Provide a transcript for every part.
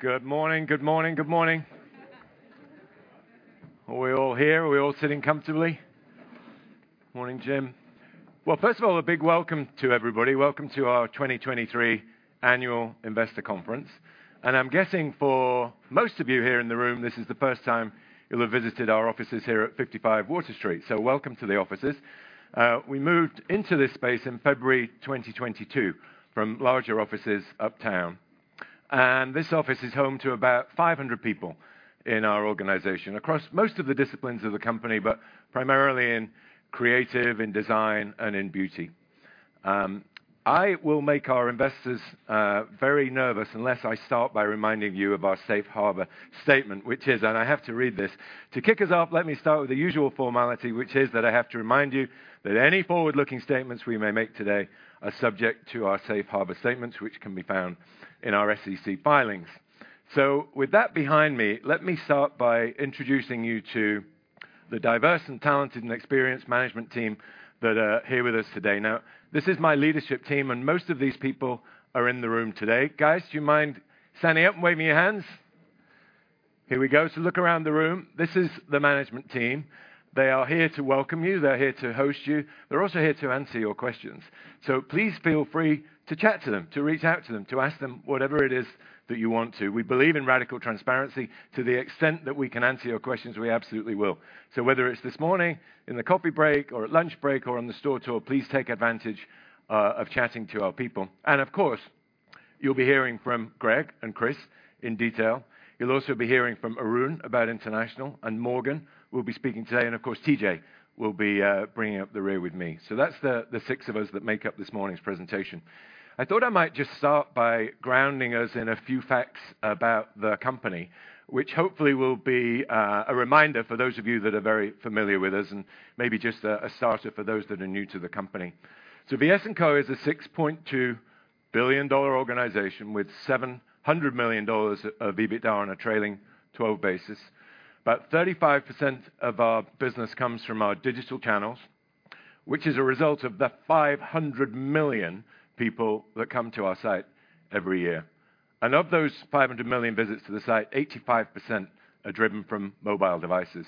Good morning, good morning, good morning. Are we all here? Are we all sitting comfortably? Morning, Jim. Well, first of all, a big welcome to everybody. Welcome to our 2023 Annual Investor Conference. And I'm guessing for most of you here in the room, this is the first time you'll have visited our offices here at 55 Water Street, so welcome to the offices. We moved into this space in February 2022 from larger offices uptown, and this office is home to about 500 people in our organization across most of the disciplines of the company, but primarily in creative, in design, and in beauty. I will make our investors very nervous unless I start by reminding you of our safe harbor statement, which is, and I have to read this. To kick us off, let me start with the usual formality, which is that I have to remind you that any forward-looking statements we may make today are subject to our safe harbor statements, which can be found in our SEC filings. So with that behind me, let me start by introducing you to the diverse and talented and experienced management team that are here with us today. Now, this is my leadership team, and most of these people are in the room today. Guys, do you mind standing up and waving your hands? Here we go. So look around the room. This is the management team. They are here to welcome you. They're here to host you. They're also here to answer your questions. So please feel free to chat to them, to reach out to them, to ask them whatever it is that you want to. We believe in radical transparency. To the extent that we can answer your questions, we absolutely will. So whether it's this morning, in the coffee break or at lunch break or on the store tour, please take advantage of chatting to our people. And of course, you'll be hearing from Greg and Chris in detail. You'll also be hearing from Arun about international, and Morgan will be speaking today. And of course, TJ will be bringing up the rear with me. So that's the six of us that make up this morning's presentation. I thought I might just start by grounding us in a few facts about the company, which hopefully will be a reminder for those of you that are very familiar with us and maybe just a starter for those that are new to the company. VS&Co is a $6.2 billion organization with $700 million of EBITDA on a trailing twelve basis. About 35% of our business comes from our digital channels, which is a result of the 500 million people that come to our site every year. And of those 500 million visits to the site, 85% are driven from mobile devices.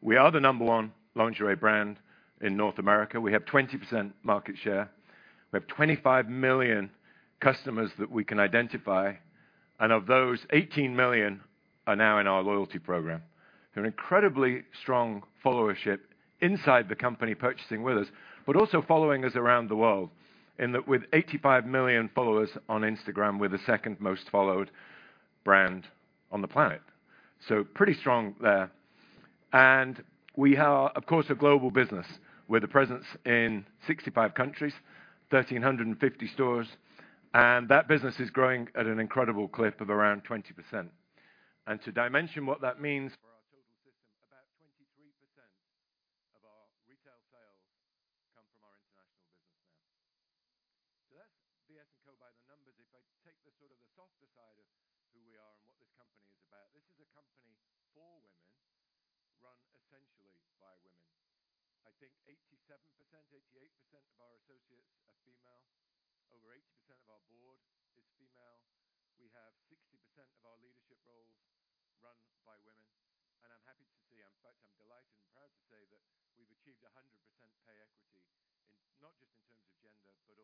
We are the number one lingerie brand in North America. We have 20% market share. We have 25 million customers that we can identify, and of those, 18 million are now in our loyalty program. They're an incredibly strong followership inside the company, purchasing with us, but also following us around the world. In that with 85 million followers on Instagram, we're the second most followed brand on the planet, so pretty strong there. And we are, of course, a global business with a presence in 65 countries, 1,350 stores, and that business is growing at an incredible clip of around 20%. And to dimension what that means for our total system, about 23% of our retail sales come from our international business now. So that's VS&Co by the numbers. If I take the sort of the softer side of who we are and what this company is about, this is a company for women, run essentially by women. I think 87%, 88% of our associates are female. Over 80% of our board is female. We have 60% of our leadership roles run by women, and I'm happy to say, in fact, I'm delighted and proud to say that we've achieved 100% pay equity in... not just in terms of gender, but also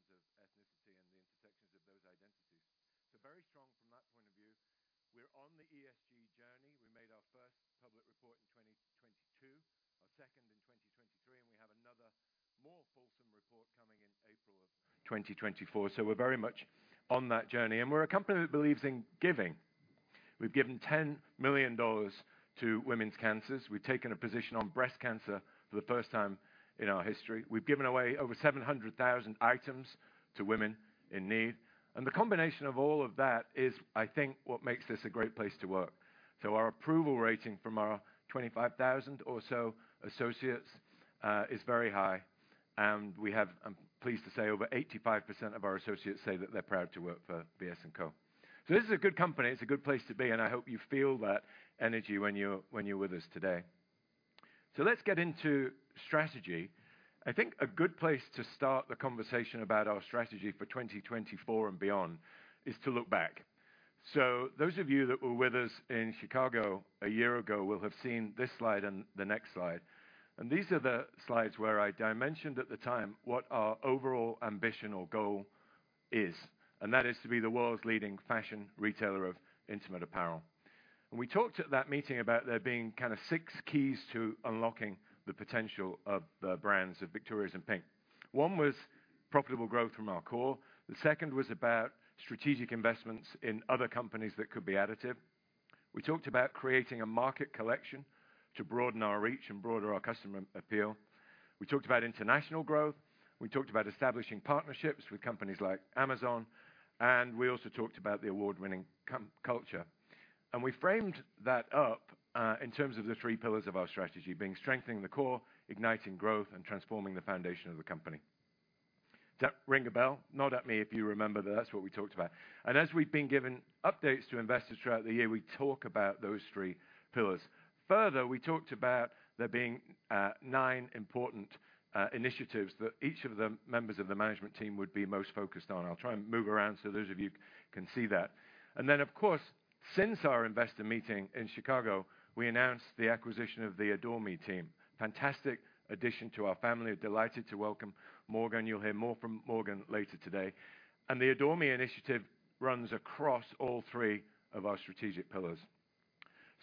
in terms of ethnicity and the intersections of those identities. So very strong from that point of view. We're on the ESG journey. We made our first public report in 2022, our second in 2023, and we have another more fulsome report coming in April of 2024. So we're very much on that journey, and we're a company that believes in giving. We've given $10 million to women's cancers. We've taken a position on breast cancer for the first time in our history. We've given away over 700,000 items to women in need. And the combination of all of that is, I think, what makes this a great place to work. Our approval rating from our 25,000 or so associates is very high, and we have, I'm pleased to say, over 85% of our associates say that they're proud to work for VS&Co. This is a good company, it's a good place to be, and I hope you feel that energy when you're with us today. Let's get into strategy. I think a good place to start the conversation about our strategy for 2024 and beyond is to look back. Those of you that were with us in Chicago a year ago will have seen this slide and the next slide. These are the slides where I dimensioned at the time what our overall ambition or goal is, and that is to be the world's leading fashion retailer of intimate apparel. We talked at that meeting about there being kind of six keys to unlocking the potential of the brands of Victoria's and PINK. One was profitable growth from our core. The second was about strategic investments in other companies that could be additive. We talked about creating a market collection to broaden our reach and broader our customer appeal. We talked about international growth. We talked about establishing partnerships with companies like Amazon, and we also talked about the award-winning company culture. We framed that up in terms of the three pillars of our strategy, being: strengthening the core, igniting growth, and transforming the foundation of the company. Does that ring a bell? Nod at me if you remember that. That's what we talked about. As we've been giving updates to investors throughout the year, we talk about those three pillars. Further, we talked about there being nine important initiatives that each of the members of the management team would be most focused on. I'll try and move around so those of you can see that. And then, of course, since our investor meeting in Chicago, we announced the acquisition of the Adore Me team. Fantastic addition to our family. Delighted to welcome Morgan. You'll hear more from Morgan later today. And the Adore Me initiative runs across all three of our strategic pillars.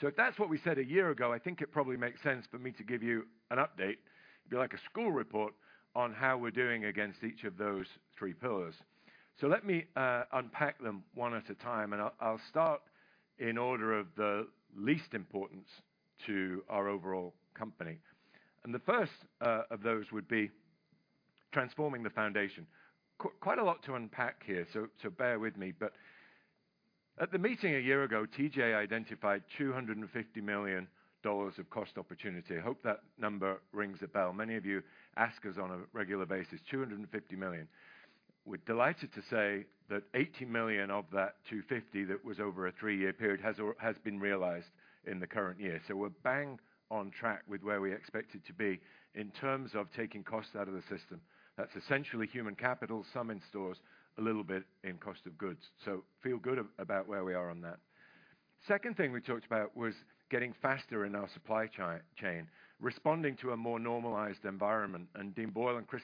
So if that's what we said a year ago, I think it probably makes sense for me to give you an update, be like a school report, on how we're doing against each of those three pillars. So let me unpack them one at a time, and I'll start in order of the least importance to our overall company. The first of those would be transforming the foundation. Quite a lot to unpack here, so bear with me, but at the meeting a year ago, TJ identified $250 million of cost opportunity. I hope that number rings a bell. Many of you ask us on a regular basis, $250 million. We're delighted to say that $80 million of that $250 million that was over a three-year period has been realized in the current year. So we're bang on track with where we expected to be in terms of taking costs out of the system. That's essentially human capital, some in stores, a little bit in cost of goods. So feel good about where we are on that. Second thing we talked about was getting faster in our supply chain, responding to a more normalized environment, and Dein Boyle and Chris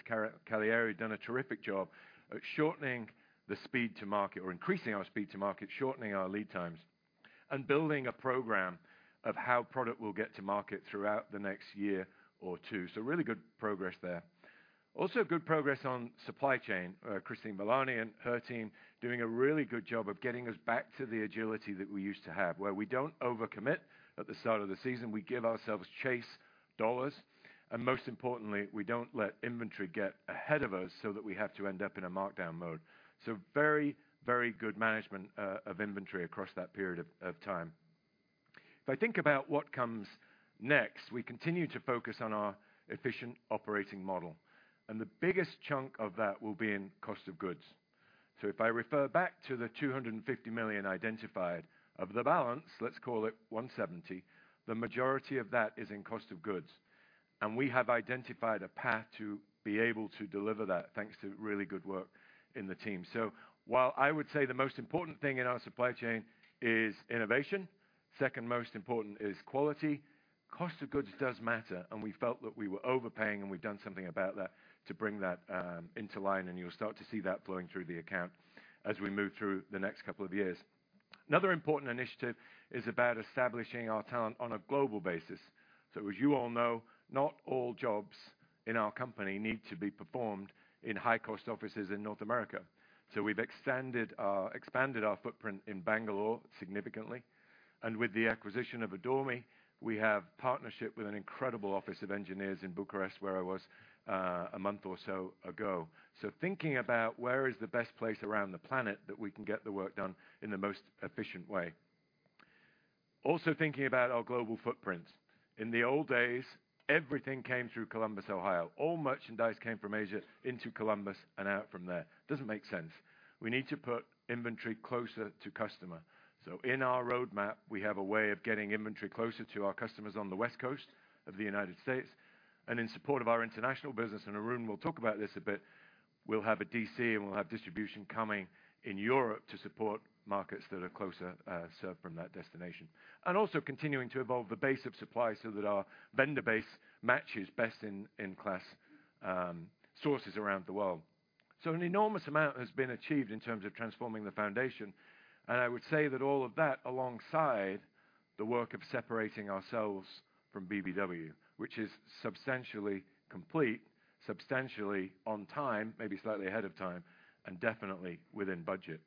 Caliendo have done a terrific job at shortening the speed to market or increasing our speed to market, shortening our lead times, and building a program of how product will get to market throughout the next year or two. So really good progress there. Also, good progress on supply chain. Christine Rupp and her team doing a really good job of getting us back to the agility that we used to have, where we don't overcommit at the start of the season. We give ourselves chase dollars, and most importantly, we don't let inventory get ahead of us, so that we have to end up in a markdown mode. So very, very good management of inventory across that period of time. If I think about what comes next, we continue to focus on our efficient operating model, and the biggest chunk of that will be in cost of goods. So if I refer back to the $250 million identified, of the balance, let's call it $170 million, the majority of that is in cost of goods, and we have identified a path to be able to deliver that, thanks to really good work in the team. So while I would say the most important thing in our supply chain is innovation, second most important is quality. Cost of goods does matter, and we felt that we were overpaying, and we've done something about that to bring that into line, and you'll start to see that flowing through the account as we move through the next couple of years. Another important initiative is about establishing our talent on a global basis. So as you all know, not all jobs in our company need to be performed in high-cost offices in North America. So we've expanded our footprint in Bangalore significantly, and with the acquisition of Adore Me, we have partnership with an incredible office of engineers in Bucharest, where I was a month or so ago. So thinking about where is the best place around the planet that we can get the work done in the most efficient way. Also, thinking about our global footprint. In the old days, everything came through Columbus, Ohio. All merchandise came from Asia into Columbus and out from there. Doesn't make sense. We need to put inventory closer to customer. So in our roadmap, we have a way of getting inventory closer to our customers on the West Coast of the United States, and in support of our international business, and Arun will talk about this a bit, we'll have a DC, and we'll have distribution coming in Europe to support markets that are closer, served from that destination. And also continuing to evolve the base of supply, so that our vendor base matches best-in-class sources around the world. So an enormous amount has been achieved in terms of transforming the foundation, and I would say that all of that, alongside the work of separating ourselves from BBW, which is substantially complete, substantially on time, maybe slightly ahead of time, and definitely within budget.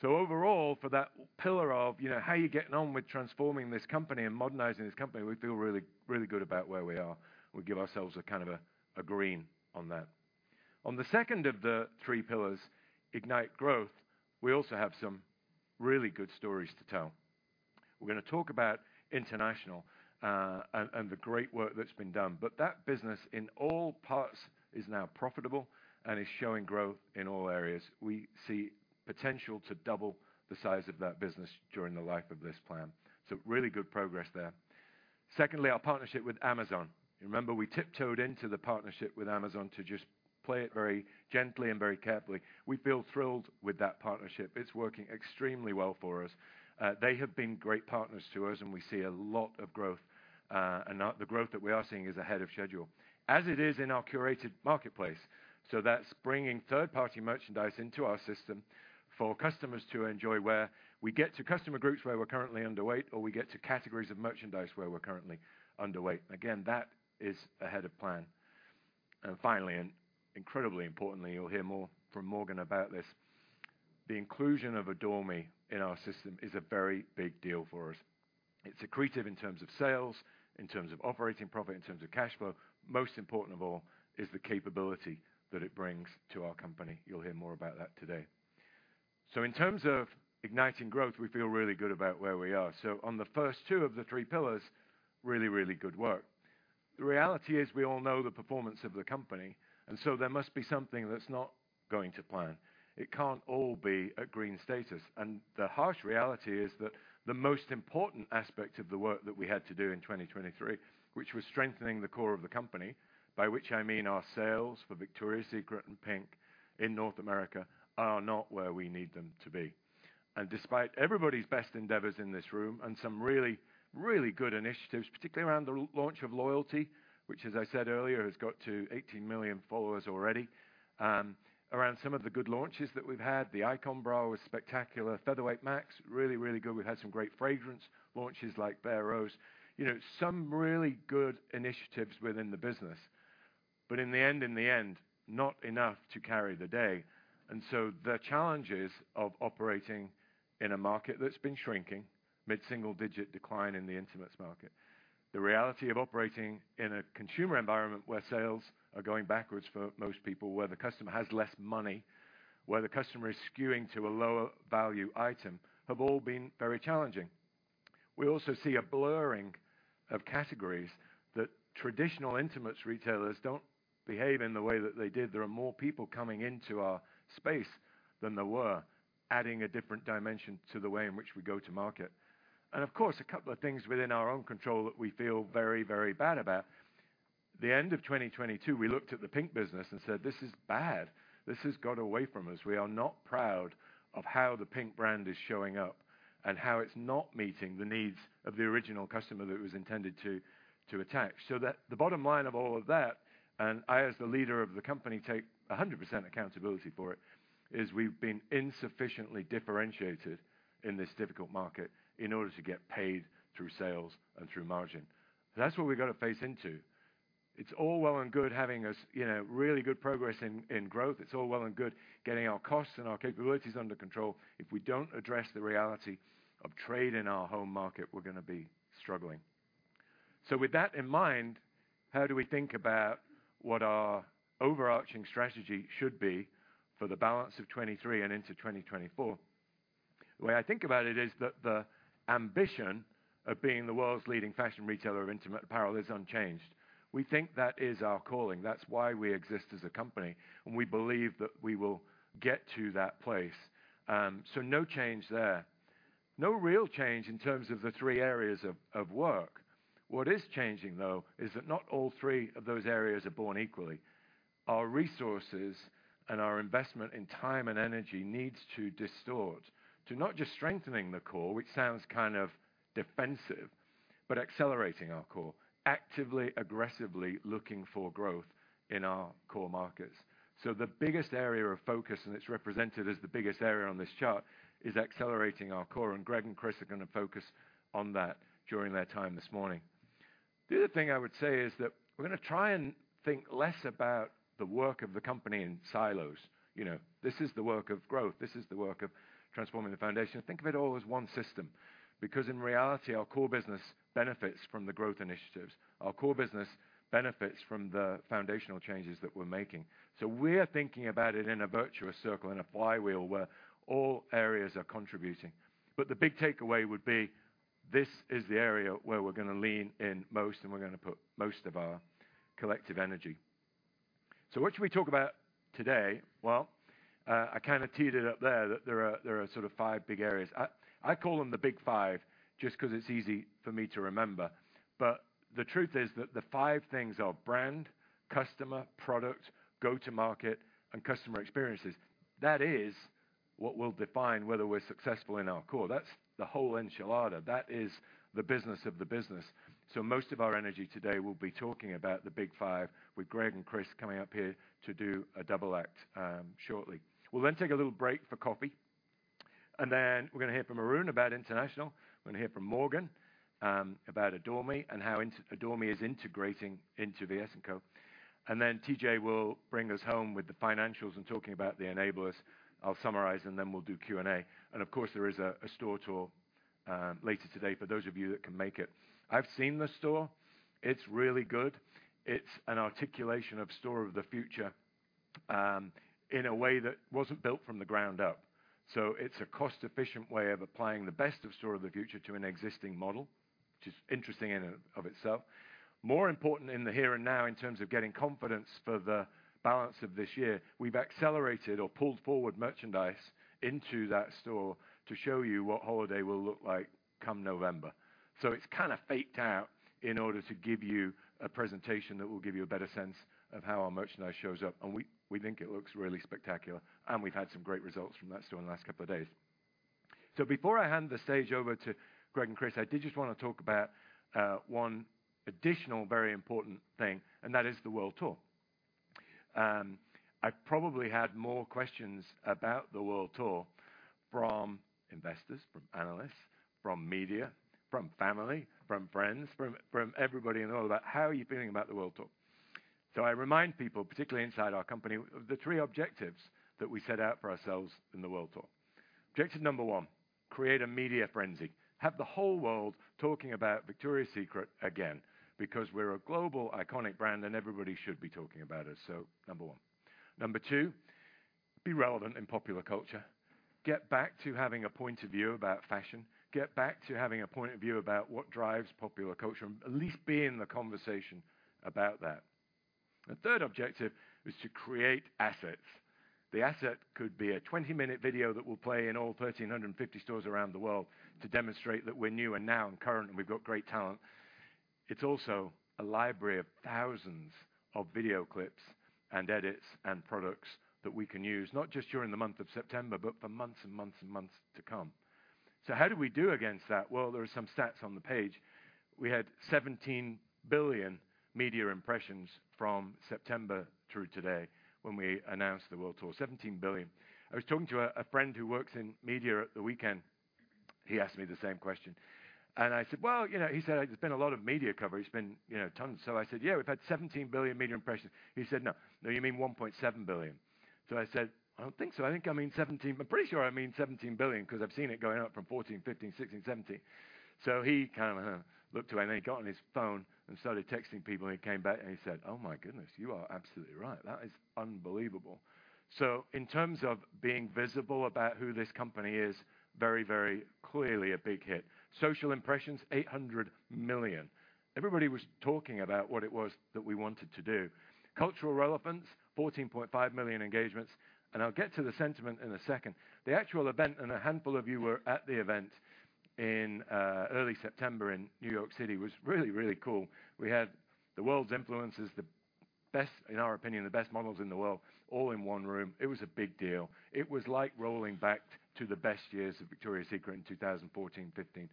So overall, for that pillar of, you know, how are you getting on with transforming this company and modernizing this company? We feel really, really good about where we are. We give ourselves a kind of a green on that. On the second of the three pillars, Ignite Growth, we also have some really good stories to tell. We're gonna talk about international and the great work that's been done, but that business, in all parts, is now profitable and is showing growth in all areas. We see potential to double the size of that business during the life of this plan, so really good progress there. Secondly, our partnership with Amazon. You remember we tiptoed into the partnership with Amazon to just play it very gently and very carefully. We feel thrilled with that partnership. It's working extremely well for us. They have been great partners to us, and we see a lot of growth, and now the growth that we are seeing is ahead of schedule. As it is in our curated marketplace, so that's bringing third-party merchandise into our system for customers to enjoy, where we get to customer groups where we're currently underweight, or we get to categories of merchandise where we're currently underweight. Again, that is ahead of plan. And finally, and incredibly importantly, you'll hear more from Morgan about this, the inclusion of Adore Me in our system is a very big deal for us. It's accretive in terms of sales, in terms of operating profit, in terms of cash flow. Most important of all is the capability that it brings to our company. You'll hear more about that today.... So in terms of igniting growth, we feel really good about where we are. On the first two of the three pillars, really, really good work. The reality is, we all know the performance of the company, and there must be something that's not going to plan. It can't all be a green status, and the harsh reality is that the most important aspect of the work that we had to do in 2023, which was strengthening the core of the company, by which I mean our sales for Victoria's Secret and PINK in North America, are not where we need them to be. Despite everybody's best endeavors in this room, and some really, really good initiatives, particularly around the launch of loyalty, which, as I said earlier, has got to 18 million followers already, around some of the good launches that we've had, the Icon Bra was spectacular. Featherweight Max, really, really good. We've had some great fragrance launches like Bare Rose. You know, some really good initiatives within the business, but in the end, in the end, not enough to carry the day. And so the challenges of operating in a market that's been shrinking, mid-single digit decline in the intimates market. The reality of operating in a consumer environment where sales are going backwards for most people, where the customer has less money, where the customer is skewing to a lower value item, have all been very challenging. We also see a blurring of categories, that traditional intimates retailers don't behave in the way that they did. There are more people coming into our space than there were, adding a different dimension to the way in which we go to market. And of course, a couple of things within our own control that we feel very, very bad about. The end of 2022, we looked at the PINK business and said, "This is bad. This has got away from us. We are not proud of how the PINK brand is showing up, and how it's not meeting the needs of the original customer that it was intended to, to attach." So that the bottom line of all of that, and I, as the leader of the company, take 100% accountability for it, is we've been insufficiently differentiated in this difficult market in order to get paid through sales and through margin. That's what we've got to face into. It's all well and good, having us, you know, really good progress in growth. It's all well and good, getting our costs and our capabilities under control. If we don't address the reality of trade in our home market, we're gonna be struggling. So with that in mind, how do we think about what our overarching strategy should be for the balance of 2023 and into 2024? The way I think about it is that the ambition of being the world's leading fashion retailer of intimate apparel is unchanged. We think that is our calling. That's why we exist as a company, and we believe that we will get to that place. So no change there. No real change in terms of the three areas of work. What is changing, though, is that not all three of those areas are born equally. Our resources and our investment in time and energy needs to distort, to not just strengthening the core, which sounds kind of defensive, but accelerating our core, actively, aggressively looking for growth in our core markets. So the biggest area of focus, and it's represented as the biggest area on this chart, is accelerating our core, and Greg and Chris are gonna focus on that during their time this morning. The other thing I would say is that we're gonna try and think less about the work of the company in silos. You know, this is the work of growth. This is the work of transforming the foundation. Think of it all as one system, because in reality, our core business benefits from the growth initiatives. Our core business benefits from the foundational changes that we're making. So we're thinking about it in a virtuous circle, in a flywheel, where all areas are contributing. But the big takeaway would be, this is the area where we're gonna lean in most, and we're gonna put most of our collective energy. So what should we talk about today? Well, I kind of teed it up there, that there are sort of five big areas. I call them the Big Five just 'cause it's easy for me to remember. But the truth is that the five things are brand, customer, product, go-to-market, and customer experiences. That is what will define whether we're successful in our core. That's the whole enchilada. That is the business of the business. So most of our energy today will be talking about the Big Five, with Greg and Chris coming up here to do a double act shortly. We'll then take a little break for coffee, and then we're gonna hear from Arun about international. We're gonna hear from Morgan about Adore Me and how Adore Me is integrating into VS&Co. TJ will bring us home with the financials and talking about the enablers. I'll summarize, and then we'll do Q&A. Of course, there is a store tour later today for those of you that can make it. I've seen the store. It's really good. It's an articulation of Store of the Future in a way that wasn't built from the ground up. It's a cost-efficient way of applying the best of Store of the Future to an existing model, which is interesting in and of itself. More important in the here and now, in terms of getting confidence for the balance of this year, we've accelerated or pulled forward merchandise into that store to show you what holiday will look like come November. So it's kind of faked out in order to give you a presentation that will give you a better sense of how our merchandise shows up, and we, we think it looks really spectacular, and we've had some great results from that store in the last couple of days. So before I hand the stage over to Greg and Chris, I did just want to talk about one additional very important thing, and that is the World Tour. I probably had more questions about the World Tour from investors, from analysts, from media, from family, from friends, from everybody and all, about how are you feeling about the World Tour? So I remind people, particularly inside our company, of the three objectives that we set out for ourselves in the World Tour. Objective number one:... create a media frenzy, have the whole world talking about Victoria's Secret again, because we're a global, iconic brand, and everybody should be talking about us. So, number one. Number two, be relevant in popular culture. Get back to having a point of view about fashion. Get back to having a point of view about what drives popular culture, and at least be in the conversation about that. The third objective is to create assets. The asset could be a 20-minute video that will play in all 1,350 stores around the world to demonstrate that we're new and now and current, and we've got great talent. It's also a library of thousands of video clips and edits and products that we can use, not just during the month of September, but for months and months and months to come. So how did we do against that? Well, there are some stats on the page. We had 17 billion media impressions from September through today, when we announced the World Tour. 17 billion. I was talking to a friend who works in media at the weekend. He asked me the same question, and I said: Well, you know... He said, "There's been a lot of media coverage. It's been, you know, tons." So I said, "Yeah, we've had 17 billion media impressions." He said, "No, no, you mean 1.7 billion." So I said: I don't think so. I think I mean 17. I'm pretty sure I mean 17 billion, 'cause I've seen it going up from 14, 15, 16, 17. So he kind of, huh, looked away and then he got on his phone and started texting people, and he came back and he said, "Oh, my goodness, you are absolutely right. That is unbelievable!" So in terms of being visible about who this company is, very, very clearly a big hit. Social impressions, 800 million. Everybody was talking about what it was that we wanted to do. Cultural relevance, 14.5 million engagements, and I'll get to the sentiment in a second. The actual event, and a handful of you were at the event in early September in New York City, was really, really cool. We had the world's influencers, the best, in our opinion, the best models in the world, all in one room. It was a big deal. It was like rolling back to the best years of Victoria's Secret in 2014, 2015,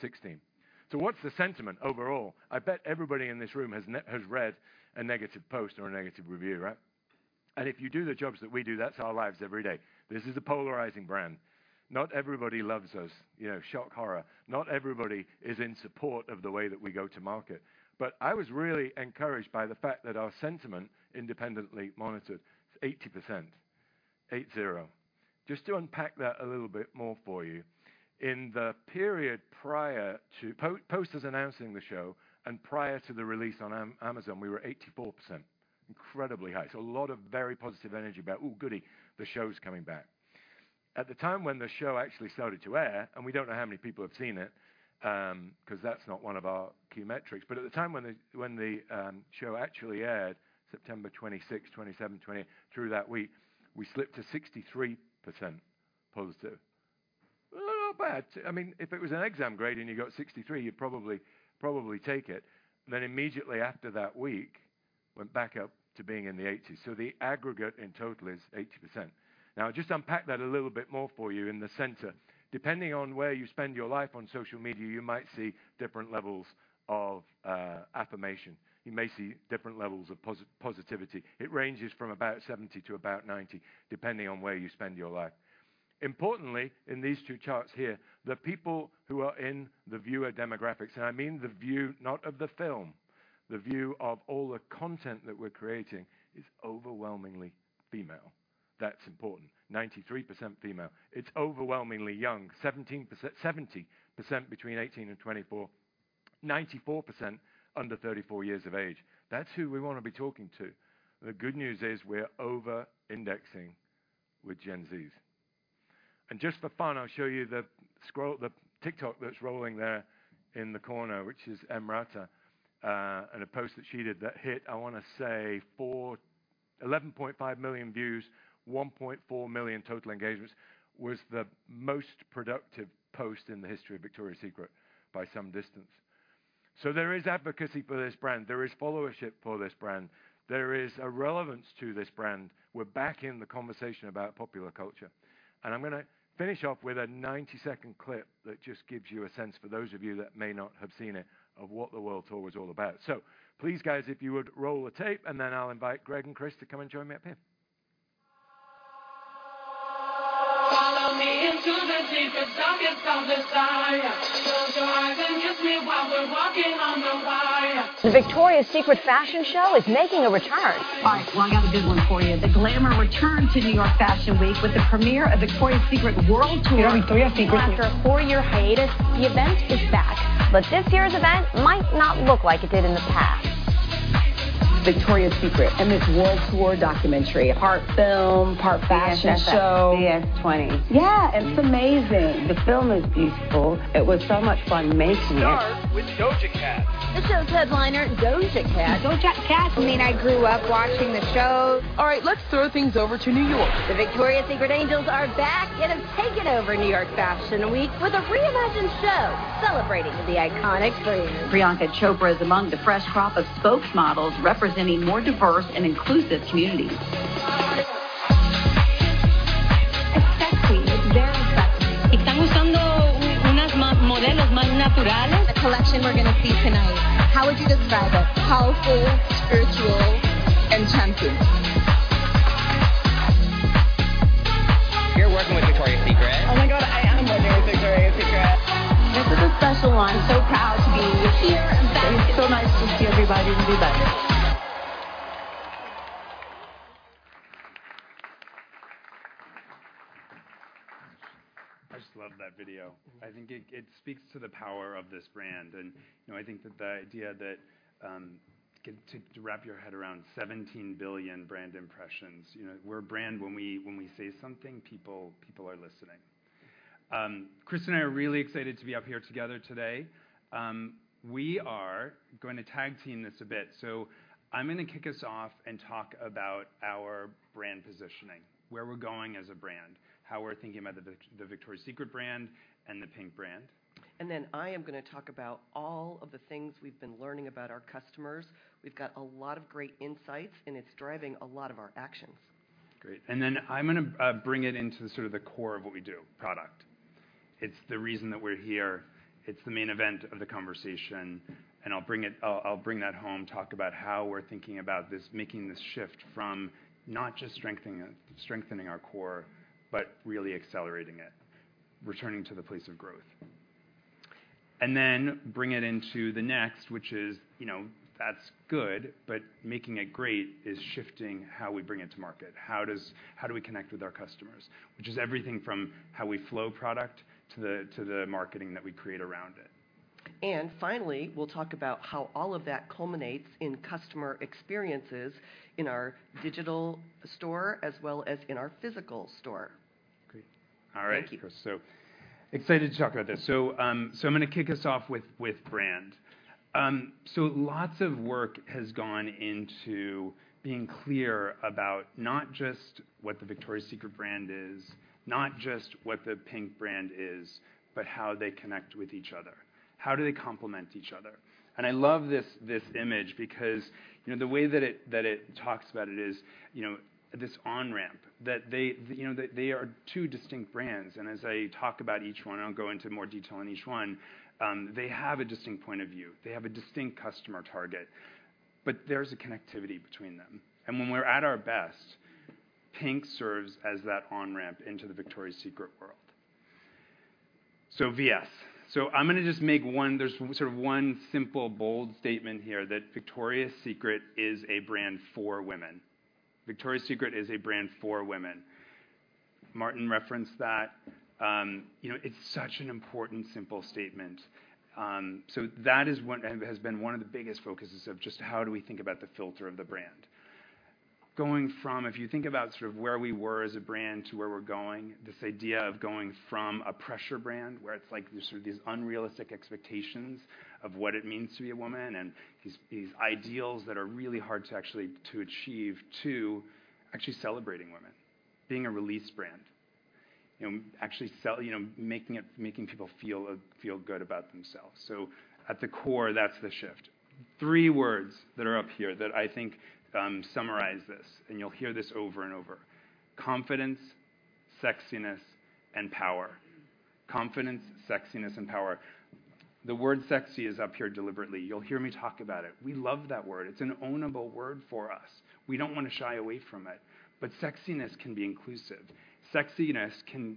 2016. So what's the sentiment overall? I bet everybody in this room has read a negative post or a negative review, right? If you do the jobs that we do, that's our lives every day. This is a polarizing brand. Not everybody loves us, you know, shock horror. Not everybody is in support of the way that we go to market. But I was really encouraged by the fact that our sentiment, independently monitored, is 80%. Just to unpack that a little bit more for you, in the period prior to post us announcing the show and prior to the release on Amazon, we were 84%. Incredibly high. A lot of very positive energy about, "Ooh, goody, the show's coming back." At the time when the show actually started to air, and we don't know how many people have seen it, 'cause that's not one of our key metrics, but at the time when the show actually aired, September 26, 27, 28, through that week, we slipped to 63% positive. A little bad. I mean, if it was an exam grade and you got 63, you'd probably, probably take it. Immediately after that week, went back up to being in the 80s. So the aggregate, in total, is 80%. Now, just to unpack that a little bit more for you in the center, depending on where you spend your life on social media, you might see different levels of, you know, affirmation. You may see different levels of positivity. It ranges from about 70 to about 90, depending on where you spend your life. Importantly, in these two charts here, the people who are in the viewer demographics, and I mean the view, not of the film, the view of all the content that we're creating, is overwhelmingly female. That's important. 93% female. It's overwhelmingly young. 17%-70% between 18 and 24, 94% under 34 years of age. That's who we want to be talking to. The good news is we're over-indexing with Gen Zs. And just for fun, I'll show you the scroll, the TikTok that's rolling there in the corner, which is Amrezy, and a post that she did that hit, I wanna say, four... 11.5 million views, 1.4 million total engagements, was the most productive post in the history of Victoria's Secret by some distance. So there is advocacy for this brand. There is followership for this brand. There is a relevance to this brand. We're back in the conversation about popular culture. And I'm gonna finish off with a 90-second clip that just gives you a sense, for those of you that may not have seen it, of what the World Tour was all about. So please, guys, if you would roll the tape, and then I'll invite Greg and Chris to come and join me up here. I just love that video. I think it speaks to the power of this brand. You know, I think that the idea that to wrap your head around 17 billion brand impressions, you know, we're a brand, when we say something, people are listening. Chris and I are really excited to be up here together today. We are going to tag-team this a bit. I'm gonna kick us off and talk about our brand positioning, where we're going as a brand, how we're thinking about the Victoria's Secret brand and the PINK brand. I am gonna talk about all of the things we've been learning about our customers. We've got a lot of great insights, and it's driving a lot of our actions. Great. And then I'm gonna bring it into the sort of the core of what we do: product. It's the reason that we're here. It's the main event of the conversation, and I'll bring it... I'll bring that home, talk about how we're thinking about this, making this shift from not just strengthening it, strengthening our core, but really accelerating it, returning to the place of growth. And then bring it into the next, which is, you know, that's good, but making it great is shifting how we bring it to market. How do we connect with our customers? Which is everything from how we flow product, to the marketing that we create around it. Finally, we'll talk about how all of that culminates in customer experiences in our digital store, as well as in our physical store. Great. All right. Thank you. So excited to talk about this. So, so I'm gonna kick us off with, with brand. So lots of work has gone into being clear about not just what the Victoria's Secret brand is, not just what the PINK brand is, but how they connect with each other. How do they complement each other? And I love this, this image because, you know, the way that it, that it talks about it is, you know, this on-ramp, that they, you know, they, they are two distinct brands, and as I talk about each one, I'll go into more detail on each one, they have a distinct point of view. They have a distinct customer target, but there's a connectivity between them. And when we're at our best, PINK serves as that on-ramp into the Victoria's Secret world. So VS. So I'm gonna just make one... There's sort of one simple, bold statement here, that Victoria's Secret is a brand for women. Victoria's Secret is a brand for women. Martin referenced that. You know, it's such an important, simple statement. So that is one has been one of the biggest focuses of just how do we think about the filter of the brand? Going from, if you think about sort of where we were as a brand to where we're going, this idea of going from a pressure brand, where it's like there's sort of these unrealistic expectations of what it means to be a woman and these ideals that are really hard to actually achieve, to actually celebrating women, being a release brand. You know, actually sell, you know, making it, making people feel good about themselves. So at the core, that's the shift. Three words that are up here that I think summarize this, and you'll hear this over and over: confidence, sexiness, and power. Confidence, sexiness, and power. The word Sexy is up here deliberately. You'll hear me talk about it. We love that word. It's an own-able word for us. We don't want to shy away from it, but sexiness can be inclusive. Sexiness can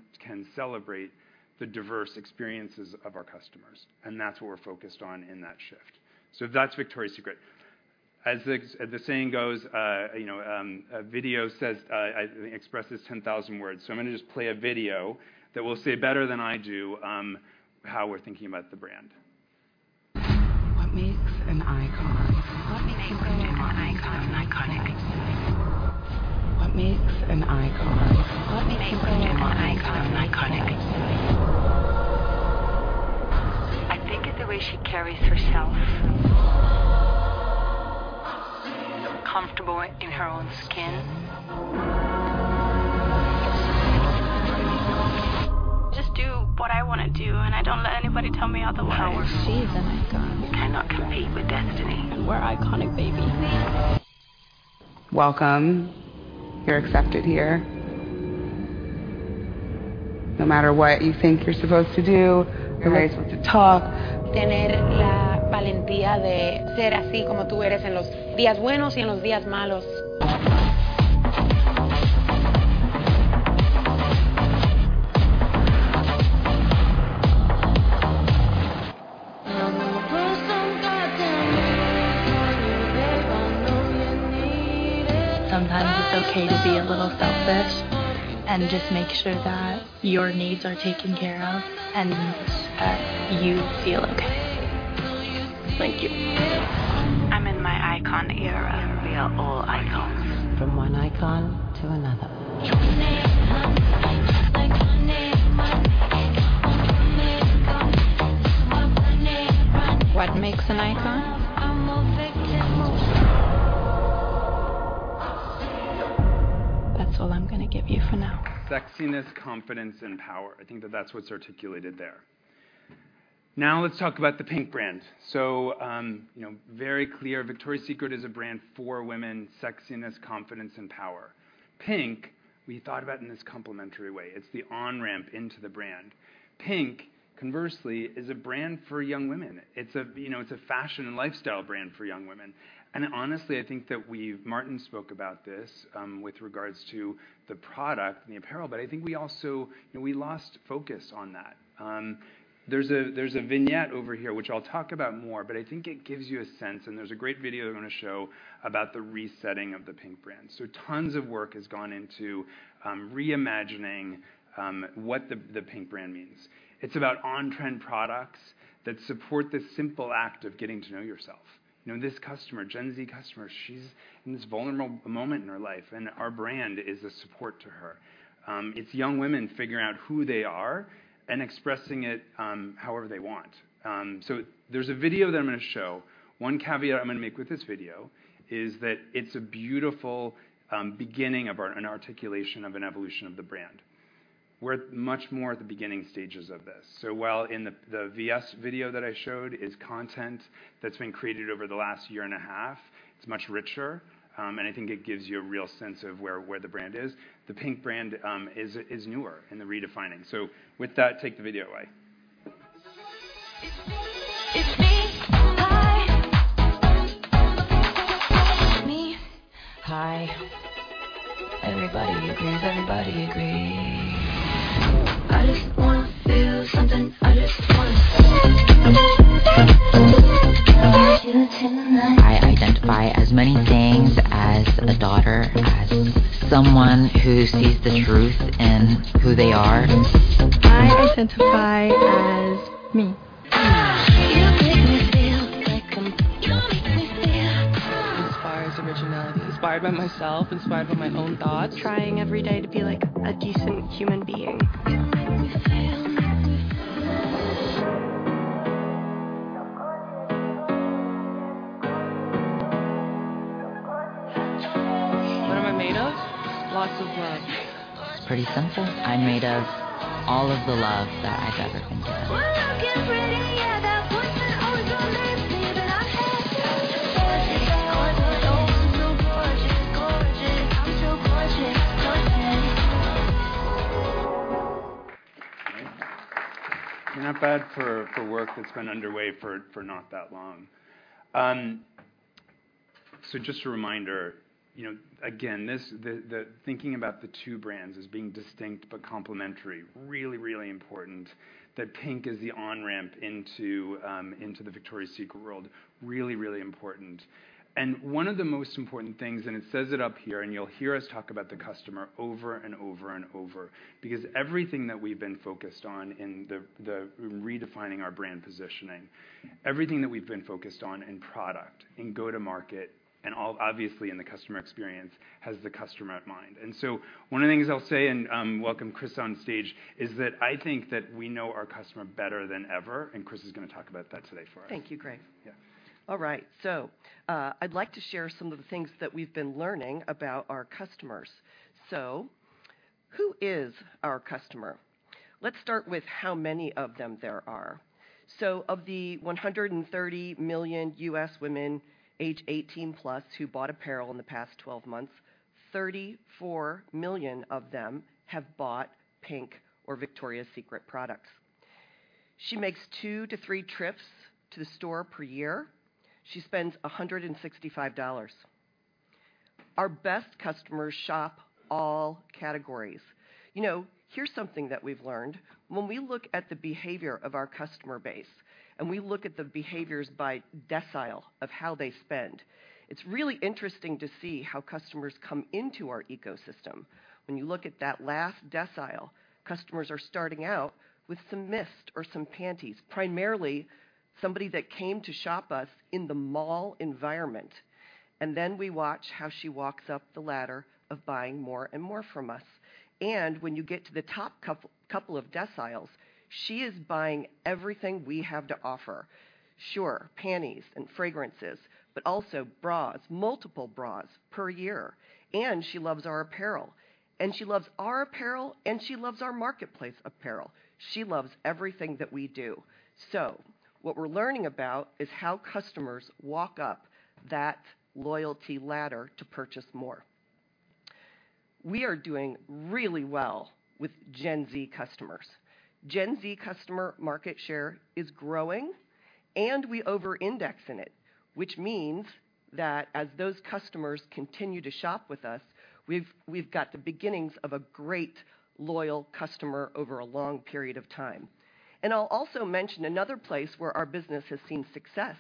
celebrate the diverse experiences of our customers, and that's what we're focused on in that shift. That's Victoria's Secret. As the saying goes, you know, a video says, expresses 10,000 words. I'm gonna just play a video that will say better than I do how we're thinking about the brand. Sexiness, confidence, and power. I think that that's what's articulated there... Now let's talk about the PINK brand. You know, very clear, Victoria's Secret is a brand for women: sexiness, confidence, and power. PINK, we thought about in this complementary way. It's the on-ramp into the brand. PINK, conversely, is a brand for young women. It's a, you know, it's a fashion and lifestyle brand for young women. And honestly, I think that we've-- Martin spoke about this, with regards to the product and the apparel, but I think we also, you know, we lost focus on that. There's a, there's a vignette over here, which I'll talk about more, but I think it gives you a sense, and there's a great video I'm gonna show, about the resetting of the PINK brand. So tons of work has gone into reimagining what the PINK brand means. It's about on-trend products that support the simple act of getting to know yourself. You know, this customer, Gen Z customer, she's in this vulnerable moment in her life, and our brand is a support to her. It's young women figuring out who they are and expressing it however they want. So there's a video that I'm gonna show. One caveat I'm gonna make with this video is that it's a beautiful beginning of an articulation of an evolution of the brand. We're much more at the beginning stages of this. So while the VS video that I showed is content that's been created over the last year and a half, it's much richer, and I think it gives you a real sense of where the brand is. The PINK brand is newer in the redefining. So with that, take the video away. Not bad for work that's been underway for not that long. Just a reminder, you know, again, this, the, the thinking about the two brands as being distinct but complementary, really, really important. That PINK is the on-ramp into, you know, into the Victoria's Secret world, really, really important. And one of the most important things, and it says it up here, and you'll hear us talk about the customer over and over and over, because everything that we've been focused on in the, the redefining our brand positioning, everything that we've been focused on in product, in go-to-market, and all-- obviously, in the customer experience, has the customer at mind. And so one of the things I'll say, and, welcome Chris on stage, is that I think that we know our customer better than ever, and Chris is gonna talk about that today for us. Thank you, Greg. Yeah. All right, I'd like to share some of the things that we've been learning about our customers. Who is our customer? Let's start with how many of them there are. Of the 130 million U.S. women aged 18 plus, who bought apparel in the past 12 months, 34 million of them have bought PINK or Victoria's Secret products. She makes two to three trips to the store per year. She spends $165. Our best customers shop all categories. You know, here's something that we've learned. When we look at the behavior of our customer base, and we look at the behaviors by decile of how they spend, it's really interesting to see how customers come into our ecosystem. When you look at that last decile, customers are starting out with some mist or some panties, primarily somebody that came to shop us in the mall environment, and then we watch how she walks up the ladder of buying more and more from us. And when you get to the top couple of deciles, she is buying everything we have to offer. Sure, panties and fragrances, but also bras, multiple bras per year, and she loves our apparel, and she loves our apparel, and she loves our marketplace apparel. She loves everything that we do. So what we're learning about is how customers walk up that loyalty ladder to purchase more. We are doing really well with Gen Z customers. Gen Z customer market share is growing, and we over index in it, which means that as those customers continue to shop with us, we've got the beginnings of a great, loyal customer over a long period of time. And I'll also mention another place where our business has seen success,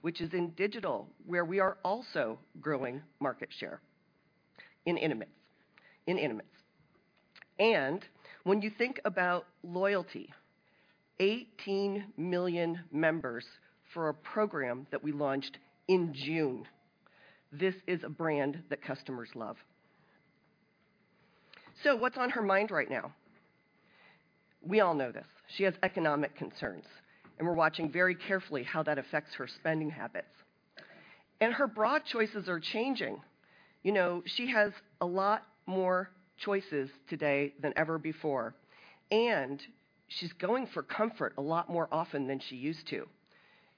which is in digital, where we are also growing market share in intimates, in intimates. And when you think about loyalty, 18 million members for a program that we launched in June. This is a brand that customers love. So what's on her mind right now? We all know this. She has economic concerns, and we're watching very carefully how that affects her spending habits... and her bra choices are changing. You know, she has a lot more choices today than ever before, and she's going for comfort a lot more often than she used to.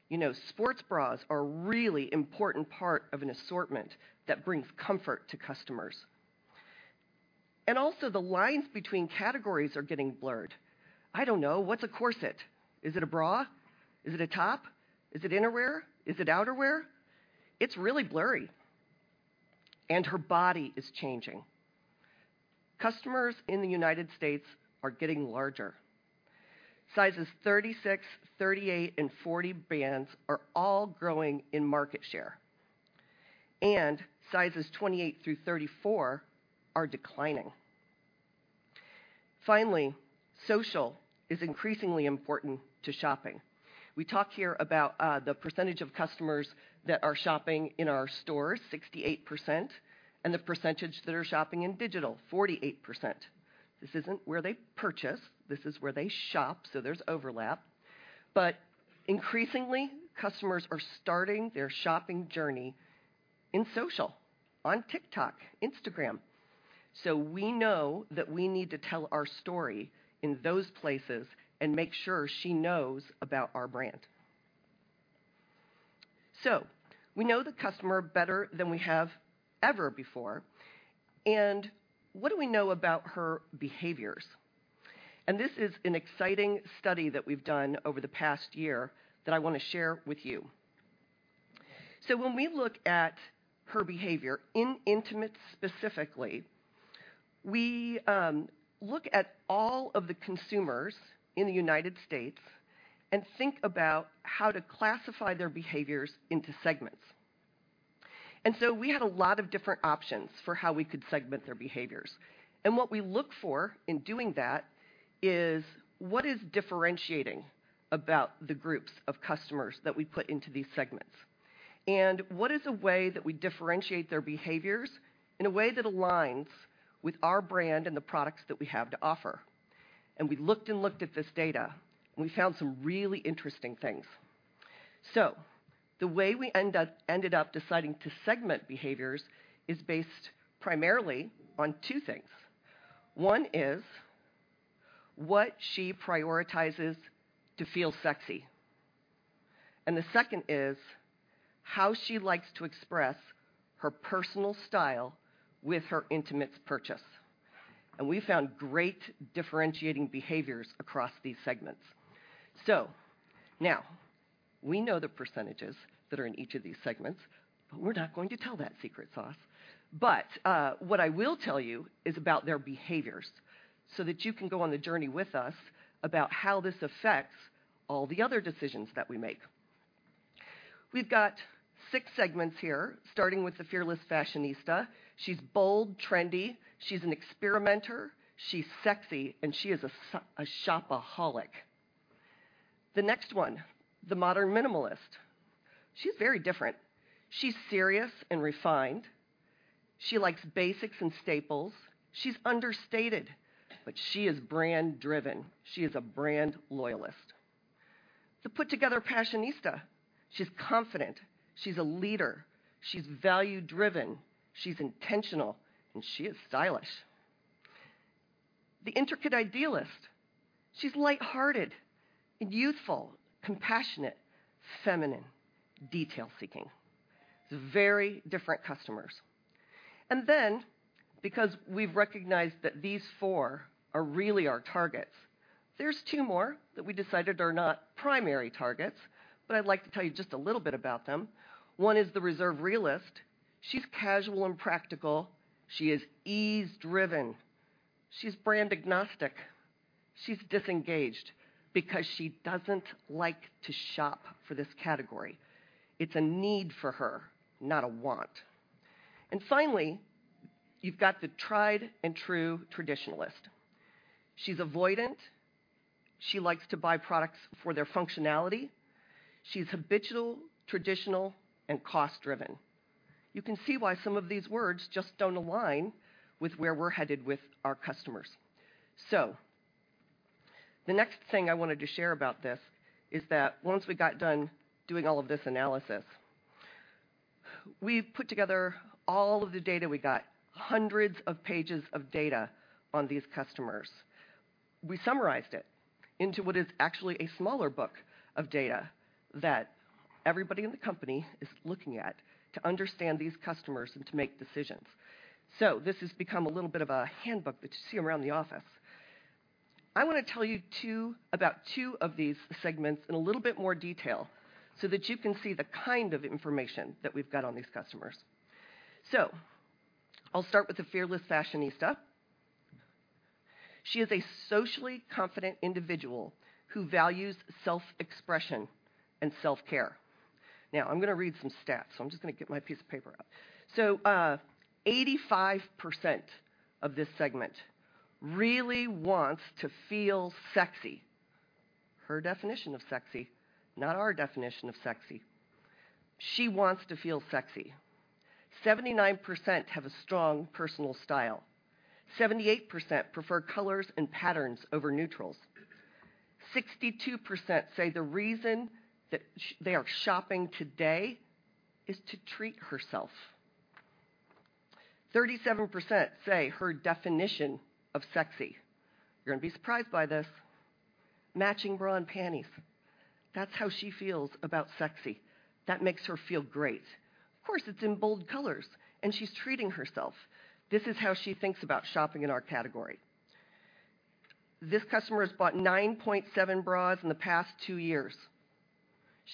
You know, sports bras are a really important part of an assortment that brings comfort to customers. And also, the lines between categories are getting blurred. I don't know. What's a corset? Is it a bra? Is it a top? Is it innerwear? Is it outerwear? It's really blurry, and her body is changing. Customers in the United States are getting larger. Sizes 36, 38, and 40 bands are all growing in market share, and sizes 28 through 34 are declining. Finally, social is increasingly important to shopping. We talked here about the percentage of customers that are shopping in our stores, 68%, and the percentage that are shopping in digital, 48%. This isn't where they purchase, this is where they shop, so there's overlap. But increasingly, customers are starting their shopping journey in social, on TikTok, Instagram, so we know that we need to tell our story in those places and make sure she knows about our brand. So we know the customer better than we have ever before, and what do we know about her behaviors? And this is an exciting study that we've done over the past year that I want to share with you. So when we look at her behavior in intimates, specifically, we look at all of the consumers in the United States and think about how to classify their behaviors into segments. And so we had a lot of different options for how we could segment their behaviors. And what we look for in doing that is: what is differentiating about the groups of customers that we put into these segments? And what is a way that we differentiate their behaviors in a way that aligns with our brand and the products that we have to offer? And we looked and looked at this data, and we found some really interesting things. So the way we ended up deciding to segment behaviors is based primarily on two things. One is what she prioritizes to feel sexy, and the second is how she likes to express her personal style with her intimates purchase. And we found great differentiating behaviors across these segments. So now, we know the percentages that are in each of these segments, but we're not going to tell that secret sauce. But, what I will tell you is about their behaviors, so that you can go on the journey with us about how this affects all the other decisions that we make. We've got six segments here, starting with the Fearless Fashionista. She's bold, trendy, she's an experimenter, she's sexy, and she is a shopaholic. The next one, the Modern Minimalist. She's very different. She's serious and refined. She likes basics and staples. She's understated, but she is brand driven. She is a brand loyalist. The Put-Together Passionista. She's confident, she's a leader, she's value driven, she's intentional, and she is stylish. The Intricate Idealist. She's light-hearted and youthful, compassionate, feminine, detail-seeking. Very different customers. And then, because we've recognized that these four are really our targets, there's two more that we decided are not primary targets, but I'd like to tell you just a little bit about them. One is the Reserved Realist. She's casual and practical. She is ease driven. She's brand agnostic. She's disengaged because she doesn't like to shop for this category. It's a need for her, not a want. And finally, you've got the Tried-and-True Traditionalist. She's avoidant. She likes to buy products for their functionality. She's habitual, traditional, and cost driven. You can see why some of these words just don't align with where we're headed with our customers. So the next thing I wanted to share about this is that once we got done doing all of this analysis, we put together all of the data we got, hundreds of pages of data on these customers. We summarized it into what is actually a smaller book of data that everybody in the company is looking at to understand these customers and to make decisions. So this has become a little bit of a handbook that you see around the office. I want to tell you about two of these segments in a little bit more detail so that you can see the kind of information that we've got on these customers. I'll start with the Fearless Fashionista. She is a socially confident individual who values self-expression and self-care. Now, I'm going to read some stats, so I'm just going to get my piece of paper out. Eighty-five percent of this segment really wants to feel sexy. Her definition of sexy, not our definition of sexy. She wants to feel sexy. Seventy-nine percent have a strong personal style. Seventy-eight percent prefer colors and patterns over neutrals. Sixty-two percent say the reason that they are shopping today is to treat herself. Thirty-seven percent say her definition of sexy, you're gonna be surprised by this: matching bra and panties. That's how she feels about sexy. That makes her feel great. Of course, it's in bold colors, and she's treating herself. This is how she thinks about shopping in our category. This customer has bought 9.7 bras in the past two years.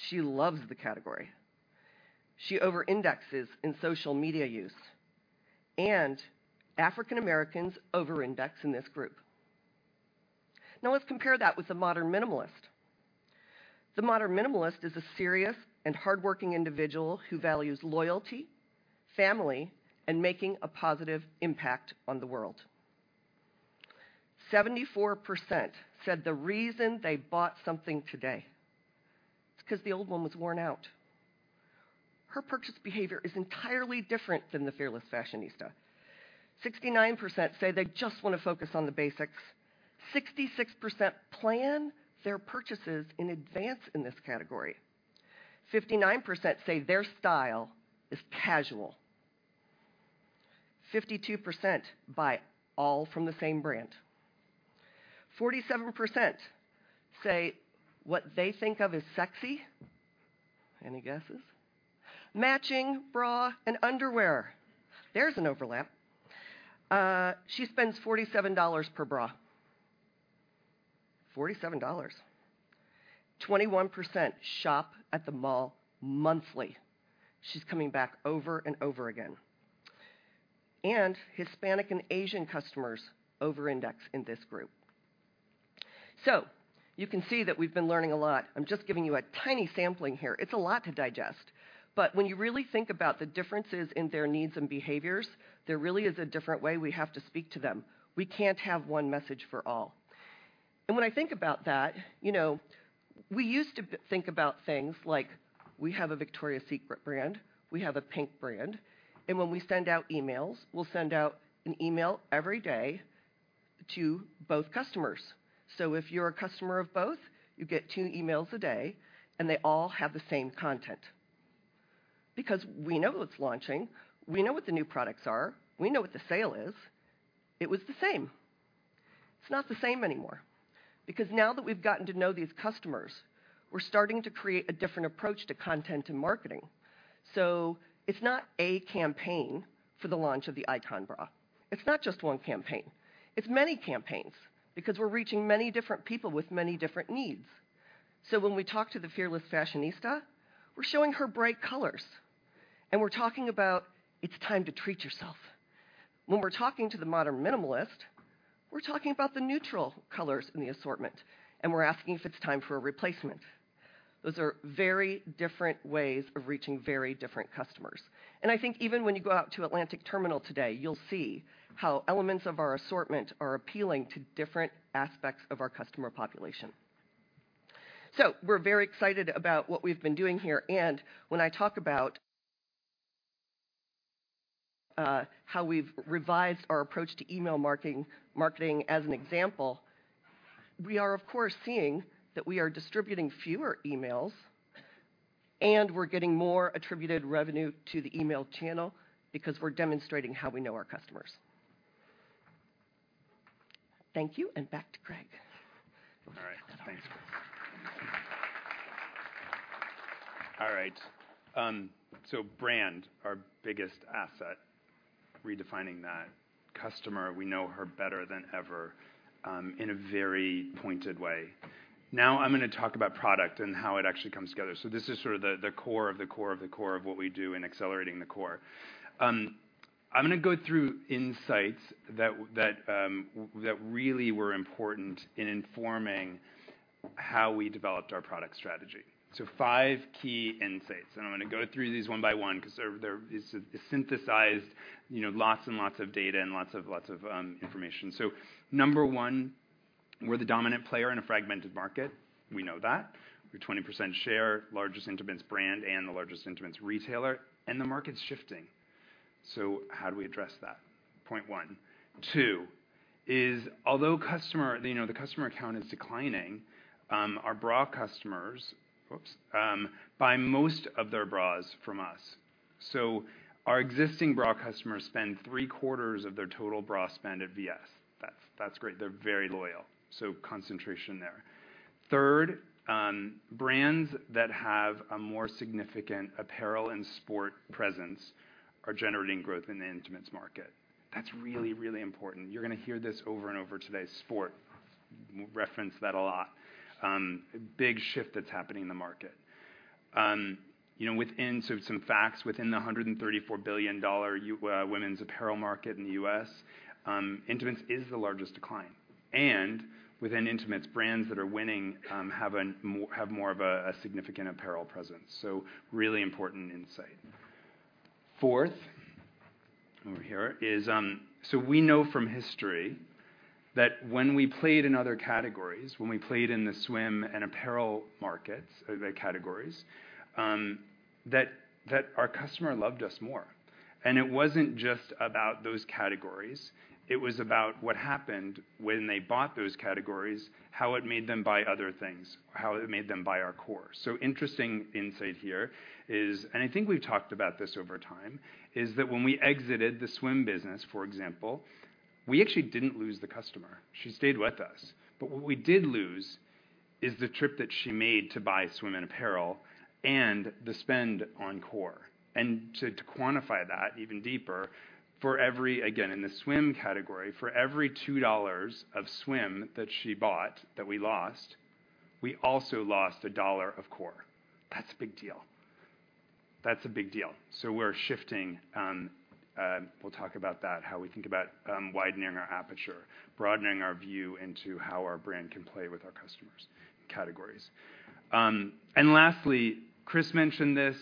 She loves the category. She overindexes in social media use, and African Americans overindex in this group. Now, let's compare that with the Modern Minimalist. The Modern Minimalist is a serious and hardworking individual who values loyalty, family, and making a positive impact on the world. 74% said the reason they bought something today, it's 'cause the old one was worn out. Her purchase behavior is entirely different than the Fearless Fashionista. 69% say they just wanna focus on the basics. 66% plan their purchases in advance in this category. 59% say their style is casual. 52% buy all from the same brand. 47% say what they think of as sexy... Any guesses? Matching bra and underwear. There's an overlap. She spends $47 per bra. $47. 21% shop at the mall monthly. She's coming back over and over again. And Hispanic and Asian customers overindex in this group. So you can see that we've been learning a lot. I'm just giving you a tiny sampling here. It's a lot to digest, but when you really think about the differences in their needs and behaviors, there really is a different way we have to speak to them. We can't have one message for all. And when I think about that, you know, we used to think about things like, we have a Victoria's Secret brand, we have a PINK brand, and when we send out emails, we'll send out an email every day to both customers. So if you're a customer of both, you get two emails a day, and they all have the same content. Because we know what's launching, we know what the new products are, we know what the sale is. It was the same. It's not the same anymore, because now that we've gotten to know these customers, we're starting to create a different approach to content and marketing. So it's not a campaign for the launch of the Icon Bra. It's not just one campaign. It's many campaigns, because we're reaching many different people with many different needs. So when we talk to the Fearless Fashionista, we're showing her bright colors, and we're talking about, "It's time to treat yourself." When we're talking to the Modern Minimalist, we're talking about the neutral colors in the assortment, and we're asking if it's time for a replacement. Those are very different ways of reaching very different customers. And I think even when you go out to Atlantic Terminal today, you'll see how elements of our assortment are appealing to different aspects of our customer population. So we're very excited about what we've been doing here, and when I talk about how we've revised our approach to email marketing as an example, we are, of course, seeing that we are distributing fewer emails, and we're getting more attributed revenue to the email channel because we're demonstrating how we know our customers. Thank you, and back to Greg. All right, thanks. All right, so brand, our biggest asset, redefining that. Customer, we know her better than ever, in a very pointed way. Now, I'm gonna talk about product and how it actually comes together. So this is sort of the core of the core of the core of what we do in Accelerating the Core. I'm gonna go through insights that really were important in informing how we developed our product strategy. So five key insights, and I'm gonna go through these one by one 'cause they're synthesized, you know, lots and lots of data and lots of information. So number one, we're the dominant player in a fragmented market. We know that. We're 20% share, largest intimates brand, and the largest intimates retailer, and the market's shifting. So how do we address that? Point one. Two is although customer... You know, the customer count is declining, our bra customers buy most of their bras from us. So our existing bra customers spend three-quarters of their total bra spend at VS. That's, that's great. They're very loyal, so concentration there. Third, brands that have a more significant apparel and sport presence are generating growth in the intimates market. That's really, really important. You're gonna hear this over and over today. Sport, we'll reference that a lot. A big shift that's happening in the market. You know, within-- So some facts, within the $134 billion women's apparel market in the U.S., intimates is the largest decline, and within intimates, brands that are winning have more of a significant apparel presence, so really important insight. Fourth. Over here is, so we know from history that when we played in other categories, when we played in the swim and apparel markets, or the categories, that, that our customer loved us more. And it wasn't just about those categories, it was about what happened when they bought those categories, how it made them buy other things, how it made them buy our core. So interesting insight here is, and I think we've talked about this over time, is that when we exited the swim business, for example, we actually didn't lose the customer. She stayed with us. But what we did lose is the trip that she made to buy swim and apparel, and the spend on core. And to quantify that even deeper, for every, again, in the swim category, for every $2 of swim that she bought that we lost, we also lost $1 of core. That's a big deal. That's a big deal. So we're shifting, we'll talk about that, how we think about widening our aperture, broadening our view into how our brand can play with our customers and categories. And lastly, Chris mentioned this,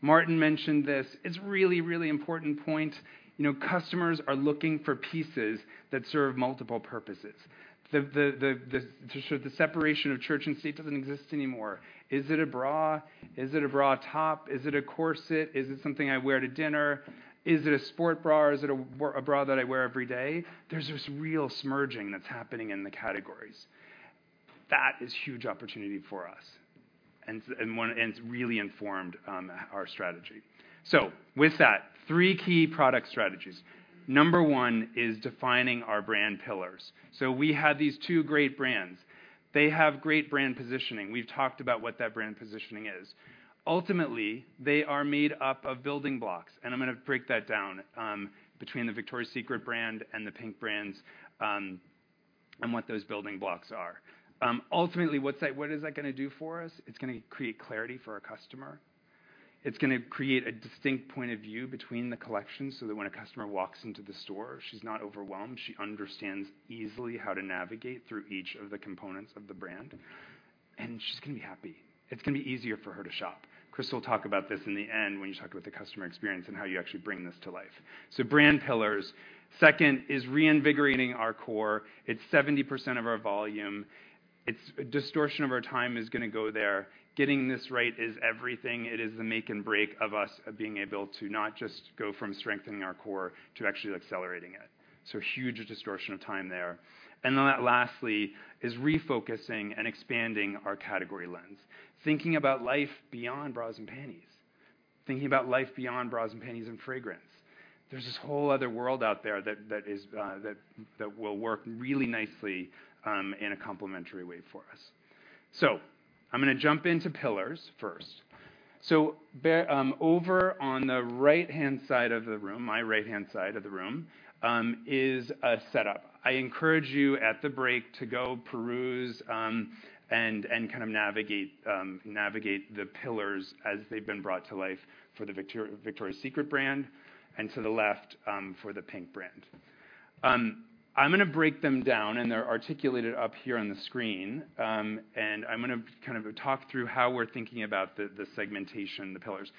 Martin mentioned this. It's a really, really important point. You know, customers are looking for pieces that serve multiple purposes. The separation of church and state doesn't exist anymore. Is it a bra? Is it a bra top? Is it a corset? Is it something I wear to dinner? Is it a sport bra, or is it a bra that I wear every day? There's this real smudging that's happening in the categories. That is huge opportunity for us, and so it's really informed our strategy. So with that, three key product strategies. Number one is defining our brand pillars. So we have these two great brands. They have great brand positioning. We've talked about what that brand positioning is. Ultimately, they are made up of building blocks, and I'm gonna break that down between the Victoria's Secret brand and the PINK brands, and what those building blocks are. Ultimately, what is that gonna do for us? It's gonna create clarity for our customer. It's gonna create a distinct point of view between the collections, so that when a customer walks into the store, she's not overwhelmed. She understands easily how to navigate through each of the components of the brand, and she's gonna be happy. It's gonna be easier for her to shop. Chris will talk about this in the end, when you talk about the customer experience and how you actually bring this to life. So brand pillars. Second is reinvigorating our core. It's 70% of our volume. It's... portion of our time is gonna go there. Getting this right is everything. It is the make and break of us, of being able to not just go from strengthening our core to actually accelerating it. So huge portion of time there. And then lastly, is refocusing and expanding our category lens. Thinking about life beyond bras and panties. Thinking about life beyond bras and panties, and fragrance. There's this whole other world out there that is, that will work really nicely in a complementary way for us. I'm gonna jump into pillars first. Bear-- over on the right-hand side of the room, my right-hand side of the room, is a setup. I encourage you, at the break, to go peruse and kind of navigate, navigate the pillars as they've been brought to life for the Victoria's Secret brand, and to the left, for the PINK brand. I'm gonna break them down, and they're articulated up here on the screen. I'm gonna kind of talk through how we're thinking about the segmentation, the pillars.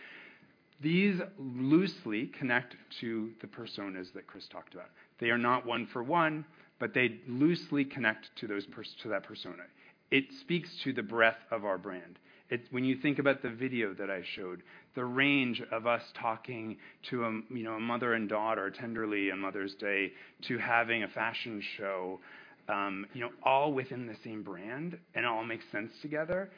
These loosely connect to the personas that Chris talked about. They are not one for one, but they loosely connect to those pers-- to that persona. It speaks to the breadth of our brand. It, when you think about the video that I showed, the range of us talking to, you know, a mother and daughter tenderly on Mother's Day, to having a fashion show, you know, all within the same brand and it all makes sense together,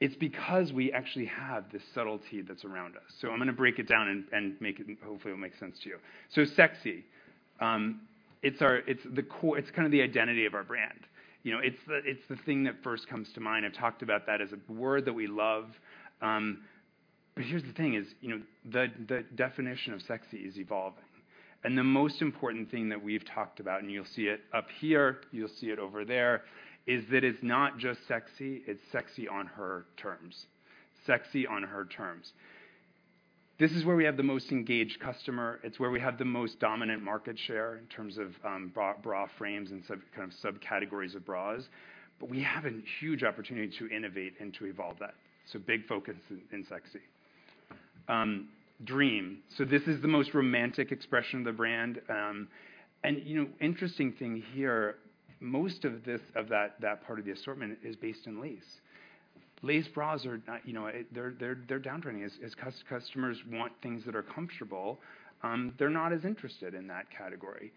it's because we actually have this subtlety that's around us. So I'm gonna break it down and make it, hopefully, it'll make sense to you. So sexy, it's our, it's the core, it's kind of the identity of our brand. You know, it's the, it's the thing that first comes to mind. I've talked about that as a word that we love. But here's the thing is, you know, the definition of sexy is evolving, and the most important thing that we've talked about, and you'll see it up here, you'll see it over there, is that it's not just sexy, it's sexy on her terms. Sexy on her terms. This is where we have the most engaged customer. It's where we have the most dominant market share in terms of bra frames and subcategories of bras. But we have a huge opportunity to innovate and to evolve that, so big focus in sexy. Dream. So this is the most romantic expression of the brand. And, you know, interesting thing here, most of this, that part of the assortment is based in lace. Lace bras are not, you know. They're down trending. As customers want things that are comfortable, they're not as interested in that category.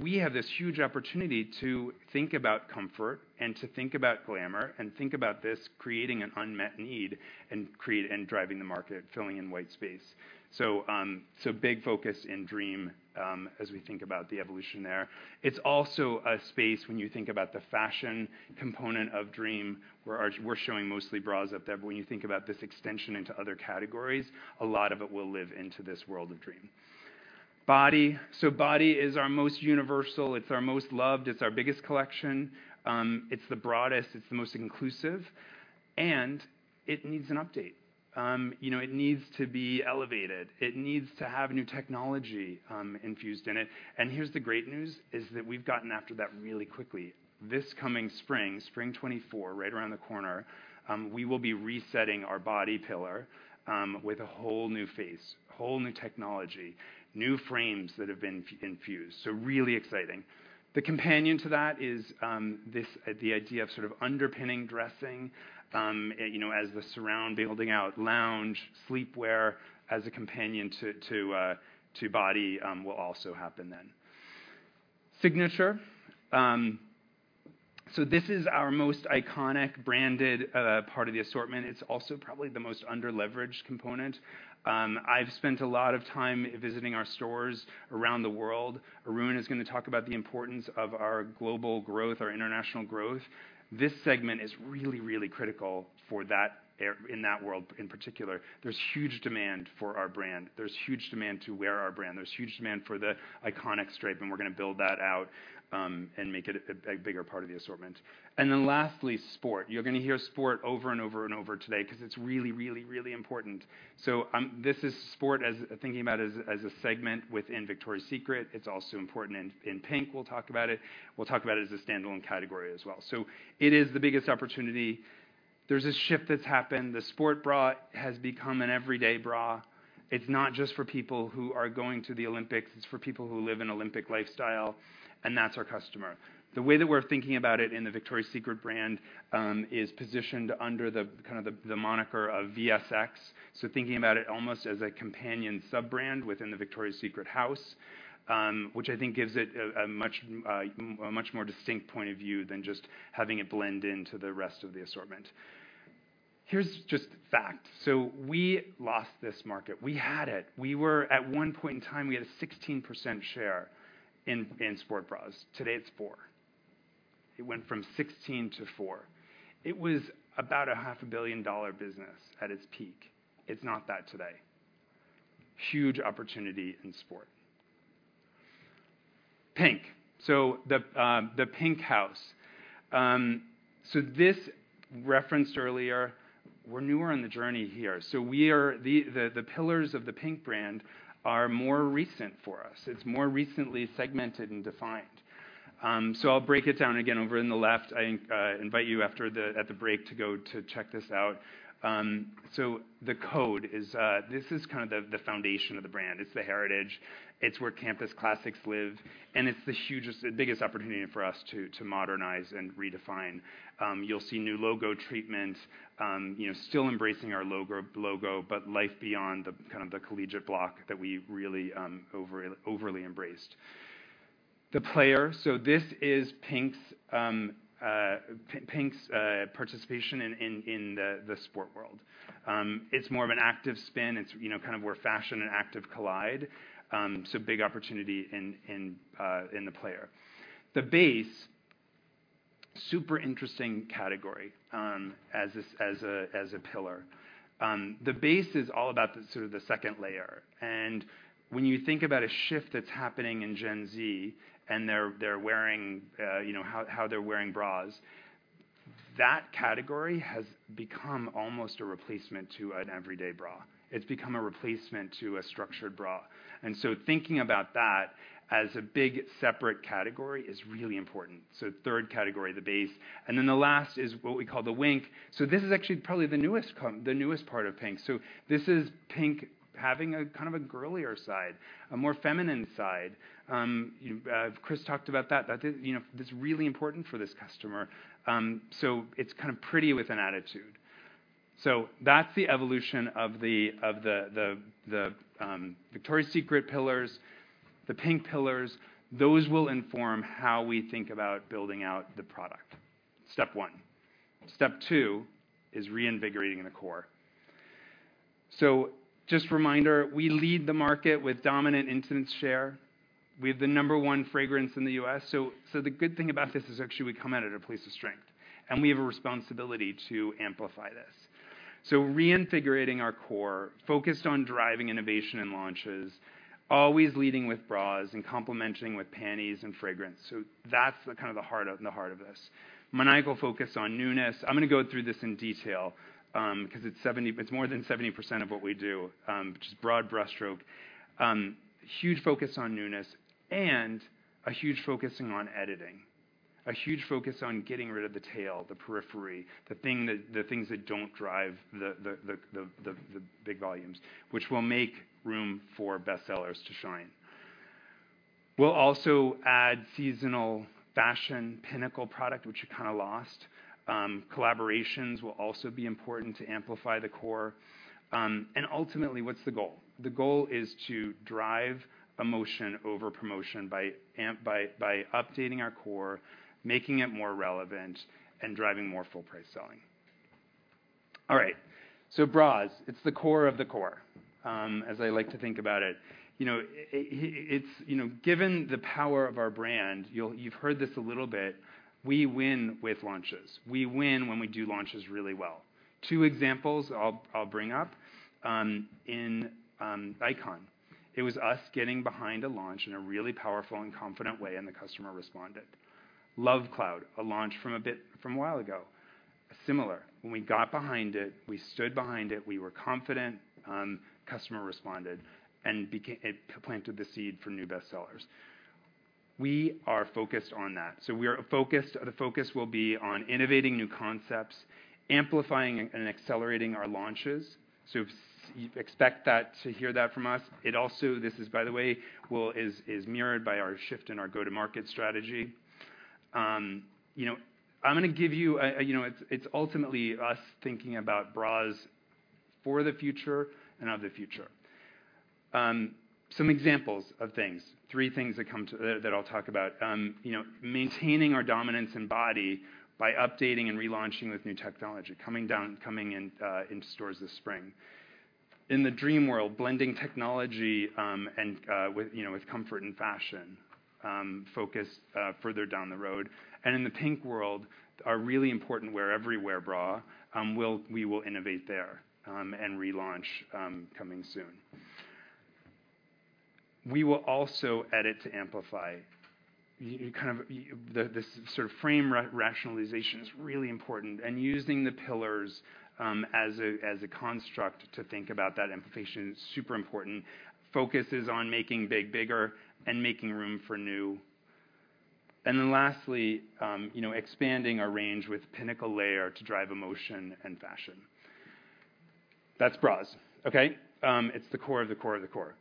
We have this huge opportunity to think about comfort, and to think about glamour, and think about this creating an unmet need, and creating and driving the market, filling in white space. Big focus in Dream, as we think about the evolution there. It's also a space when you think about the fashion component of Dream, where we're showing mostly bras up there, but when you think about this extension into other categories, a lot of it will live into this world of Dream. Body. Body is our most universal, it's our most loved, it's our biggest collection. It's the broadest, it's the most inclusive, and it needs an update. You know, it needs to be elevated. It needs to have new technology infused in it. Here's the great news, is that we've gotten after that really quickly. This coming spring, spring 2024, right around the corner, we will be resetting our body pillar with a whole new face, whole new technology, new frames that have been infused. So really exciting. The companion to that is this, the idea of sort of underpinning dressing, you know, as the surround, building out lounge, sleepwear as a companion to body, will also happen then. Signature. So this is our most iconic branded part of the assortment. It's also probably the most under-leveraged component. I've spent a lot of time visiting our stores around the world. Arun is gonna talk about the importance of our global growth, our international growth. This segment is really, really critical for that ar-- in that world in particular. There's huge demand for our brand. There's huge demand to wear our brand. There's huge demand for the iconic stripe, and we're gonna build that out, and make it a, a bigger part of the assortment. Lastly, Sport. You're gonna hear sport over and over and over today because it's really, really, really important. This is sport as-- thinking about as, as a segment within Victoria's Secret. It's also important in, in PINK! We'll talk about it. We'll talk about it as a standalone category as well. It is the biggest opportunity. There's a shift that's happened. The sport bra has become an everyday bra. It's not just for people who are going to the Olympics, it's for people who live an Olympic lifestyle, and that's our customer. The way that we're thinking about it in the Victoria's Secret brand is positioned under the, kind of the, the moniker of VSX. Thinking about it almost as a companion sub-brand within the Victoria's Secret house, which I think gives it a much, a much more distinct point of view than just having it blend into the rest of the assortment. Here's just facts. We lost this market. We had it. We were—at one point in time, we had a 16% share in sport bras. Today, it's 4%. It went from 16% to 4%. It was about a $500 million business at its peak. It's not that today. Huge opportunity in sport. PINK! The PINK house. This, referenced earlier, we're newer on the journey here, so we are... The pillars of the PINK brand are more recent for us. It's more recently segmented and defined. So I'll break it down again over in the left. I invite you after the break to go check this out. So The Code is. This is kind of the foundation of the brand. It's the heritage, it's where campus classics live, and it's the biggest opportunity for us to modernize and redefine. You'll see new logo treatment, you know, still embracing our logo, but life beyond the kind of collegiate block that we really overly embraced. The Player. So this is PINK's participation in the sport world. It's more of an active spin. It's, you know, kind of where fashion and active collide. So big opportunity in, in The Player. The Base, super interesting category, as a, as a pillar. The Base is all about the sort of the second layer, and when you think about a shift that's happening in Gen Z, and they're, they're wearing, you know, how, how they're wearing bras, that category has become almost a replacement to an everyday bra. It's become a replacement to a structured bra, and so thinking about that as a big, separate category is really important. Third category, The Base. And then the last is what we call The Wink. This is actually probably the newest com-- the newest part of PINK. This is PINK having a kind of a girlier side, a more feminine side. You, you... Chris talked about that, you know, that's really important for this customer. So it's kind of pretty with an attitude. So that's the evolution of the Victoria's Secret pillars, the PINK pillars. Those will inform how we think about building out the product, step one. Step two is reinvigorating the core. So just a reminder, we lead the market with dominant incidence share. We have the number one fragrance in the U.S. So the good thing about this is actually we come at it at a place of strength, and we have a responsibility to amplify this. So reinvigorating our core, focused on driving innovation and launches, always leading with bras and complementing with panties and fragrance. So that's the kind of heart of this. Maniacal focus on newness. I'm gonna go through this in detail, because it's 70-- it's more than 70% of what we do, which is broad brushstroke. Huge focus on newness and a huge focusing on editing. A huge focus on getting rid of the tail, the periphery, the thing that-- the things that don't drive the big volumes, which will make room for bestsellers to shine. We'll also add seasonal fashion pinnacle product, which we kind of lost. Collaborations will also be important to amplify the core. And ultimately, what's the goal? The goal is to drive emotion over promotion by updating our core, making it more relevant, and driving more full price selling. All right, so bras, it's the core of the core, as I like to think about it. You know, it's, you know, given the power of our brand, you've heard this a little bit, we win with launches. We win when we do launches really well. Two examples I'll bring up. In Icon, it was us getting behind a launch in a really powerful and confident way, and the customer responded. Love Cloud, a launch from a while ago, similar. When we got behind it, we stood behind it, we were confident, customer responded, and it planted the seed for new bestsellers. We are focused on that. So the focus will be on innovating new concepts, amplifying and accelerating our launches. So expect that, to hear that from us. It also—this is, by the way, is mirrored by our shift in our go-to-market strategy. You know, I'm gonna give you, you know, it's ultimately us thinking about bras for the future and of the future. Some examples of things, three things that I'll talk about. You know, maintaining our dominance in Body by updating and relaunching with new technology, coming into stores this spring. In the Dreamworld, blending technology with, you know, with comfort and fashion, focus further down the road. And in the PINK world, our really important Wear Everywhere bra, we will innovate there and relaunch, coming soon. We will also edit to amplify. Kind of, this sort of framework rationalization is really important, and using the pillars as a construct to think about that amplification is super important. Focus is on making big, bigger and making room for new. And then lastly, you know, expanding our range with pinnacle layer to drive emotion and fashion. That's bras. Okay? It's the core of the core of the core.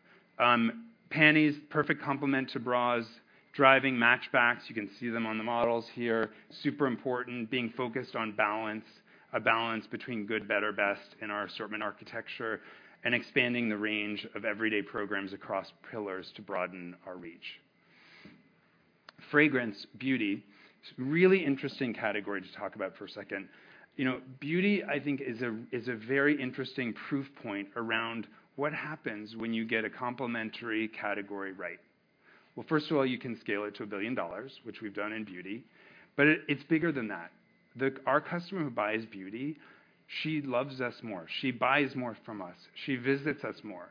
Panties, perfect complement to bras, driving match backs. You can see them on the models here. Super important, being focused on balance, a balance between good, better, best in our assortment architecture, and expanding the range of everyday programs across pillars to broaden our reach. Fragrance, beauty. It's a really interesting category to talk about for a second. You know, beauty, I think, is a, is a very interesting proof point around what happens when you get a complementary category right. Well, first of all, you can scale it to $1 billion, which we've done in beauty, but it, it's bigger than that. Our customer who buys beauty, she loves us more, she buys more from us, she visits us more.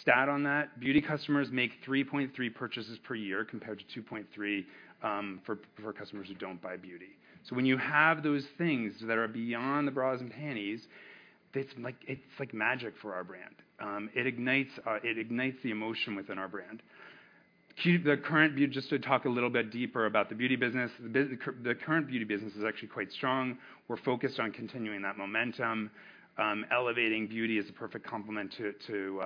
Stat on that, beauty customers make 3.3 purchases per year, compared to 2.3 for customers who don't buy beauty. So when you have those things that are beyond the bras and panties, it's like, it's like magic for our brand. It ignites the emotion within our brand. Just to talk a little bit deeper about the beauty business. The current beauty business is actually quite strong. We're focused on continuing that momentum. Elevating beauty is a perfect complement to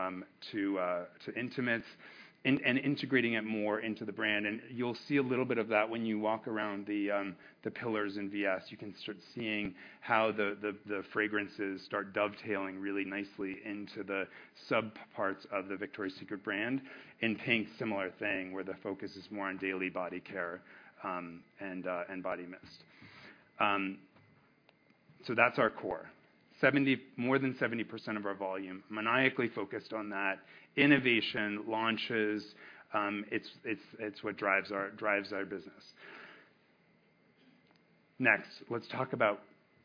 intimates and integrating it more into the brand. And you'll see a little bit of that when you walk around the pillars in VS. You can start seeing how the fragrances start dovetailing really nicely into the subparts of the Victoria's Secret brand. In PINK, similar thing, where the focus is more on daily body care, and body mist. So that's our core. More than 70% of our volume, maniacally focused on that, innovation, launches, it's what drives our business. Next, let's talk about,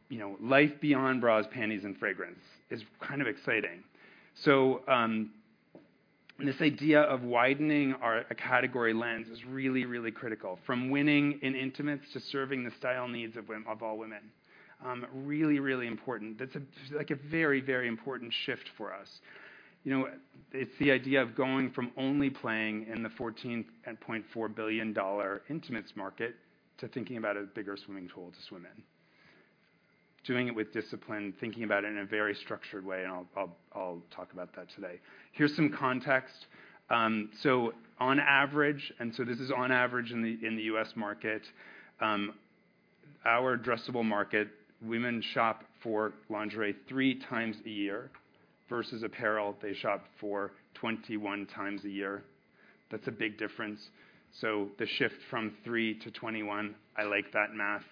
you know, life beyond bras, panties, and fragrance. It's kind of exciting. So, this idea of widening our category lens is really, really critical. From winning in intimates to serving the style needs of women. Really, really important. That's a, like, a very, very important shift for us. You know, it's the idea of going from only playing in the $14.4 billion intimates market, to thinking about a bigger swimming pool to swim in. Doing it with discipline, thinking about it in a very structured way, and I'll talk about that today. Here's some context. So on average, and so this is on average in the US market, our addressable market, women shop for lingerie three times a year, versus apparel, they shop for 21 times a year. That's a big difference. So the shift from three to 21, I like that math.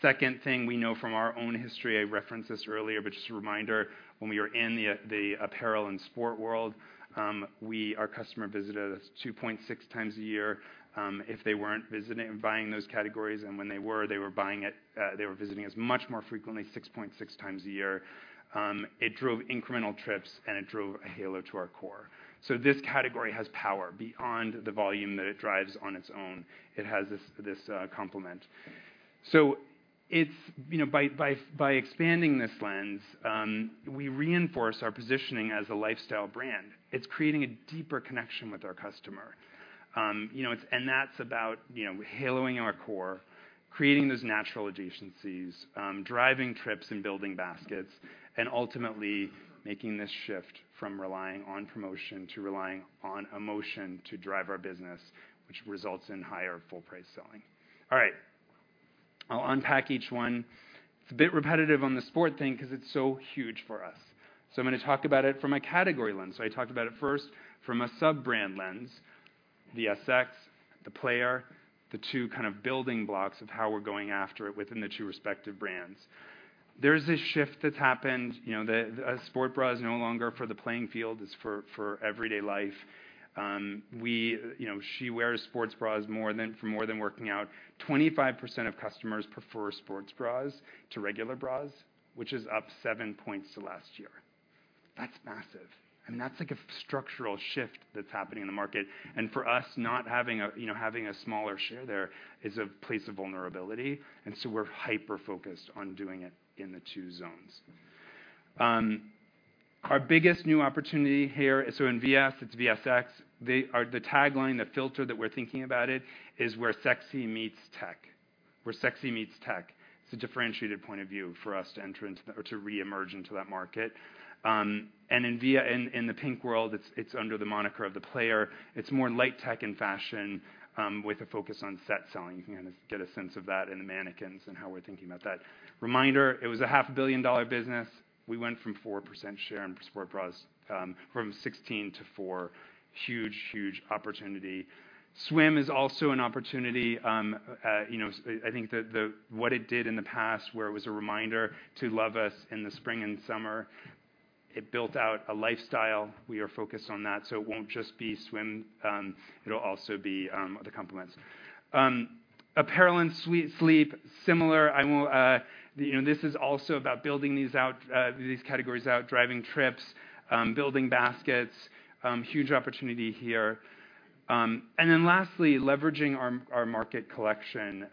Second thing, we know from our own history. I referenced this earlier, but just a reminder. When we are in the apparel and sport world, our customer visited us 2.6 times a year if they weren't visiting and buying those categories. And when they were, they were visiting us much more frequently, 6.6 times a year. It drove incremental trips, and it drove a halo to our core. So this category has power beyond the volume that it drives on its own. It has this complement. So it's... You know, by expanding this lens, we reinforce our positioning as a lifestyle brand. It's creating a deeper connection with our customer. You know, it's and that's about, you know, haloing our core, creating those natural adjacencies, driving trips and building baskets, and ultimately making this shift from relying on promotion to relying on emotion to drive our business, which results in higher full-price selling. All right, I'll unpack each one. It's a bit repetitive on the sport thing because it's so huge for us. So I'm gonna talk about it from a category lens. So I talked about it first from a sub-brand lens, the VSX, The Player, the two kind of building blocks of how we're going after it within the two respective brands. There's a shift that's happened, you know, the, a sports bra is no longer for the playing field, it's for, for everyday life. You know, she wears sports bras more than-- for more than working out. 25% of customers prefer sports bras to regular bras, which is up seven points to last year. That's massive, and that's like a structural shift that's happening in the market. For us, not having a, you know, having a smaller share there is a place of vulnerability, and so we're hyper-focused on doing it in the two zones. Our biggest new opportunity here, so in VS, it's VSX. The tagline, the filter that we're thinking about it, is where sexy meets tech. Where sexy meets tech. It's a differentiated point of view for us to enter into or to reemerge into that market. And in the PINK world, it's under the moniker of The Player. It's more light tech and fashion, with a focus on set selling. You can get a sense of that in the mannequins and how we're thinking about that. Reminder, it was a $500 million business. We went from 4% share in sport bras, from 16% to 4%. Huge, huge opportunity. Swim is also an opportunity. You know, I think what it did in the past, where it was a reminder to love us in the spring and summer, it built out a lifestyle. We are focused on that, so it won't just be swim. It'll also be other complements. Apparel and sleep, similar. I won't... You know, this is also about building these out, these categories out, driving trips, building baskets. And then lastly, leveraging our market collection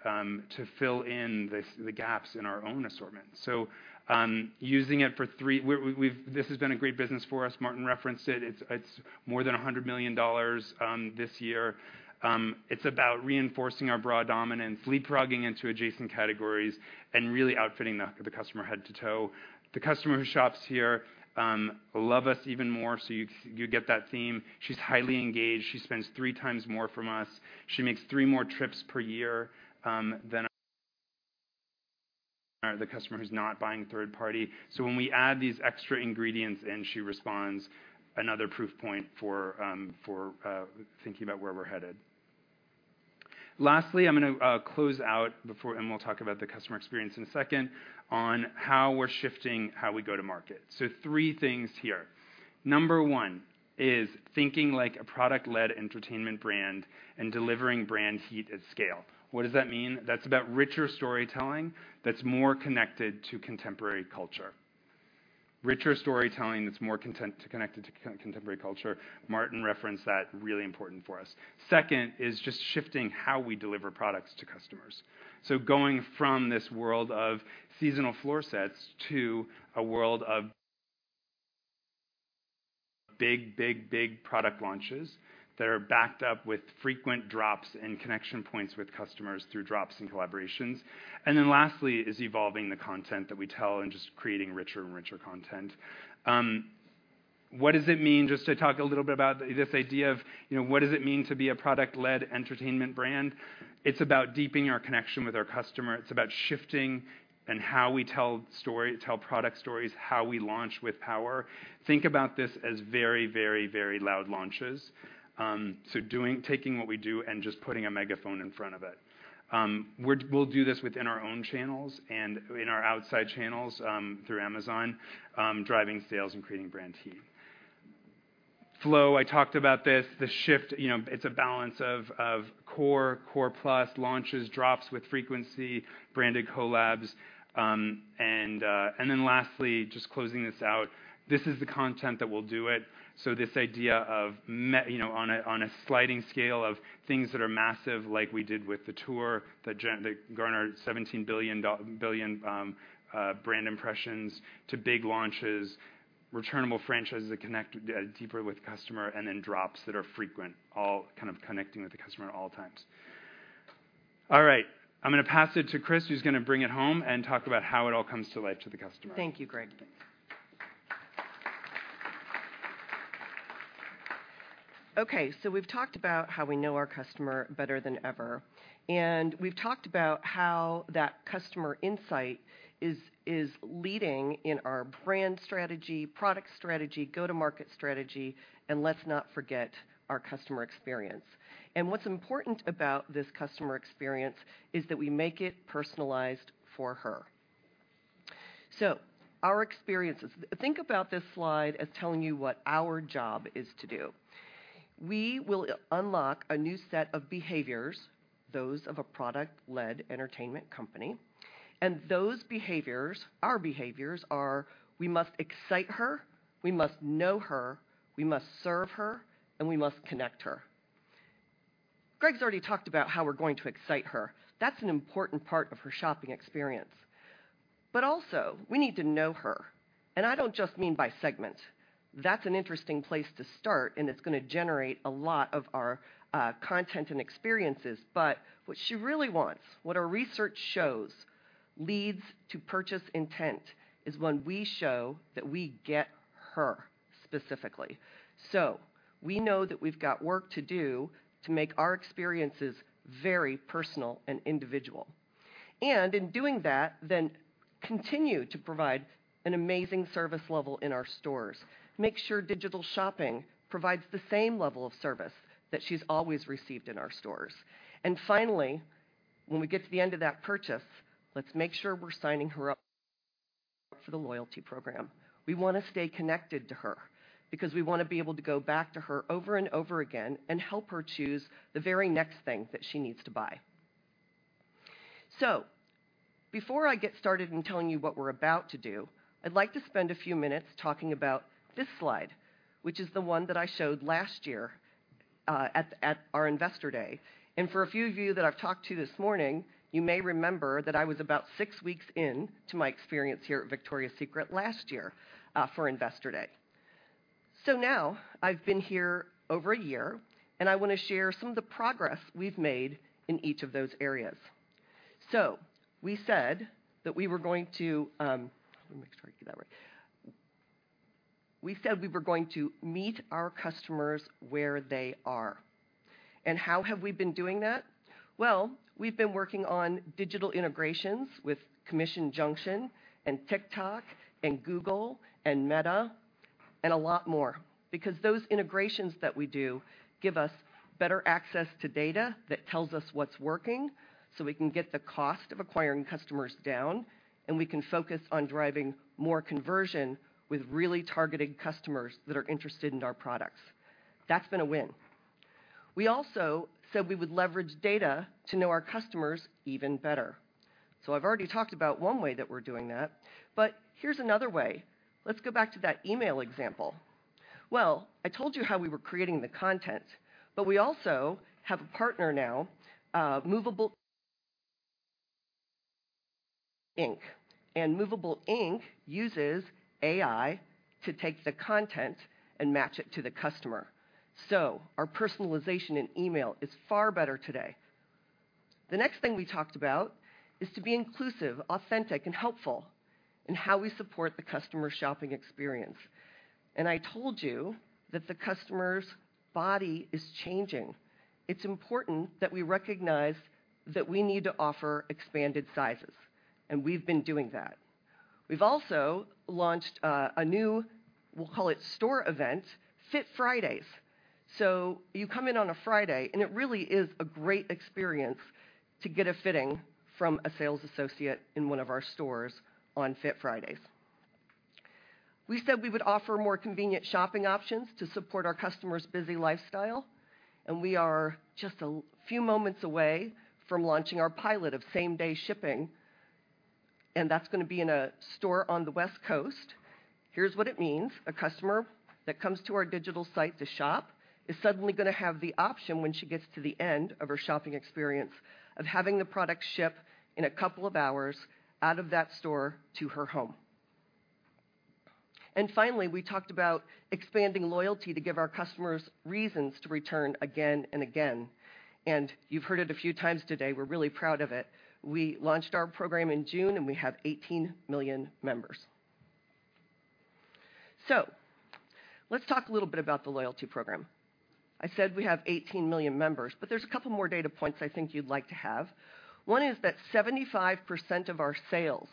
to fill in the gaps in our own assortment. This has been a great business for us. Martin referenced it. It's more than $100 million this year. It's about reinforcing our bra dominance, leapfrogging into adjacent categories, and really outfitting the customer head to toe. The customer who shops here love us even more, so you get that theme. She's highly engaged. She spends three times more from us. She makes three more trips per year than the customer who's not buying third party. So when we add these extra ingredients in, she responds, another proof point for thinking about where we're headed. Lastly, I'm gonna close out before and we'll talk about the customer experience in a second, on how we're shifting, how we go to market. So three things here. Number one is thinking like a product-led entertainment brand and delivering brand heat at scale. What does that mean? That's about richer storytelling that's more connected to contemporary culture. Martin referenced that, really important for us. Second is just shifting how we deliver products to customers. So going from this world of seasonal floor sets to a world of big, big, big product launches that are backed up with frequent drops and connection points with customers through drops and collaborations. And then lastly is evolving the content that we tell and just creating richer and richer content. What does it mean? Just to talk a little bit about this idea of, you know, what does it mean to be a product-led entertainment brand? It's about deepening our connection with our customer. It's about shifting and how we tell stories—tell product stories, how we launch with power. Think about this as very, very, very loud launches. So, taking what we do and just putting a megaphone in front of it. We'll do this within our own channels and in our outside channels, through Amazon, driving sales and creating brand heat. Flow, I talked about this, the shift, you know, it's a balance of core, core plus, launches, drops with frequency, branded collabs. Then lastly, just closing this out, this is the content that will do it. So this idea of me—you know, on a sliding scale of things that are massive, like we did with The Tour, that garnered 17 billion brand impressions, to big launches, returnable franchises that connect deeper with the customer, and then drops that are frequent, all kind of connecting with the customer at all times. All right, I'm gonna pass it to Chris, who's gonna bring it home and talk about how it all comes to life to the customer. Thank you, Greg. Okay, so we've talked about how we know our customer better than ever, and we've talked about how that customer insight is, is leading in our brand strategy, product strategy, go-to-market strategy, and let's not forget our customer experience. What's important about this customer experience is that we make it personalized for her. So our experiences. Think about this slide as telling you what our job is to do. We will unlock a new set of behaviors, those of a product-led entertainment company, and those behaviors, our behaviors, are: we must excite her, we must know her, we must serve her, and we must connect her. Greg's already talked about how we're going to excite her. That's an important part of her shopping experience. But also, we need to know her, and I don't just mean by segment. That's an interesting place to start, and it's gonna generate a lot of our content and experiences. But what she really wants, what our research shows leads to purchase intent, is when we show that we get her specifically. So we know that we've got work to do to make our experiences very personal and individual. And in doing that, then continue to provide an amazing service level in our stores. Make sure digital shopping provides the same level of service that she's always received in our stores. And finally, when we get to the end of that purchase, let's make sure we're signing her up for the loyalty program. We wanna stay connected to her because we want to be able to go back to her over and over again and help her choose the very next thing that she needs to buy. So before I get started in telling you what we're about to do, I'd like to spend a few minutes talking about this slide, which is the one that I showed last year at our Investor Day. And for a few of you that I've talked to this morning, you may remember that I was about six weeks in to my experience here at Victoria's Secret last year for Investor Day. So now I've been here over a year, and I want to share some of the progress we've made in each of those areas. So we said that we were going to, Let me make sure I get that right. We said we were going to meet our customers where they are. And how have we been doing that? Well, we've been working on digital integrations with Commission Junction and TikTok and Google and Meta and a lot more, because those integrations that we do give us better access to data that tells us what's working, so we can get the cost of acquiring customers down, and we can focus on driving more conversion with really targeted customers that are interested in our products. That's been a win. We also said we would leverage data to know our customers even better. So I've already talked about one way that we're doing that, but here's another way. Let's go back to that email example. Well, I told you how we were creating the content, but we also have a partner now, Movable Ink. And Movable Ink uses AI to take the content and match it to the customer. So our personalization in email is far better today. The next thing we talked about is to be inclusive, authentic, and helpful in how we support the customer shopping experience. I told you that the customer's body is changing. It's important that we recognize that we need to offer expanded sizes, and we've been doing that. We've also launched a new, we'll call it store event, Fit Fridays. So you come in on a Friday, and it really is a great experience to get a fitting from a sales associate in one of our stores on Fit Fridays. We said we would offer more convenient shopping options to support our customers' busy lifestyle, and we are just a few moments away from launching our pilot of same-day shipping, and that's gonna be in a store on the West Coast. Here's what it means: a customer that comes to our digital site to shop is suddenly gonna have the option, when she gets to the end of her shopping experience, of having the product ship in a couple of hours out of that store to her home. Finally, we talked about expanding loyalty to give our customers reasons to return again and again, and you've heard it a few times today. We're really proud of it. We launched our program in June, and we have 18 million members. Let's talk a little bit about the loyalty program. I said we have 18 million members, but there's a couple more data points I think you'd like to have. One is that 75% of our sales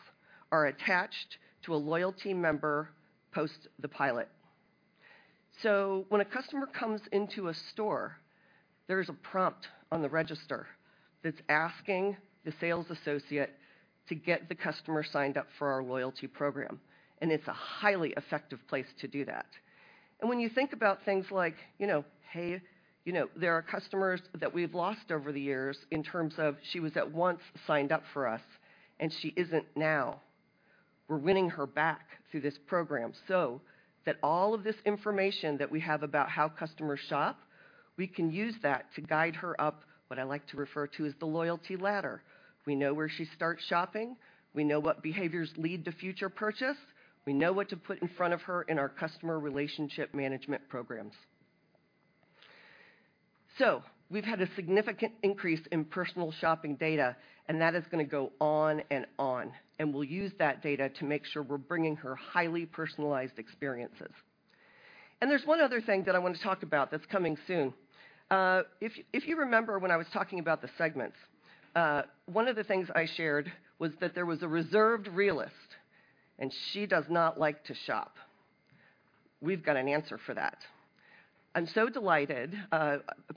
are attached to a loyalty member post the pilot. When a customer comes into a store, there's a prompt on the register that's asking the sales associate to get the customer signed up for our loyalty program, and it's a highly effective place to do that. When you think about things like, you know, hey, you know, there are customers that we've lost over the years in terms of she was once signed up for us, and she isn't now. We're winning her back through this program, so that all of this information that we have about how customers shop, we can use that to guide her up, what I like to refer to as the loyalty ladder. We know where she starts shopping. We know what behaviors lead to future purchase. We know what to put in front of her in our customer relationship management programs. So we've had a significant increase in personal shopping data, and that is gonna go on and on, and we'll use that data to make sure we're bringing her highly personalized experiences. There's one other thing that I want to talk about that's coming soon. If you remember when I was talking about the segments, one of the things I shared was that there was a reserved realist, and she does not like to shop. We've got an answer for that. I'm so delighted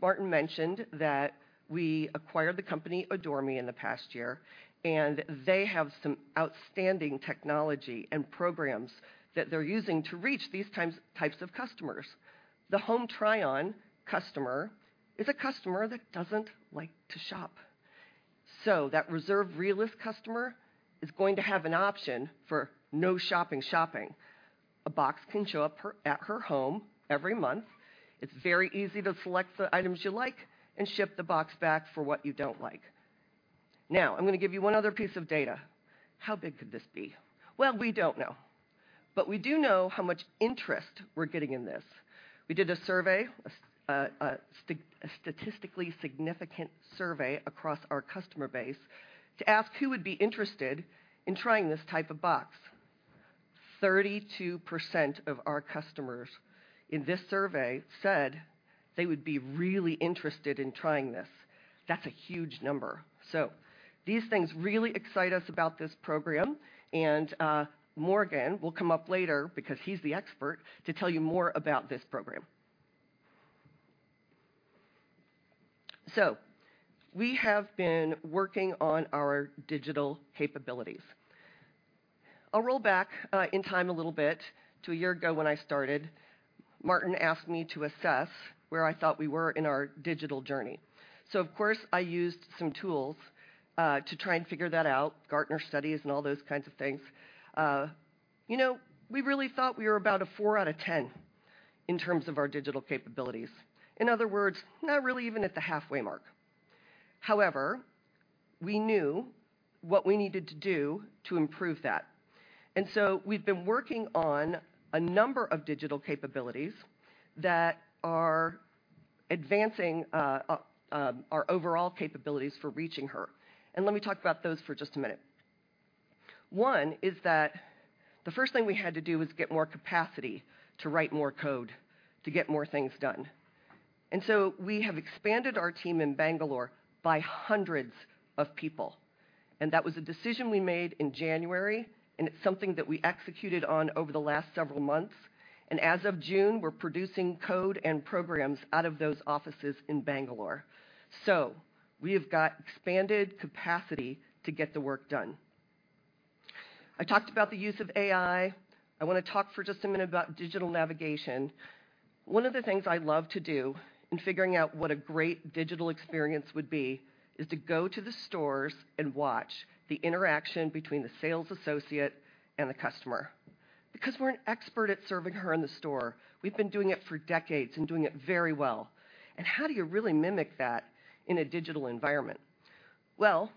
Martin mentioned that we acquired the company Adore Me in the past year, and they have some outstanding technology and programs that they're using to reach these types of customers. The Home Try-On customer is a customer that doesn't like to shop. So that reserved realist customer is going to have an option for no shopping, shopping. A box can show up here, at her home every month. It's very easy to select the items you like and ship the box back for what you don't like. Now, I'm gonna give you one other piece of data. How big could this be? Well, we don't know, but we do know how much interest we're getting in this. We did a statistically significant survey across our customer base to ask who would be interested in trying this type of box. 32% of our customers in this survey said they would be really interested in trying this. That's a huge number. So these things really excite us about this program, and Morgan will come up later because he's the expert to tell you more about this program. So we have been working on our digital capabilities. I'll roll back in time a little bit to a year ago when I started. Martin asked me to assess where I thought we were in our digital journey. So of course, I used some tools to try and figure that out, Gartner studies and all those kinds of things. You know, we really thought we were about a four out of 10 in terms of our digital capabilities. In other words, not really even at the halfway mark. However, we knew what we needed to do to improve that. And so we've been working on a number of digital capabilities that are advancing our overall capabilities for reaching her. And let me talk about those for just a minute. One is that the first thing we had to do was get more capacity to write more code, to get more things done. We have expanded our team in Bangalore by hundreds of people, and that was a decision we made in January, and it's something that we executed on over the last several months. As of June, we're producing code and programs out of those offices in Bangalore. We have got expanded capacity to get the work done. I talked about the use of AI. I wanna talk for just a minute about digital navigation. One of the things I love to do in figuring out what a great digital experience would be is to go to the stores and watch the interaction between the sales associate and the customer. Because we're an expert at serving her in the store. We've been doing it for decades and doing it very well. How do you really mimic that in a digital environment? Well,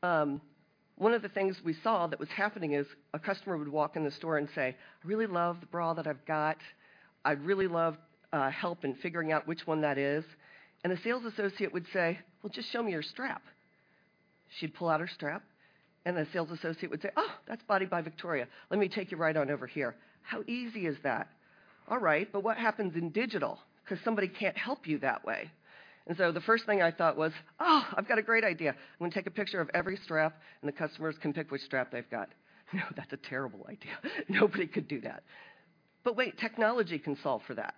one of the things we saw that was happening is a customer would walk in the store and say, "I really love the bra that I've got. I'd really love help in figuring out which one that is." And the sales associate would say, "Well, just show me your strap." She'd pull out her strap, and the sales associate would say, "Oh, that's Body by Victoria. Let me take you right on over here." How easy is that? All right, but what happens in digital? 'Cause somebody can't help you that way. And so the first thing I thought was, "Oh, I've got a great idea. I'm gonna take a picture of every strap, and the customers can pick which strap they've got." No, that's a terrible idea. Nobody could do that. But wait, technology can solve for that.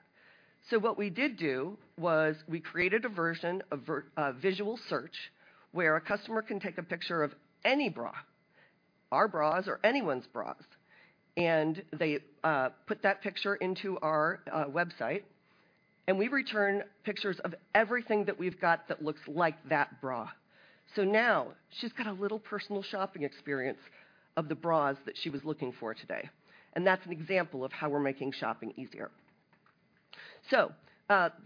So what we did do was we created a version of a visual search, where a customer can take a picture of any bra, our bras or anyone's bras, and they put that picture into our website, and we return pictures of everything that we've got that looks like that bra. So now she's got a little personal shopping experience of the bras that she was looking for today, and that's an example of how we're making shopping easier. So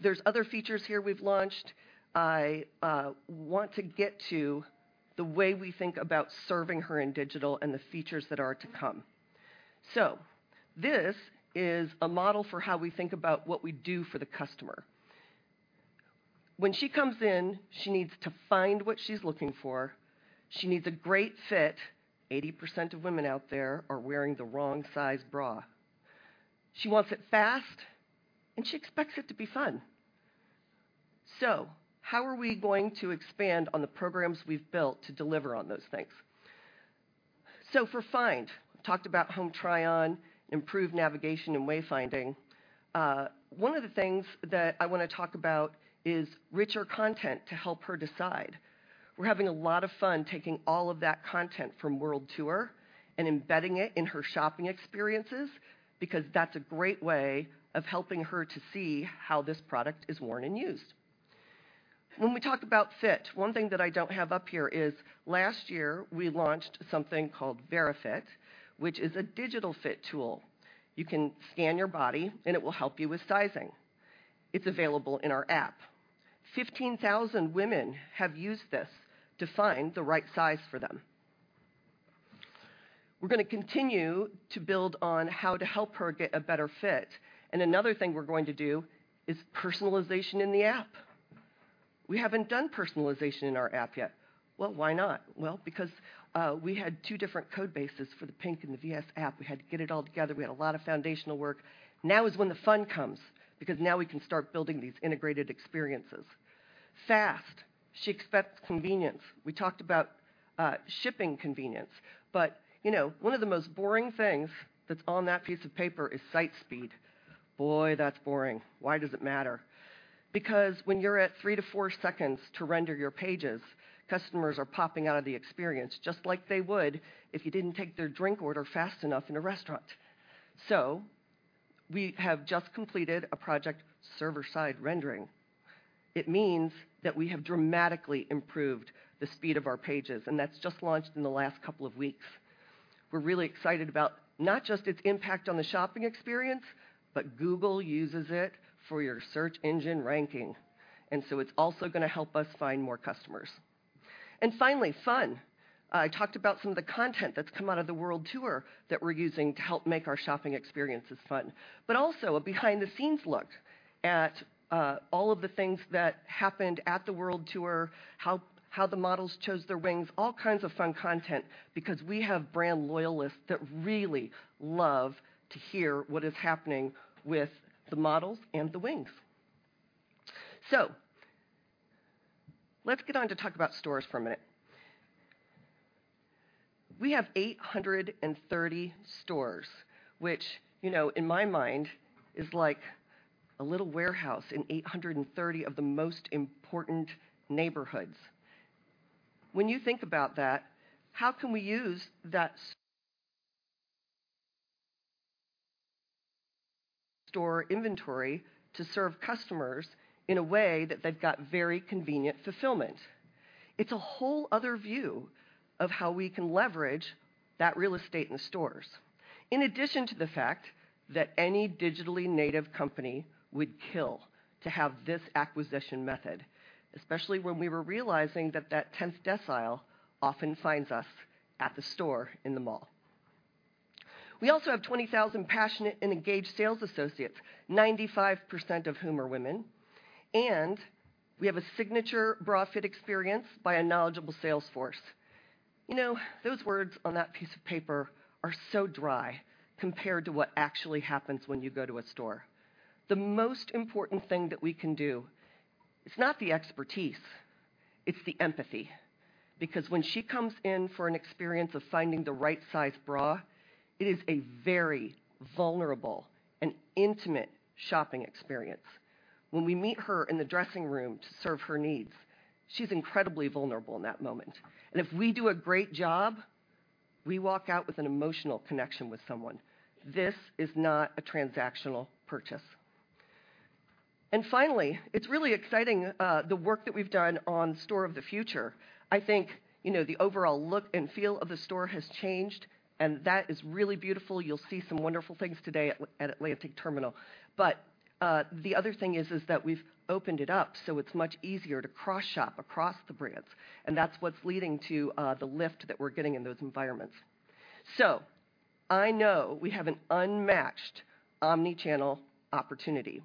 there's other features here we've launched. I want to get to the way we think about serving her in digital and the features that are to come. So this is a model for how we think about what we do for the customer. When she comes in, she needs to find what she's looking for. She needs a great fit. 80% of women out there are wearing the wrong size bra. She wants it fast, and she expects it to be fun. So how are we going to expand on the programs we've built to deliver on those things? So for find, we talked about Home Try-On, improved navigation and wayfinding. One of the things that I wanna talk about is richer content to help her decide. We're having a lot of fun taking all of that content from World Tour and embedding it in her shopping experiences, because that's a great way of helping her to see how this product is worn and used. When we talk about fit, one thing that I don't have up here is last year, we launched something called Verifyt, which is a digital fit tool. You can scan your body, and it will help you with sizing. It's available in our app. 15,000 women have used this to find the right size for them. We're gonna continue to build on how to help her get a better fit, and another thing we're going to do is personalization in the app. We haven't done personalization in our app yet. Well, why not? Well, because we had two different code bases for the PINK and the VS app. We had to get it all together. We had a lot of foundational work. Now is when the fun comes, because now we can start building these integrated experiences. Fast. She expects convenience. We talked about shipping convenience, but you know, one of the most boring things that's on that piece of paper is site speed. Boy, that's boring! Why does it matter? Because when you're at three to four seconds to render your pages, customers are popping out of the experience just like they would if you didn't take their drink order fast enough in a restaurant. So we have just completed a project, server-side rendering. It means that we have dramatically improved the speed of our pages, and that's just launched in the last couple of weeks. We're really excited about not just its impact on the shopping experience, but Google uses it for your search engine ranking, and so it's also gonna help us find more customers. And finally, fun. I talked about some of the content that's come out of the World Tour that we're using to help make our shopping experiences fun, but also a behind-the-scenes look at all of the things that happened at the World Tour, how the models chose their wings, all kinds of fun content, because we have brand loyalists that really love to hear what is happening with the models and the wings. So let's get on to talk about stores for a minute. We have 830 stores, which, you know, in my mind, is like a little warehouse in 830 of the most important neighborhoods. When you think about that, how can we use that store inventory to serve customers in a way that they've got very convenient fulfillment. It's a whole other view of how we can leverage that real estate in stores. In addition to the fact that any digitally native company would kill to have this acquisition method, especially when we were realizing that that tenth decile often finds us at the store in the mall. We also have 20,000 passionate and engaged sales associates, 95% of whom are women, and we have a signature bra fit experience by a knowledgeable sales force. You know, those words on that piece of paper are so dry compared to what actually happens when you go to a store. The most important thing that we can do, it's not the expertise, it's the empathy, because when she comes in for an experience of finding the right size bra, it is a very vulnerable and intimate shopping experience. When we meet her in the dressing room to serve her needs, she's incredibly vulnerable in that moment, and if we do a great job, we walk out with an emotional connection with someone. This is not a transactional purchase. And finally, it's really exciting, the work that we've done on Store of the Future. I think, you know, the overall look and feel of the store has changed, and that is really beautiful. You'll see some wonderful things today at Atlantic Terminal. But the other thing is that we've opened it up, so it's much easier to cross-shop across the brands, and that's what's leading to the lift that we're getting in those environments. So I know we have an unmatched Omnichannel opportunity.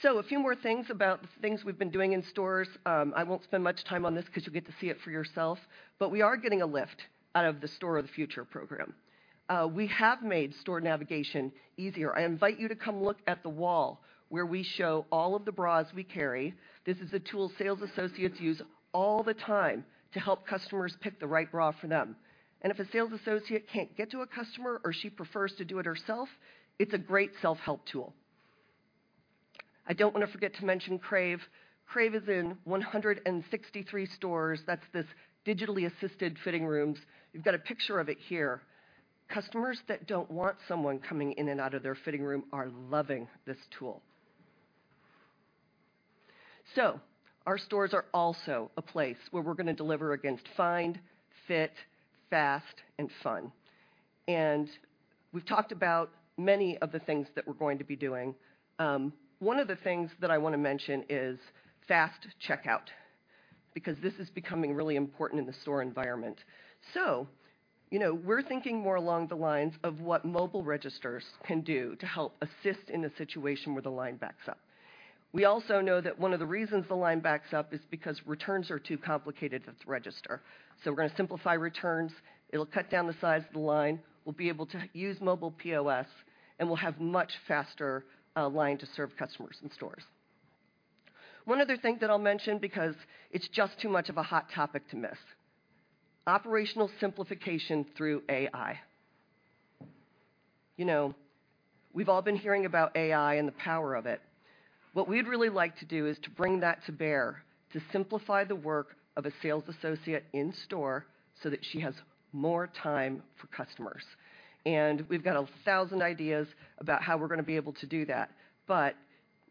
So a few more things about the things we've been doing in stores. I won't spend much time on this because you'll get to see it for yourself, but we are getting a lift out of the Store of the Future program. We have made store navigation easier. I invite you to come look at the wall where we show all of the bras we carry. This is a tool sales associates use all the time to help customers pick the right bra for them. And if a sales associate can't get to a customer or she prefers to do it herself, it's a great self-help tool. I don't want to forget to mention Crave. Crave is in 163 stores. That's this digitally assisted fitting rooms. You've got a picture of it here. Customers that don't want someone coming in and out of their fitting room are loving this tool. So our stores are also a place where we're gonna deliver against find, fit, fast, and fun. And we've talked about many of the things that we're going to be doing. One of the things that I want to mention is fast checkout, because this is becoming really important in the store environment. So, you know, we're thinking more along the lines of what mobile registers can do to help assist in a situation where the line backs up. We also know that one of the reasons the line backs up is because returns are too complicated at the register. So we're gonna simplify returns. It'll cut down the size of the line. We'll be able to use mobile POS, and we'll have much faster line to serve customers in stores. One other thing that I'll mention, because it's just too much of a hot topic to miss: operational simplification through AI. You know, we've all been hearing about AI and the power of it. What we'd really like to do is to bring that to bear, to simplify the work of a sales associate in store so that she has more time for customers. And we've got 1,000 ideas about how we're gonna be able to do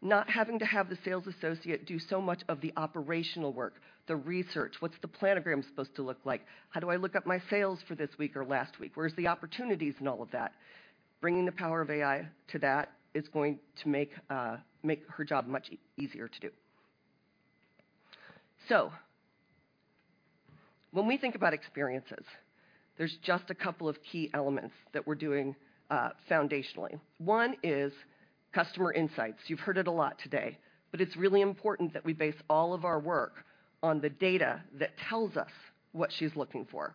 that, but not having to have the sales associate do so much of the operational work, the research. What's the planogram supposed to look like? How do I look up my sales for this week or last week? Where's the opportunities in all of that? Bringing the power of AI to that is going to make her job much easier to do. So when we think about experiences, there's just a couple of key elements that we're doing foundationally. One is customer insights. You've heard it a lot today, but it's really important that we base all of our work on the data that tells us what she's looking for.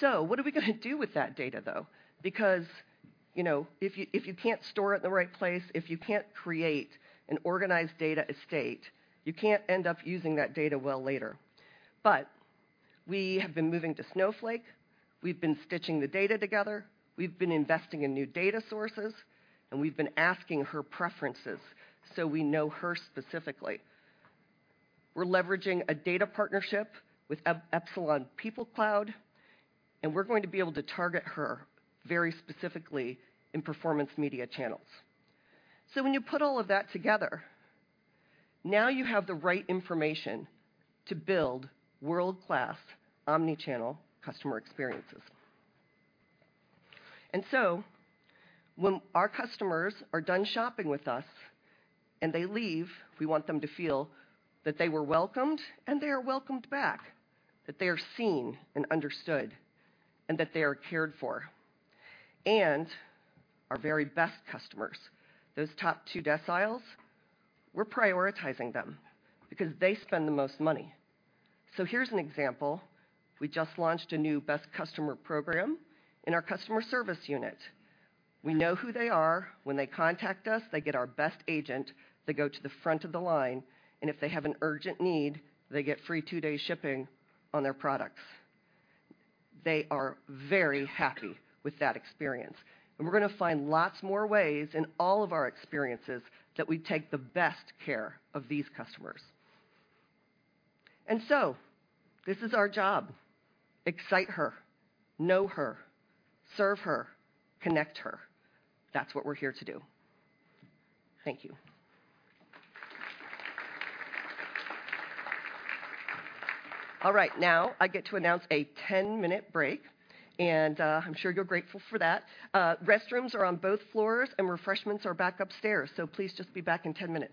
So what are we gonna do with that data, though? Because, you know, if you, if you can't store it in the right place, if you can't create an organized data estate, you can't end up using that data well later. But we have been moving to Snowflake, we've been stitching the data together, we've been investing in new data sources, and we've been asking her preferences, so we know her specifically. We're leveraging a data partnership with Epsilon PeopleCloud, and we're going to be able to target her very specifically in performance media channels. When you put all of that together, now you have the right information to build world-class, Omnichannel customer experiences. When our customers are done shopping with us and they leave, we want them to feel that they were welcomed and they are welcomed back, that they are seen and understood, and that they are cared for. Our very best customers, those top two deciles, we're prioritizing them because they spend the most money. Here's an example: We just launched a new best customer program in our customer service unit. We know who they are. When they contact us, they get our best agent. They go to the front of the line, and if they have an urgent need, they get free two-day shipping on their products. They are very happy with that experience, and we're gonna find lots more ways in all of our experiences that we take the best care of these customers.... And so, this is our job: excite her, know her, serve her, connect her. That's what we're here to do. Thank you. All right, now I get to announce a 10-minute break, and I'm sure you're grateful for that. Restrooms are on both floors, and refreshments are back upstairs, so please just be back in 10 minutes.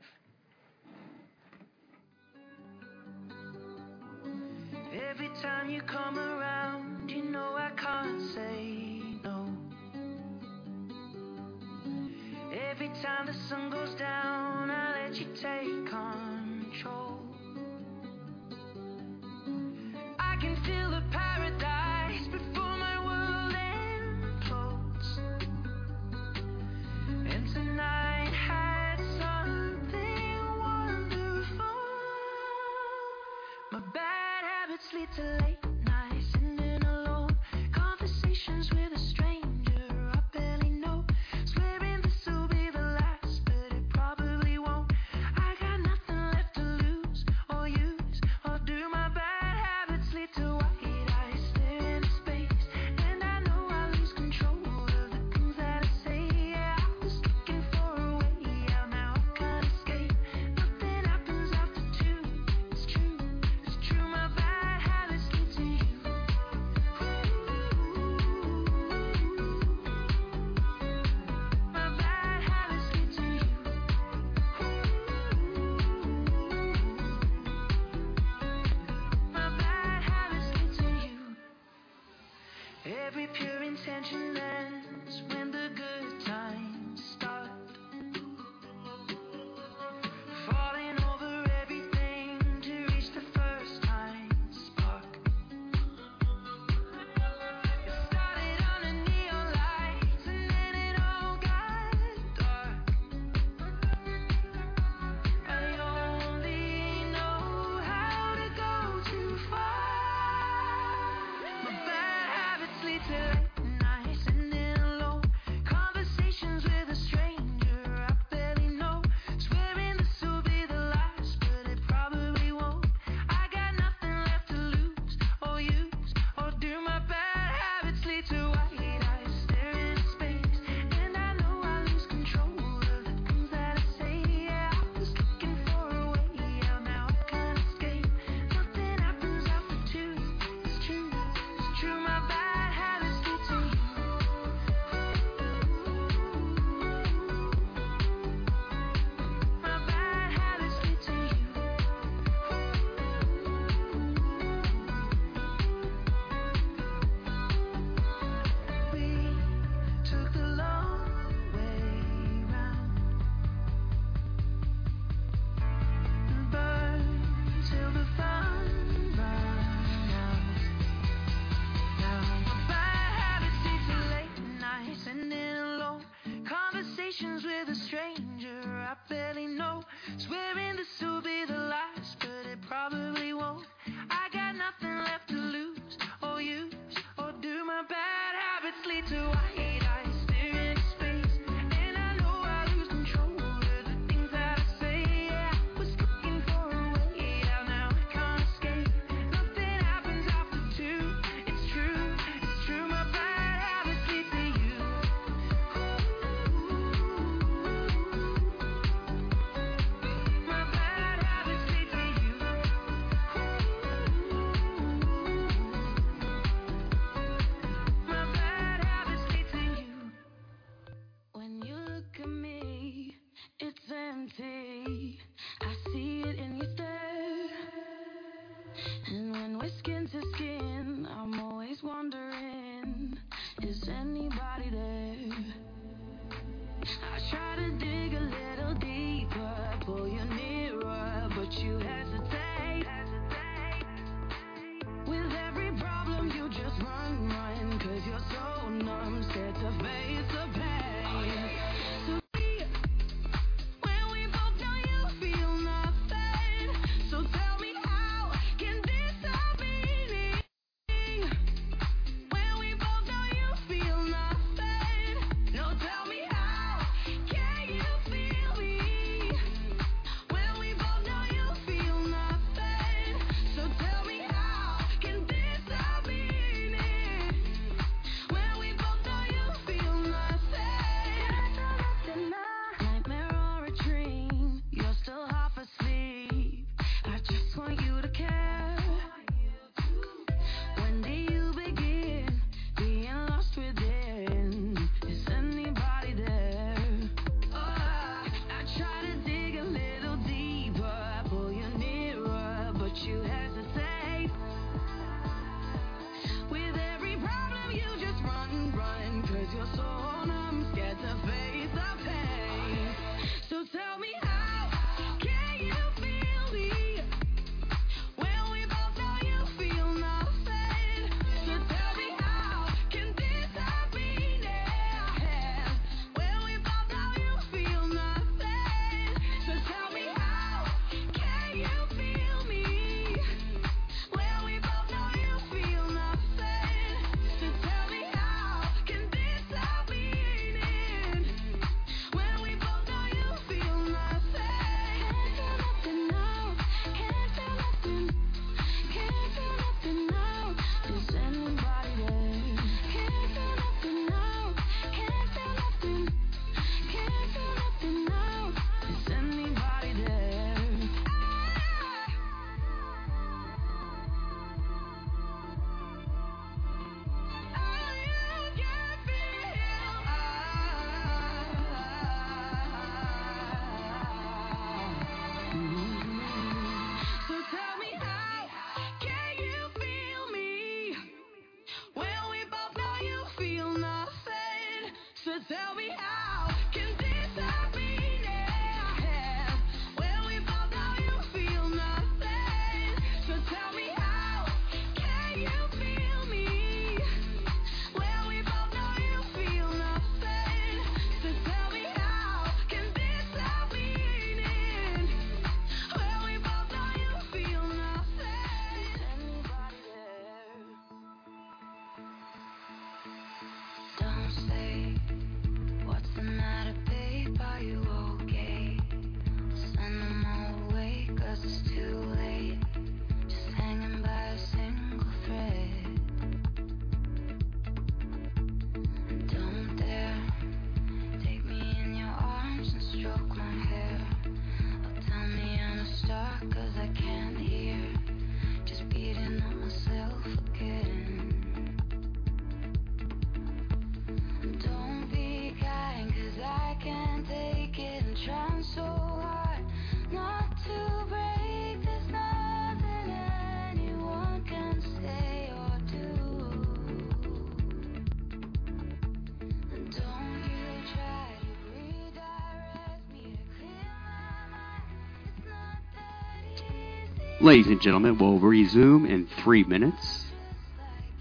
Ladies and gentlemen, we'll resume in three minutes.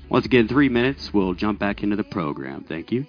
Once again, three minutes, we'll jump back into the program. Thank you.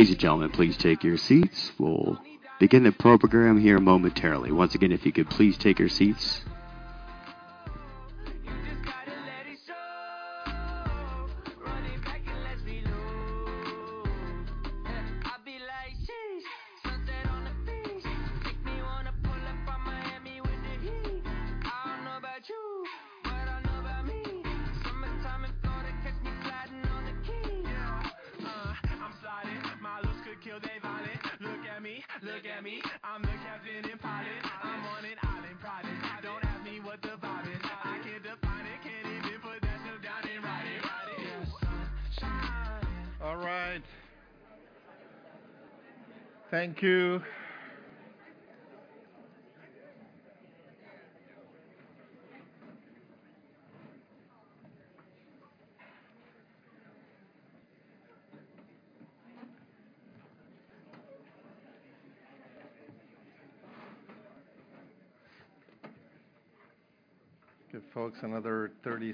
Ladies and gentlemen, please take your seats. We'll begin the program here momentarily. Once again, if you could please take your seats.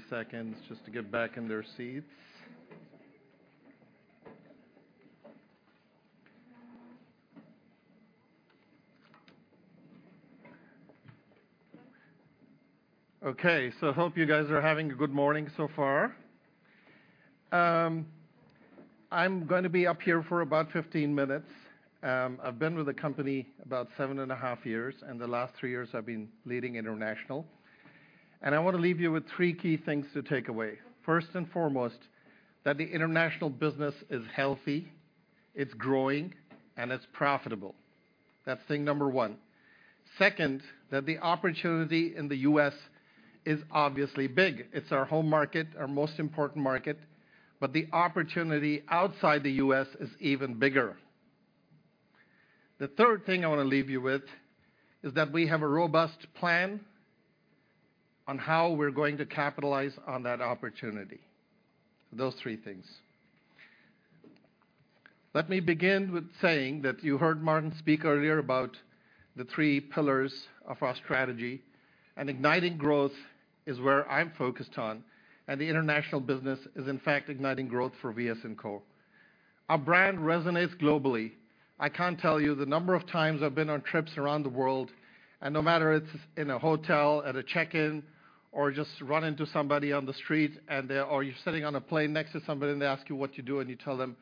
All right. Thank you. Give folks another 30 seconds just to get back in their seats. Okay, so hope you guys are having a good morning so far. I'm going to be up here for about 15 minutes. I've been with the company about 7.5 years, and the last three years I've been leading international. I want to leave you with three key things to take away. First and foremost, that the international business is healthy, it's growing, and it's profitable. That's thing number one. Second, that the opportunity in the U.S. is obviously big. It's our home market, our most important market, but the opportunity outside the U.S. is even bigger. The third thing I want to leave you with is that we have a robust plan on how we're going to capitalize on that opportunity. Those three things. Let me begin with saying that you heard Martin speak earlier about the three pillars of our strategy, and igniting growth is where I'm focused on, and the international business is, in fact, igniting growth for VS&Co. Our brand resonates globally. I can't tell you the number of times I've been on trips around the world, and no matter it's in a hotel, at a check-in, or just run into somebody on the street or you're sitting on a plane next to somebody, and they ask you what you do, and you tell them,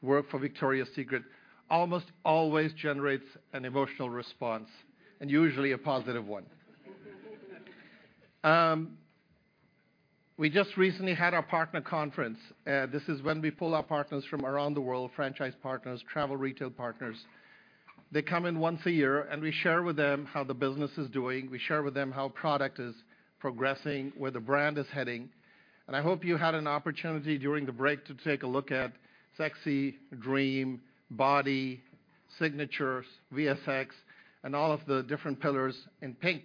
"I work for Victoria's Secret," almost always generates an emotional response and usually a positive one. We just recently had our partner conference. This is when we pull our partners from around the world, franchise partners, travel retail partners. They come in once a year, and we share with them how the business is doing. We share with them how product is progressing, where the brand is heading. I hope you had an opportunity during the break to take a look at Sexy, Dream, Body, Signatures, VSX, and all of the different pillars in PINK.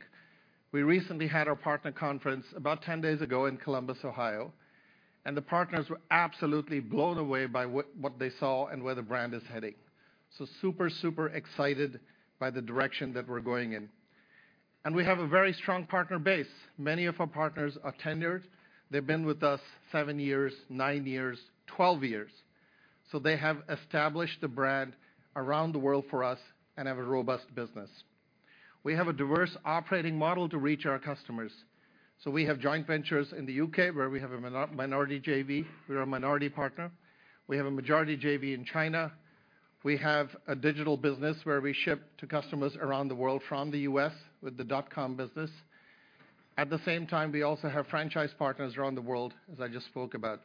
We recently had our partner conference about 10 days ago in Columbus, Ohio, and the partners were absolutely blown away by what, what they saw and where the brand is heading. Super, super excited by the direction that we're going in. We have a very strong partner base. Many of our partners are tenured. They've been with us seven years, nine years, 12 years, so they have established the brand around the world for us and have a robust business. We have a diverse operating model to reach our customers, so we have joint ventures in the U.K., where we have a minority JV. We're a minority partner. We have a majority JV in China. We have a digital business where we ship to customers around the world from the US with the dot-com business. At the same time, we also have franchise partners around the world, as I just spoke about.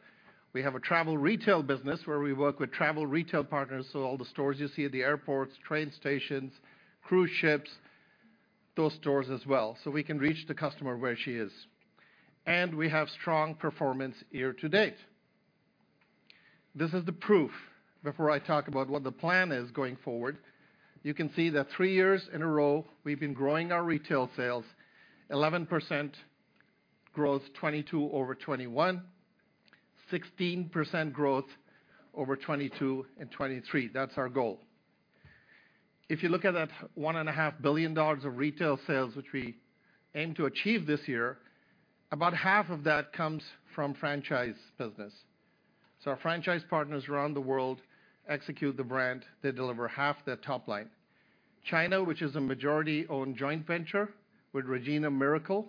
We have a travel retail business where we work with travel retail partners, so all the stores you see at the airports, train stations, cruise ships, those stores as well. So we can reach the customer where she is. We have strong performance year to date. This is the proof. Before I talk about what the plan is going forward, you can see that three years in a row, we've been growing our retail sales. 11% growth, 2022 over 2021. 16% growth over 2022 and 2023. That's our goal. If you look at that $1.5 billion of retail sales, which we aim to achieve this year, about half of that comes from franchise business. So our franchise partners around the world execute the brand. They deliver half the top line. China, which is a majority-owned joint venture with Regina Miracle,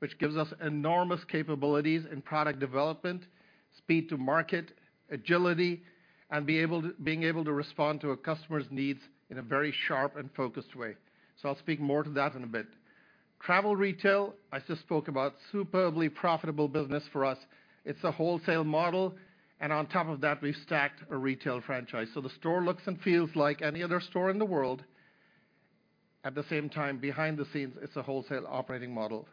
which gives us enormous capabilities in product development, speed to market, agility, and being able to respond to a customer's needs in a very sharp and focused way. So I'll speak more to that in a bit. Travel retail, I just spoke about. Superbly profitable business for us. It's a wholesale model, and on top of that, we've stacked a retail franchise. So the store looks and feels like any other store in the world. At the same time, behind the scenes, it's a wholesale operating model,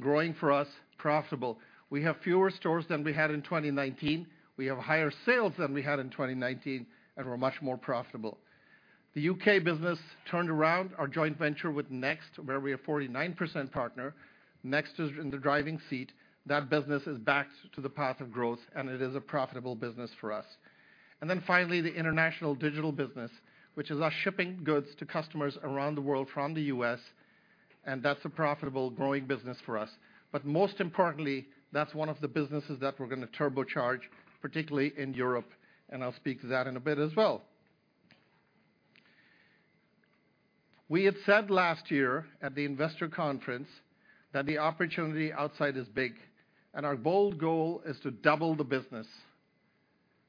growing for us, profitable. We have fewer stores than we had in 2019. We have higher sales than we had in 2019, and we're much more profitable. The U.K. business turned around. Our joint venture with Next, where we are 49% partner. Next is in the driving seat. That business is back to the path of growth, and it is a profitable business for us. And then finally, the international digital business, which is us shipping goods to customers around the world from the U.S., and that's a profitable, growing business for us. But most importantly, that's one of the businesses that we're going to turbocharge, particularly in Europe, and I'll speak to that in a bit as well. We had said last year at the investor conference that the opportunity outside is big, and our bold goal is to double the business.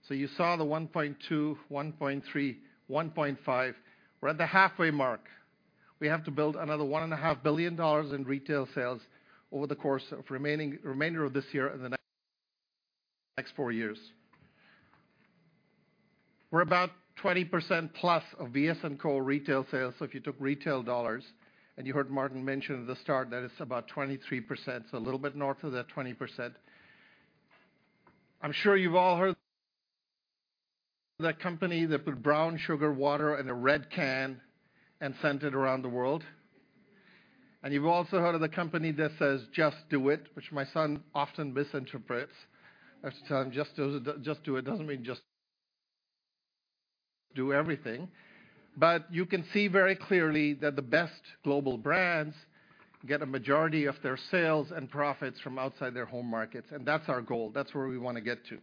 You saw the $1.2, $1.3, $1.5. We're at the halfway mark. We have to build another $1.5 billion in retail sales over the course of the remaining—remainder of this year and the next, next four years. We're about 20%+ of VS&Co retail sales. If you took retail dollars, and you heard Martin mention at the start that it's about 23%, so a little bit north of that 20%. I'm sure you've all heard... that company that put brown sugar water in a red can and sent it around the world. You've also heard of the company that says, "Just do it," which my son often misinterprets. I have to tell him, "Just do it doesn't mean just do everything. But you can see very clearly that the best global brands get a majority of their sales and profits from outside their home markets, and that's our goal. That's where we wanna get to.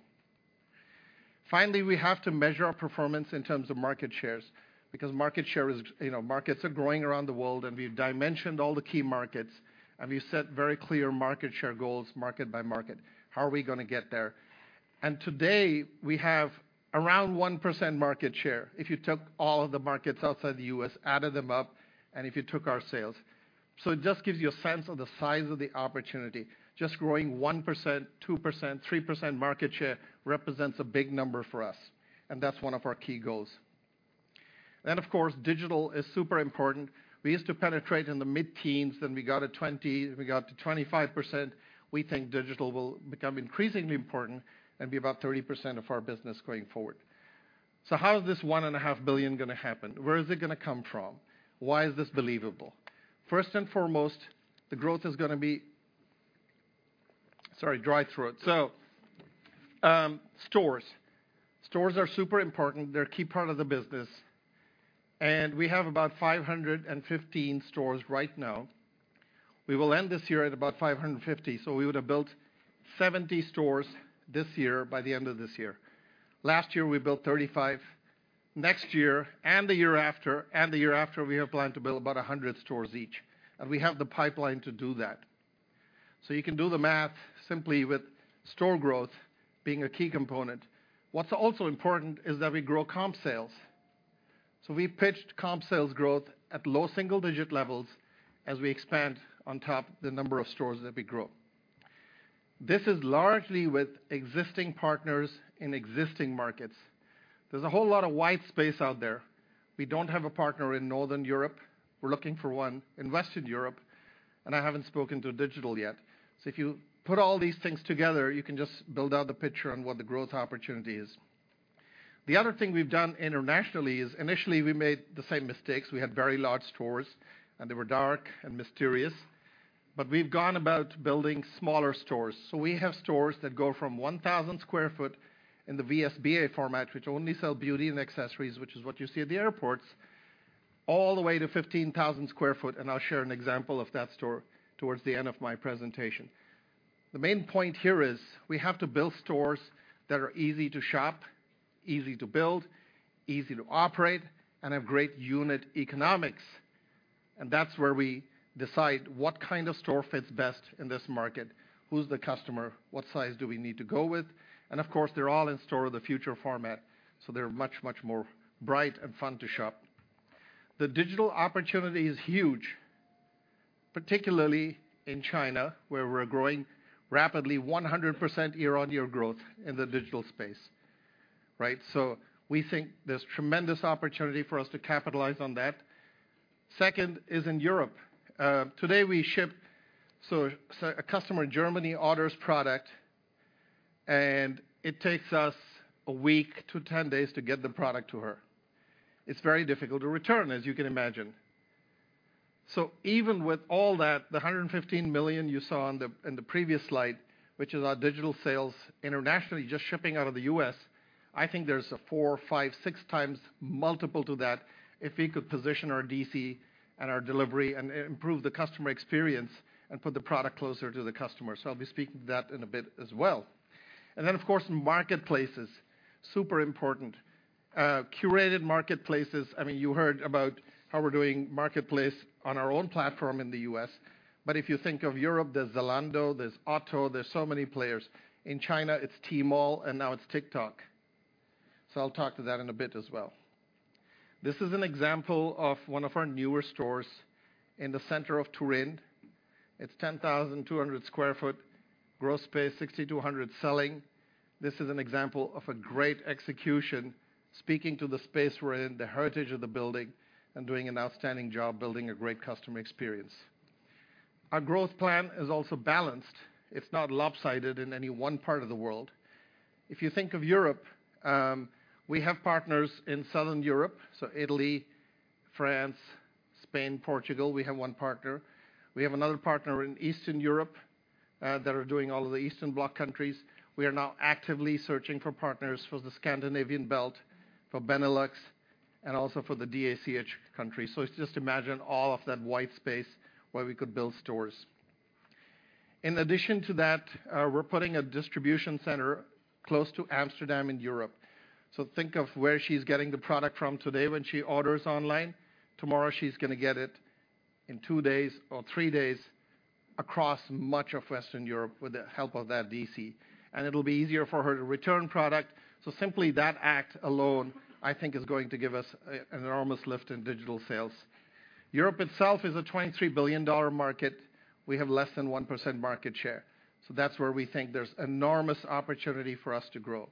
Finally, we have to measure our performance in terms of market shares, because market share is, you know, markets are growing around the world and we've dimensioned all the key markets, and we set very clear market share goals, market by market. How are we gonna get there? And today, we have around 1% market share. If you took all of the markets outside the U.S., added them up, and if you took our sales. So it just gives you a sense of the size of the opportunity. Just growing 1%, 2%, 3% market share represents a big number for us, and that's one of our key goals. Then, of course, digital is super important. We used to penetrate in the mid-teens, then we got to 20, we got to 25%. We think digital will become increasingly important and be about 30% of our business going forward. So how is this $1.5 billion gonna happen? Where is it gonna come from? Why is this believable? First and foremost, the growth is gonna be... Sorry, dry throat. So, stores. Stores are super important. They're a key part of the business, and we have about 515 stores right now. We will end this year at about 550. So we would have built 70 stores this year by the end of this year. Last year, we built 35. Next year, and the year after, and the year after, we have planned to build about 100 stores each, and we have the pipeline to do that. So you can do the math simply with store growth being a key component. What's also important is that we grow comp sales. So we pitched comp sales growth at low single-digit levels as we expand on top the number of stores that we grow. This is largely with existing partners in existing markets. There's a whole lot of white space out there. We don't have a partner in Northern Europe. We're looking for one in Western Europe, and I haven't spoken to digital yet. So if you put all these things together, you can just build out the picture on what the growth opportunity is. The other thing we've done internationally is initially we made the same mistakes. We had very large stores, and they were dark and mysterious, but we've gone about building smaller stores. So we have stores that go from 1,000 sq ft in the VSBA format, which only sell beauty and accessories, which is what you see at the airports, all the way to 15,000 sq ft, and I'll share an example of that store towards the end of my presentation. The main point here is, we have to build stores that are easy to shop, easy to build, easy to operate, and have great unit economics. And that's where we decide what kind of store fits best in this market. Who's the customer? What size do we need to go with? And of course, they're all in Store of the Future format, so they're much, much more bright and fun to shop. The digital opportunity is huge, particularly in China, where we're growing rapidly 100% year-on-year growth in the digital space, right? So we think there's tremendous opportunity for us to capitalize on that. Second is in Europe. Today, we ship—so a customer in Germany orders product, and it takes us a week to 10 days to get the product to her. It's very difficult to return, as you can imagine. So even with all that, the $115 million you saw on the, in the previous slide, which is our digital sales internationally, just shipping out of the US, I think there's a four to six times multiple to that if we could position our D.C. and our delivery and improve the customer experience, and put the product closer to the customer. So I'll be speaking to that in a bit as well. And then, of course, marketplaces, super important. Curated marketplaces, I mean, you heard about how we're doing marketplace on our own platform in the US, but if you think of Europe, there's Zalando, there's Otto, there's so many players. In China, it's Tmall, and now it's TikTok. So I'll talk to that in a bit as well. This is an example of one of our newer stores in the center of Turin. It's 10,200 sq ft, gross space, 6,200 selling. This is an example of a great execution, speaking to the space we're in, the heritage of the building, and doing an outstanding job building a great customer experience. Our growth plan is also balanced. It's not lopsided in any one part of the world. If you think of Europe, we have partners in Southern Europe, so Italy, France, Spain, Portugal, we have one partner. We have another partner in Eastern Europe, that are doing all of the Eastern Bloc countries. We are now actively searching for partners for the Scandinavian belt, for Benelux, and also for the DACH countries. So it's just imagine all of that white space where we could build stores. In addition to that, we're putting a distribution center close to Amsterdam in Europe. Think of where she's getting the product from today when she orders online. Tomorrow, she's gonna get it in two days or three days across much of Western Europe with the help of that D.C. It'll be easier for her to return product. Simply that act alone, I think, is going to give us an enormous lift in digital sales. Europe itself is a $23 billion market. We have less than 1% market share. That's where we think there's enormous opportunity for us to grow.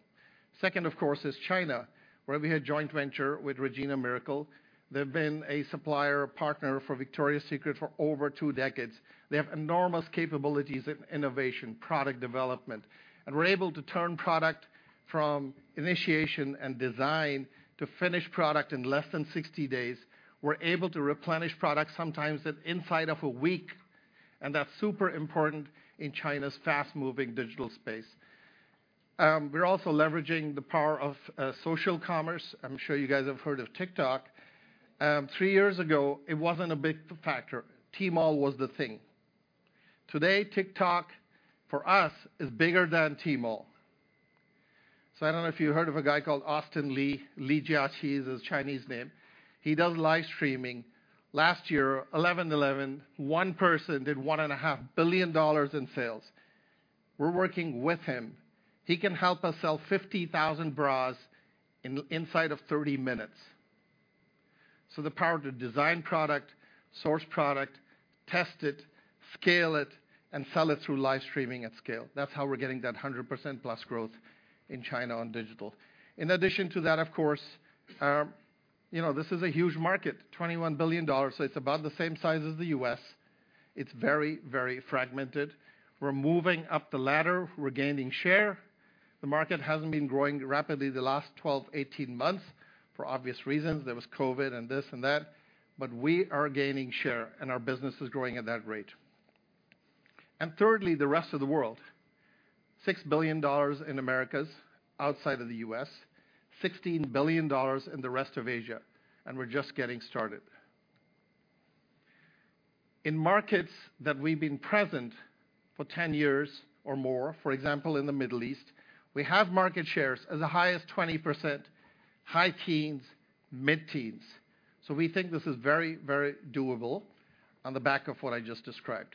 Second, of course, is China, where we have a joint venture with Regina Miracle. They've been a supplier, partner for Victoria's Secret for over two decades. They have enormous capabilities in innovation, product development, and we're able to turn product from initiation and design to finished product in less than 60 days. We're able to replenish products sometimes inside of a week, and that's super important in China's fast-moving digital space. We're also leveraging the power of social commerce. I'm sure you guys have heard of TikTok. Three years ago, it wasn't a big factor. Tmall was the thing. Today, TikTok, for us, is bigger than Tmall. So I don't know if you heard of a guy called Austin Li. Li Jiaqi is his Chinese name. He does live streaming. Last year, 11/11, one person did $1.5 billion in sales. We're working with him. He can help us sell 50,000 bras inside of 30 minutes. So the power to design product, source product, test it, scale it, and sell it through live streaming at scale. That's how we're getting that 100%+ growth in China on digital. In addition to that, of course, you know, this is a huge market, $21 billion, so it's about the same size as the U.S. It's very, very fragmented. We're moving up the ladder. We're gaining share. The market hasn't been growing rapidly the last 12, 18 months, for obvious reasons. There was COVID, and this and that, but we are gaining share, and our business is growing at that rate. And thirdly, the rest of the world. $6 billion in Americas, outside of the U.S., $16 billion in the rest of Asia, and we're just getting started. In markets that we've been present for 10 years or more, for example, in the Middle East, we have market shares as high as 20%, high teens, mid-teens, so we think this is very, very doable on the back of what I just described.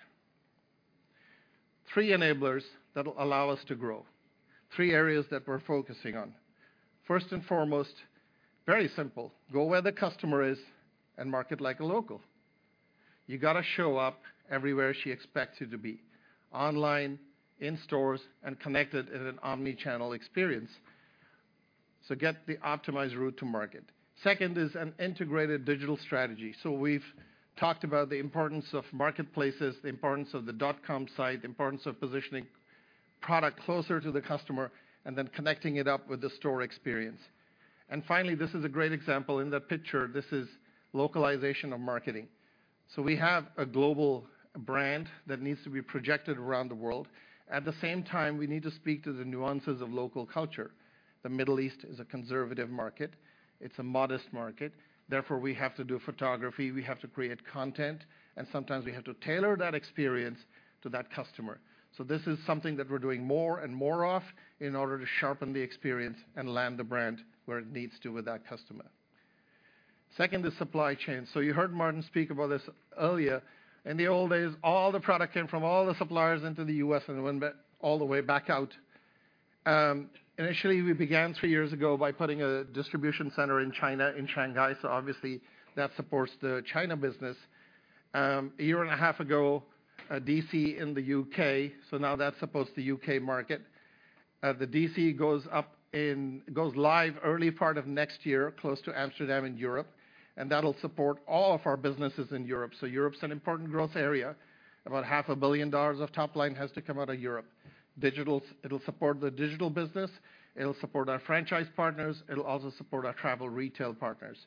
Three enablers that will allow us to grow. Three areas that we're focusing on. First and foremost, very simple: go where the customer is and market like a local. You gotta show up everywhere she expects you to be, online, in stores, and connected in an omnichannel experience. So get the optimized route to market. Second is an integrated digital strategy. So we've talked about the importance of marketplaces, the importance of the dot-com site, the importance of positioning product closer to the customer, and then connecting it up with the store experience. And finally, this is a great example. In the picture, this is localization of marketing. So we have a global brand that needs to be projected around the world. At the same time, we need to speak to the nuances of local culture. The Middle East is a conservative market. It's a modest market, therefore, we have to do photography, we have to create content, and sometimes we have to tailor that experience to that customer. So this is something that we're doing more and more of in order to sharpen the experience and land the brand where it needs to with that customer. Second is supply chain. So you heard Martin speak about this earlier. In the old days, all the product came from all the suppliers into the U.S. and went back all the way back out. Initially, we began 3 years ago by putting a distribution center in China, in Shanghai, so obviously, that supports the China business. A year and a half ago, a D.C. in the U.K., so now that supports the U.K. market. The D.C. goes live early part of next year, close to Amsterdam in Europe, and that'll support all of our businesses in Europe. Europe's an important growth area. About $500 million of top line has to come out of Europe. Digital, it'll support the digital business, it'll support our franchise partners, it'll also support our travel retail partners,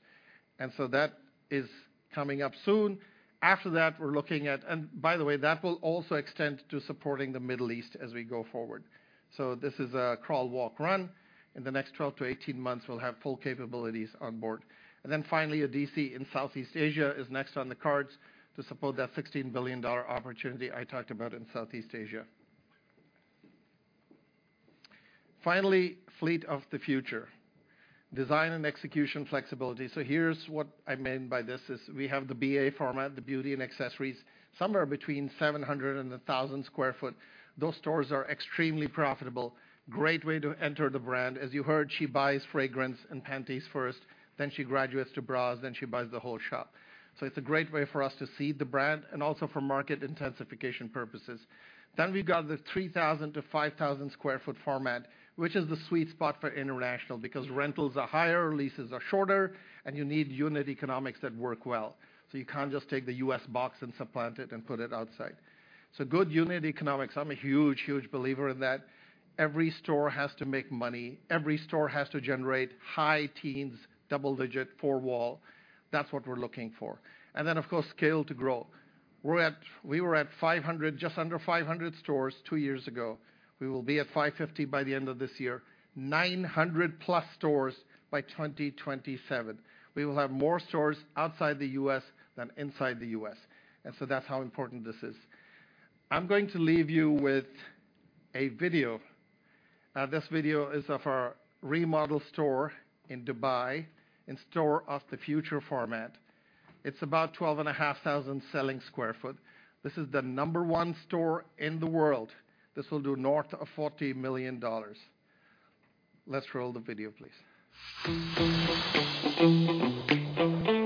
and that is coming up soon. After that, we're looking at... By the way, that will also extend to supporting the Middle East as we go forward. This is a crawl, walk, run. In the next 12-18 months, we'll have full capabilities on board. Finally, a D.C. in Southeast Asia is next on the cards to support that $16 billion opportunity I talked about in Southeast Asia. Finally, Fleet of the Future, design and execution flexibility. So here's what I mean by this, is we have the BA format, the Beauty and Accessories, somewhere between 700 and 1,000 sq ft. Those stores are extremely profitable. Great way to enter the brand. As you heard, she buys fragrance and panties first, then she graduates to bras, then she buys the whole shop. So it's a great way for us to seed the brand and also for market intensification purposes. Then we've got the 3,000-5,000 sq ft format, which is the sweet spot for international, because rentals are higher, leases are shorter, and you need unit economics that work well. So you can't just take the U.S. box and supplant it and put it outside. So good unit economics, I'm a huge, huge believer in that. Every store has to make money. Every store has to generate high teens, double-digit, four-wall. That's what we're looking for. Then, of course, scale to grow. We were at 500, just under 500 stores two years ago. We will be at 550 by the end of this year. 900+ stores by 2027. We will have more stores outside the U.S. than inside the U.S., and so that's how important this is. I'm going to leave you with a video. This video is of our remodeled store in Dubai, in Store of the Future format. It's about 12,500 selling sq ft. This is the number one store in the world. This will do north of $40 million. Let's roll the video, please.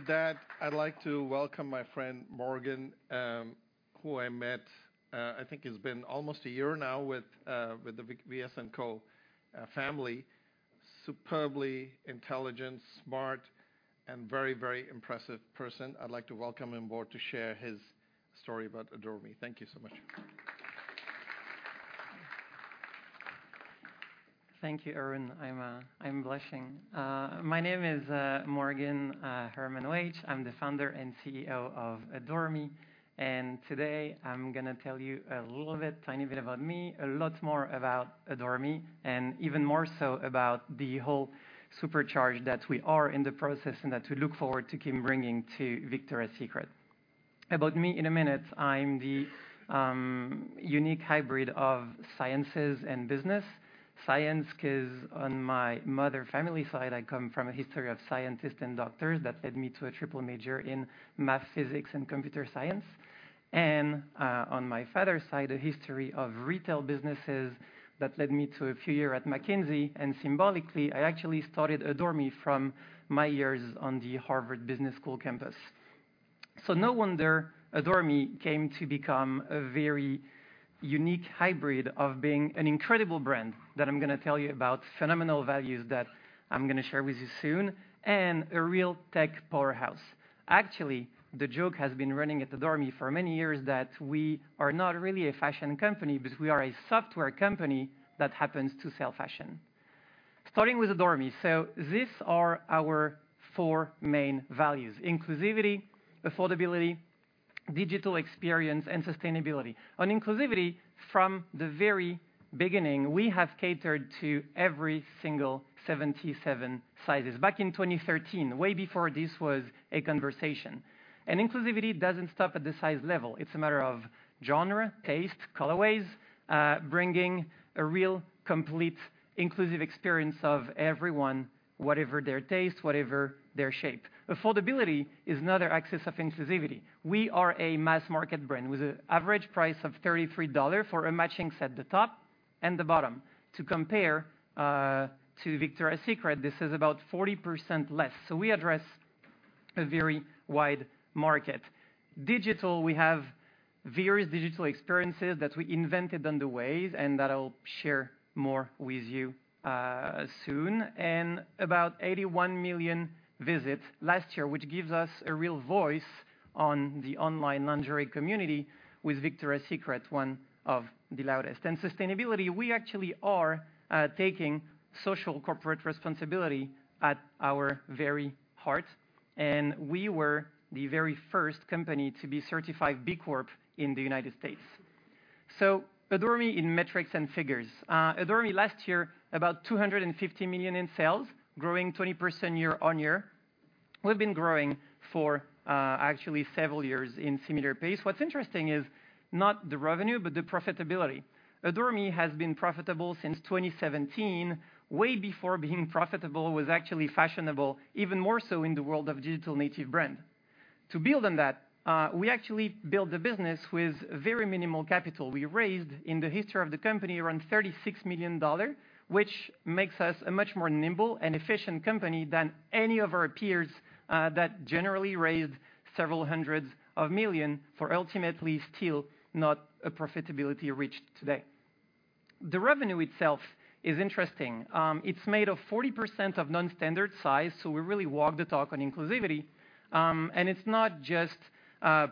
So with that, I'd like to welcome my friend Morgan, who I met, I think it's been almost a year now with the VS&Co family. Superbly intelligent, smart, and very, very impressive person. I'd like to welcome him on board to share his story about Adore Me. Thank you so much. Thank you, Arun. I'm blushing. My name is Morgan Hermand-Waiche. I'm the founder and CEO of Adore Me, and today I'm gonna tell you a little bit, tiny bit about me, a lot more about Adore Me, and even more so about the whole supercharge that we are in the process, and that we look forward to keep bringing to Victoria's Secret. About me in a minute, I'm the unique hybrid of sciences and business. Science, 'cause on my mother family side, I come from a history of scientists and doctors that led me to a triple major in math, physics, and computer science. And on my father's side, a history of retail businesses that led me to a few year at McKinsey, and symbolically, I actually started Adore Me from my years on the Harvard Business School campus. So no wonder Adore Me came to become a very unique hybrid of being an incredible brand that I'm gonna tell you about, phenomenal values that I'm gonna share with you soon, and a real tech powerhouse. Actually, the joke has been running at Adore Me for many years that we are not really a fashion company, but we are a software company that happens to sell fashion. Starting with Adore Me. So these are our four main values: inclusivity, affordability, digital experience, and sustainability. On inclusivity, from the very beginning, we have catered to every single 77 sizes. Back in 2013, way before this was a conversation. And inclusivity doesn't stop at the size level. It's a matter of genre, taste, colorways, bringing a real, complete, inclusive experience of everyone, whatever their taste, whatever their shape. Affordability is another axis of inclusivity. We are a mass market brand with an average price of $33 for a matching set, the top and the bottom. To compare to Victoria's Secret, this is about 40% less. So we address a very wide market. Digital, we have various digital experiences that we invented along the way, and that I'll share more with you soon. And about 81 million visits last year, which gives us a real voice on the online lingerie community, with Victoria's Secret, one of the loudest. And sustainability, we actually are taking social corporate responsibility at our very heart, and we were the very first company to be certified B Corp in the United States. So Adore Me in metrics and figures. Adore Me last year, about $250 million in sales, growing 20% year-over-year. We've been growing for actually several years in similar pace. What's interesting is not the revenue, but the profitability. Adore Me has been profitable since 2017, way before being profitable was actually fashionable, even more so in the world of digital native brand. To build on that, we actually built the business with very minimal capital. We raised, in the history of the company, around $36 million, which makes us a much more nimble and efficient company than any of our peers, that generally raised several hundred million for ultimately still not a profitability reached today. The revenue itself is interesting. It's made of 40% of non-standard size, so we really walk the talk on inclusivity. And it's not just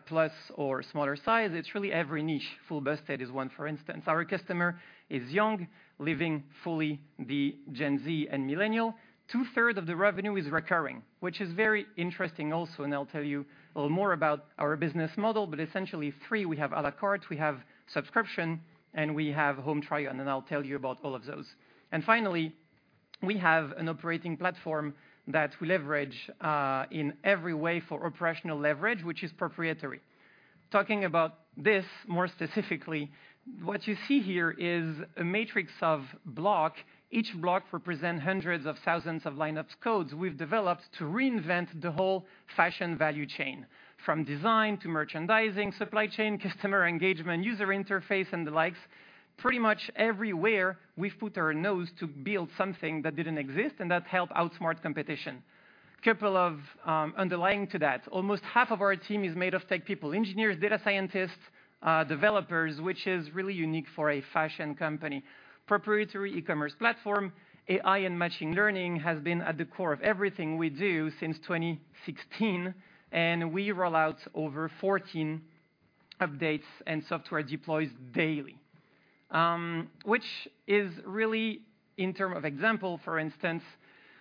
plus or smaller size, it's really every niche. Full busted is one, for instance. Our customer is young, living fully the Gen Z and millennial. Two-thirds of the revenue is recurring, which is very interesting also, and I'll tell you a little more about our business model. Essentially, we have three: we have à la carte, we have subscription, and we have home try-on, and I'll tell you about all of those. Finally, we have an operating platform that we leverage in every way for operational leverage, which is proprietary. Talking about this more specifically, what you see here is a matrix of block. Each block represents hundreds of thousands of lines of codes we've developed to reinvent the whole fashion value chain, from design to merchandising, supply chain, customer engagement, user interface, and the likes. Pretty much everywhere, we've put our nose to build something that didn't exist and that help outsmart competition. Couple of... Underlying to that, almost half of our team is made of tech people, engineers, data scientists, developers, which is really unique for a fashion company. Proprietary e-commerce platform, AI and machine learning, has been at the core of everything we do since 2016, and we roll out over 14 updates and software deploys daily. Which is really in term of example, for instance,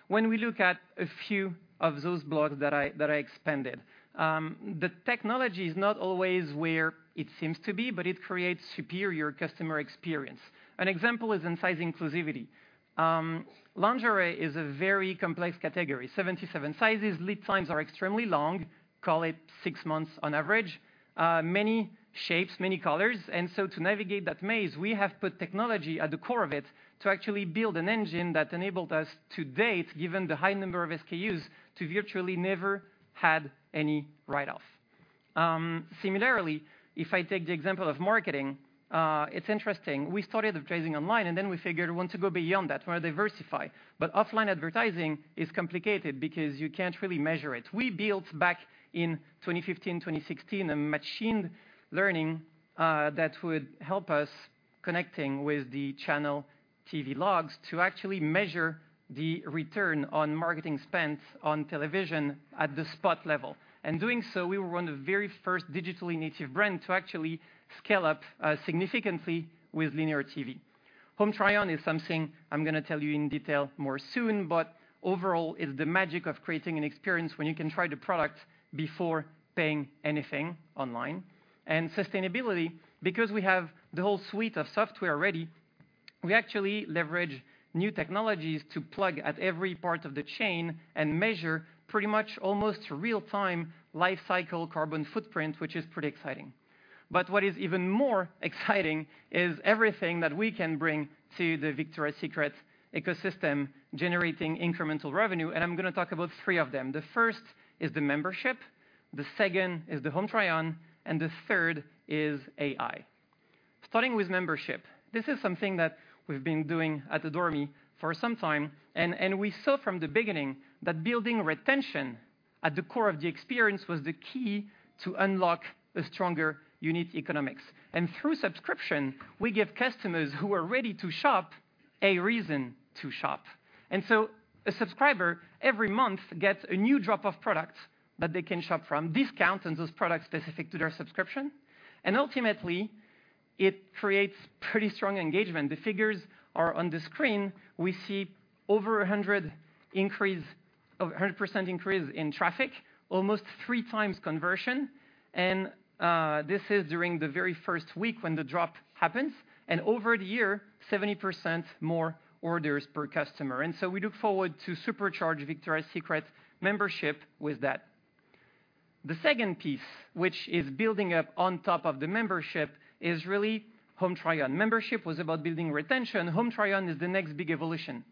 when we look at a few of those blogs that I, that I expanded, the technology is not always where it seems to be, but it creates superior customer experience. An example is in size inclusivity. Lingerie is a very complex category, 77 sizes, lead times are extremely long, call it six months on average. Many shapes, many colors, and so to navigate that maze, we have put technology at the core of it to actually build an engine that enabled us to date, given the high number of SKUs, to virtually never had any write-off. Similarly, if I take the example of marketing, it's interesting. We started advertising online, and then we figured we want to go beyond that, want to diversify. But offline advertising is complicated because you can't really measure it. We built back in 2015, 2016, a machine learning that would help us connecting with the channel TV logs to actually measure the return on marketing spends on television at the spot level. And doing so, we were one of the very first digitally native brand to actually scale up significantly with linear TV. Home Try-On is something I'm gonna tell you in detail more soon, but overall, it's the magic of creating an experience when you can try the product before paying anything online. And sustainability, because we have the whole suite of software ready, we actually leverage new technologies to plug at every part of the chain and measure pretty much almost real-time life cycle carbon footprint, which is pretty exciting. But what is even more exciting is everything that we can bring to the Victoria's Secret ecosystem, generating incremental revenue, and I'm gonna talk about three of them. The first is the membership, the second is the Home Try-On, and the third is AI. Starting with membership, this is something that we've been doing at Adore Me for some time, and we saw from the beginning that building retention at the core of the experience was the key to unlock a stronger unit economics. And through subscription, we give customers who are ready to shop a reason to shop. And so a subscriber, every month, gets a new drop of products that they can shop from, discounts on those products specific to their subscription. And ultimately, it creates pretty strong engagement. The figures are on the screen. We see over 100 increase, 100% increase in traffic, almost three times conversion, and this is during the very first week when the drop happens, and over the year, 70% more orders per customer. And so we look forward to supercharge Victoria's Secret membership with that. The second piece, which is building up on top of the membership, is really home try-on. Membership was about building retention. Home try-on is the next big evolution.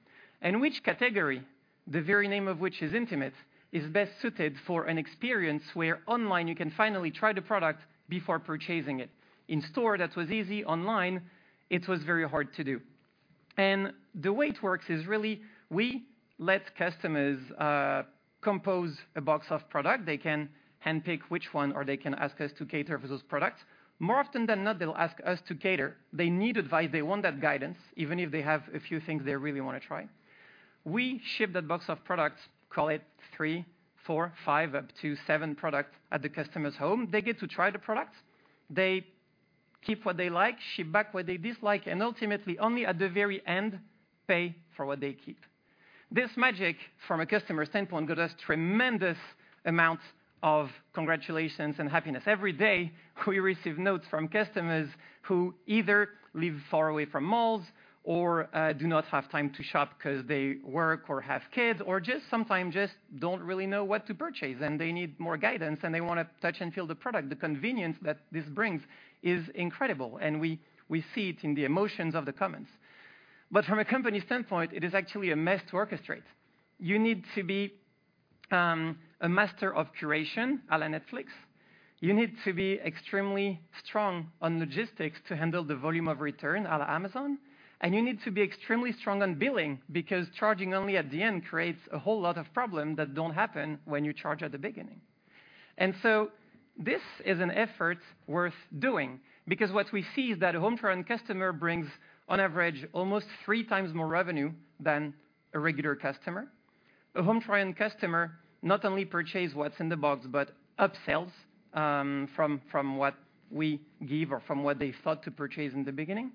And which category, the very name of which is intimate, is best suited for an experience where online you can finally try the product before purchasing it? In store, that was easy. Online, it was very hard to do. And the way it works is really we let customers compose a box of product. They can handpick which one, or they can ask us to curate for those products. More often than not, they'll ask us to curate. They need advice. They want that guidance, even if they have a few things they really want to try. We ship that box of products, call it three, four, five, up to seven products at the customer's home. They get to try the products. They keep what they like, ship back what they dislike, and ultimately, only at the very end, pay for what they keep. This magic, from a customer standpoint, got us tremendous amounts of congratulations and happiness. Every day, we receive notes from customers who either live far away from malls or, do not have time to shop because they work or have kids, or just sometimes just don't really know what to purchase, and they need more guidance, and they want to touch and feel the product. The convenience that this brings is incredible, and we, we see it in the emotions of the comments. But from a company standpoint, it is actually a mess to orchestrate. You need to be, a master of curation, à la Netflix. You need to be extremely strong on logistics to handle the volume of return à la Amazon, and you need to be extremely strong on billing because charging only at the end creates a whole lot of problem that don't happen when you charge at the beginning. So this is an effort worth doing, because what we see is that a Home Try-On customer brings, on average, almost 3x more revenue than a regular customer. A Home Try-On customer not only purchase what's in the box, but upsells from what we give or from what they thought to purchase in the beginning.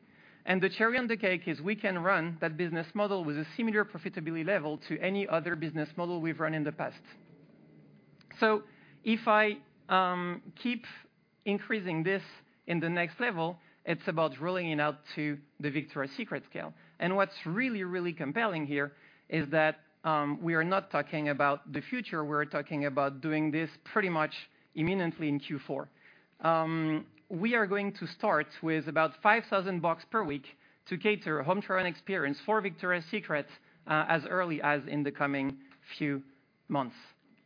The cherry on the cake is we can run that business model with a similar profitability level to any other business model we've run in the past. So if I keep increasing this in the next level, it's about rolling it out to the Victoria's Secret scale. And what's really, really compelling here is that we are not talking about the future, we're talking about doing this pretty much imminently in Q4. We are going to start with about $5,000 per week to cater a home try-on experience for Victoria's Secret, as early as in the coming few months.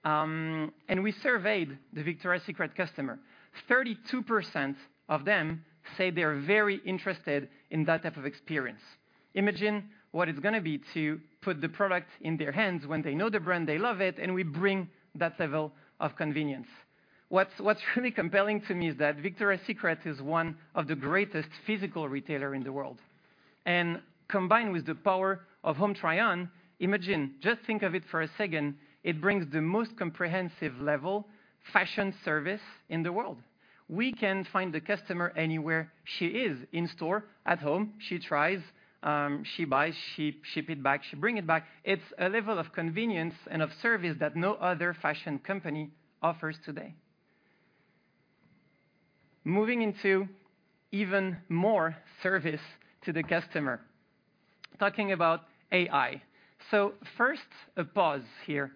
And we surveyed the Victoria's Secret customer. 32% of them say they are very interested in that type of experience. Imagine what it's gonna be to put the product in their hands when they know the brand, they love it, and we bring that level of convenience. What's really compelling to me is that Victoria's Secret is one of the greatest physical retailer in the world.... and combined with the power of home try-on, imagine, just think of it for a second, it brings the most comprehensive level fashion service in the world. We can find the customer anywhere she is, in store, at home. She tries, she buys, she ship it back, she bring it back. It's a level of convenience and of service that no other fashion company offers today. Moving into even more service to the customer, talking about AI. First, a pause here.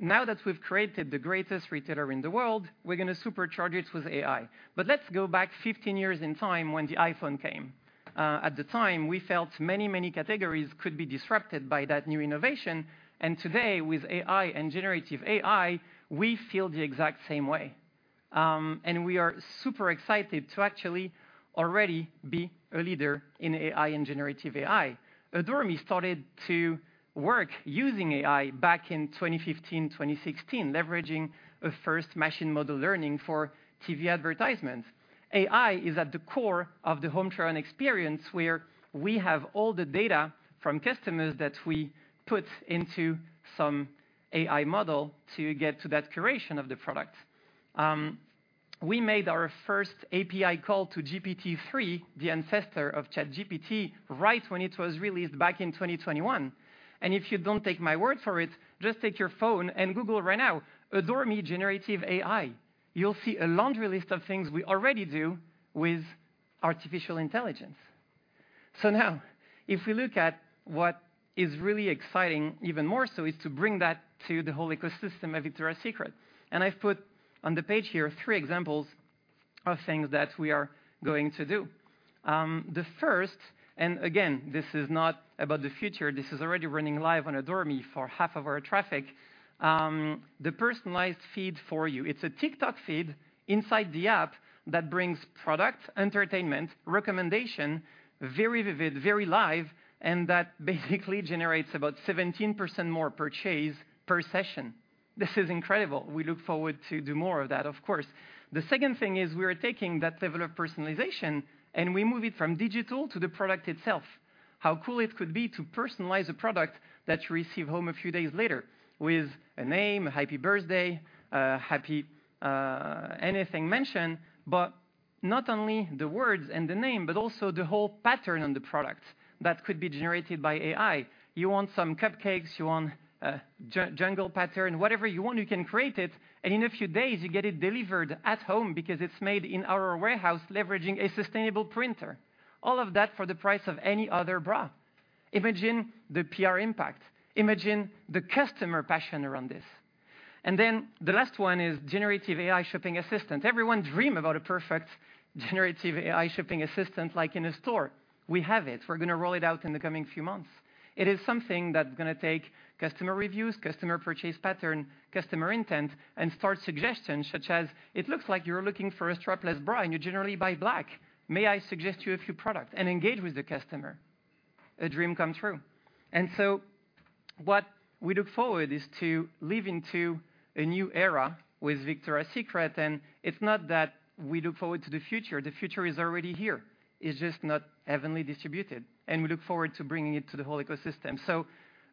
Now that we've created the greatest retailer in the world, we're gonna supercharge it with AI. Let's go back 15 years in time when the iPhone came. At the time, we felt many, many categories could be disrupted by that new innovation, and today, with AI and generative AI, we feel the exact same way. And we are super excited to actually already be a leader in AI and generative AI. Adore Me started to work using AI back in 2015, 2016, leveraging a first machine model learning for TV advertisements. AI is at the core of the Home Try-On experience, where we have all the data from customers that we put into some AI model to get to that curation of the product. We made our first API call to GPT-3, the ancestor of ChatGPT, right when it was released back in 2021. And if you don't take my word for it, just take your phone and Google right now, Adore Me generative AI. You'll see a laundry list of things we already do with artificial intelligence. So now, if we look at what is really exciting, even more so, is to bring that to the whole ecosystem of Victoria's Secret. And I've put on the page here three examples of things that we are going to do. The first, and again, this is not about the future, this is already running live on Adore Me for half of our traffic, the personalized feed for you. It's a TikTok feed inside the app that brings product, entertainment, recommendation, very vivid, very live, and that basically generates about 17% more purchase per session. This is incredible. We look forward to do more of that, of course. The second thing is we are taking that level of personalization, and we move it from digital to the product itself. How cool it could be to personalize a product that you receive home a few days later with a name, a happy birthday, a happy, anything mentioned, but not only the words and the name, but also the whole pattern on the product that could be generated by AI. You want some cupcakes, you want a jungle pattern, whatever you want, you can create it, and in a few days, you get it delivered at home because it's made in our warehouse, leveraging a sustainable printer. All of that for the price of any other bra. Imagine the PR impact, imagine the customer passion around this. And then the last one is generative AI shopping assistant. Everyone dream about a perfect generative AI shopping assistant, like in a store. We have it. We're gonna roll it out in the coming few months. It is something that's gonna take customer reviews, customer purchase pattern, customer intent, and start suggestions such as, "It looks like you're looking for a strapless bra, and you generally buy black. May I suggest to you a few product?" And engage with the customer. A dream come true. And so what we look forward is to live into a new era with Victoria's Secret, and it's not that we look forward to the future, the future is already here. It's just not evenly distributed, and we look forward to bringing it to the whole ecosystem. So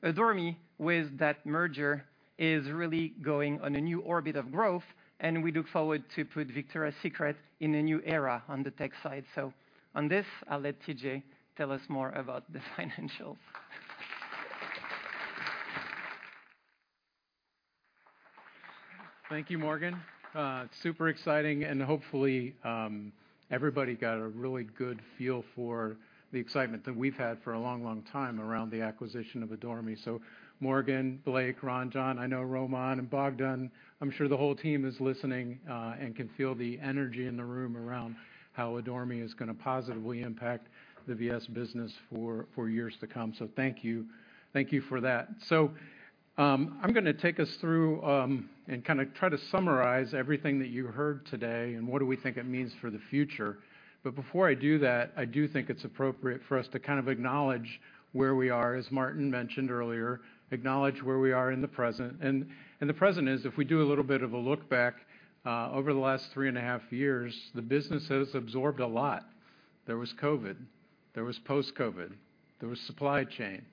Adore Me, with that merger, is really going on a new orbit of growth, and we look forward to put Victoria's Secret in a new era on the tech side. So on this, I'll let TJ tell us more about the financials. Thank you, Morgan. Super exciting, and hopefully everybody got a really good feel for the excitement that we've had for a long, long time around the acquisition of Adore Me. So Morgan, Blake, Ron, John, I know Romain and Bogdan, I'm sure the whole team is listening, and can feel the energy in the room around how Adore Me is gonna positively impact the VS business for years to come. So thank you. Thank you for that. So, I'm gonna take us through and kinda try to summarize everything that you heard today and what do we think it means for the future. But before I do that, I do think it's appropriate for us to kind of acknowledge where we are, as Martin mentioned earlier, acknowledge where we are in the present. And the present is, if we do a little bit of a look back, over the last three and a half years, the business has absorbed a lot. There was COVID, there was post-COVID, there was supply chain,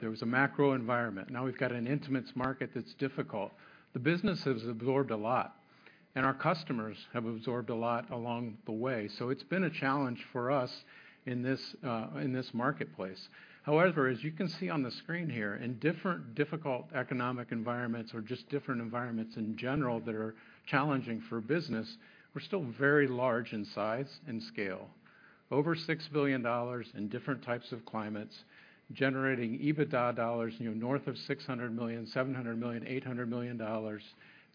there was a macro environment. Now, we've got an intimates market that's difficult. The business has absorbed a lot, and our customers have absorbed a lot along the way. So it's been a challenge for us in this marketplace. However, as you can see on the screen here, in different difficult economic environments or just different environments in general that are challenging for business, we're still very large in size and scale. Over $6 billion in different types of climates, generating EBITDA dollars, you know, north of $600 million, $700 million, $800 million,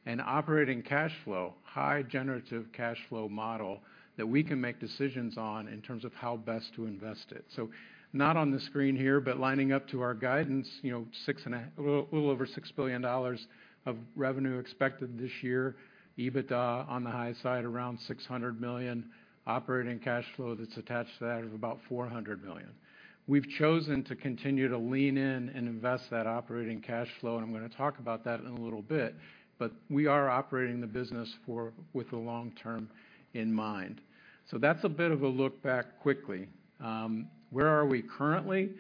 and operating cash flow, high generative cash flow model that we can make decisions on in terms of how best to invest it. So not on the screen here, but lining up to our guidance, you know, six and a little over $6 billion of revenue expected this year. EBITDA on the high side, around $600 million. Operating cash flow that's attached to that of about $400 million. We've chosen to continue to lean in and invest that operating cash flow, and I'm gonna talk about that in a little bit, but we are operating the business with the long term in mind. So that's a bit of a look back quickly. Where are we currently?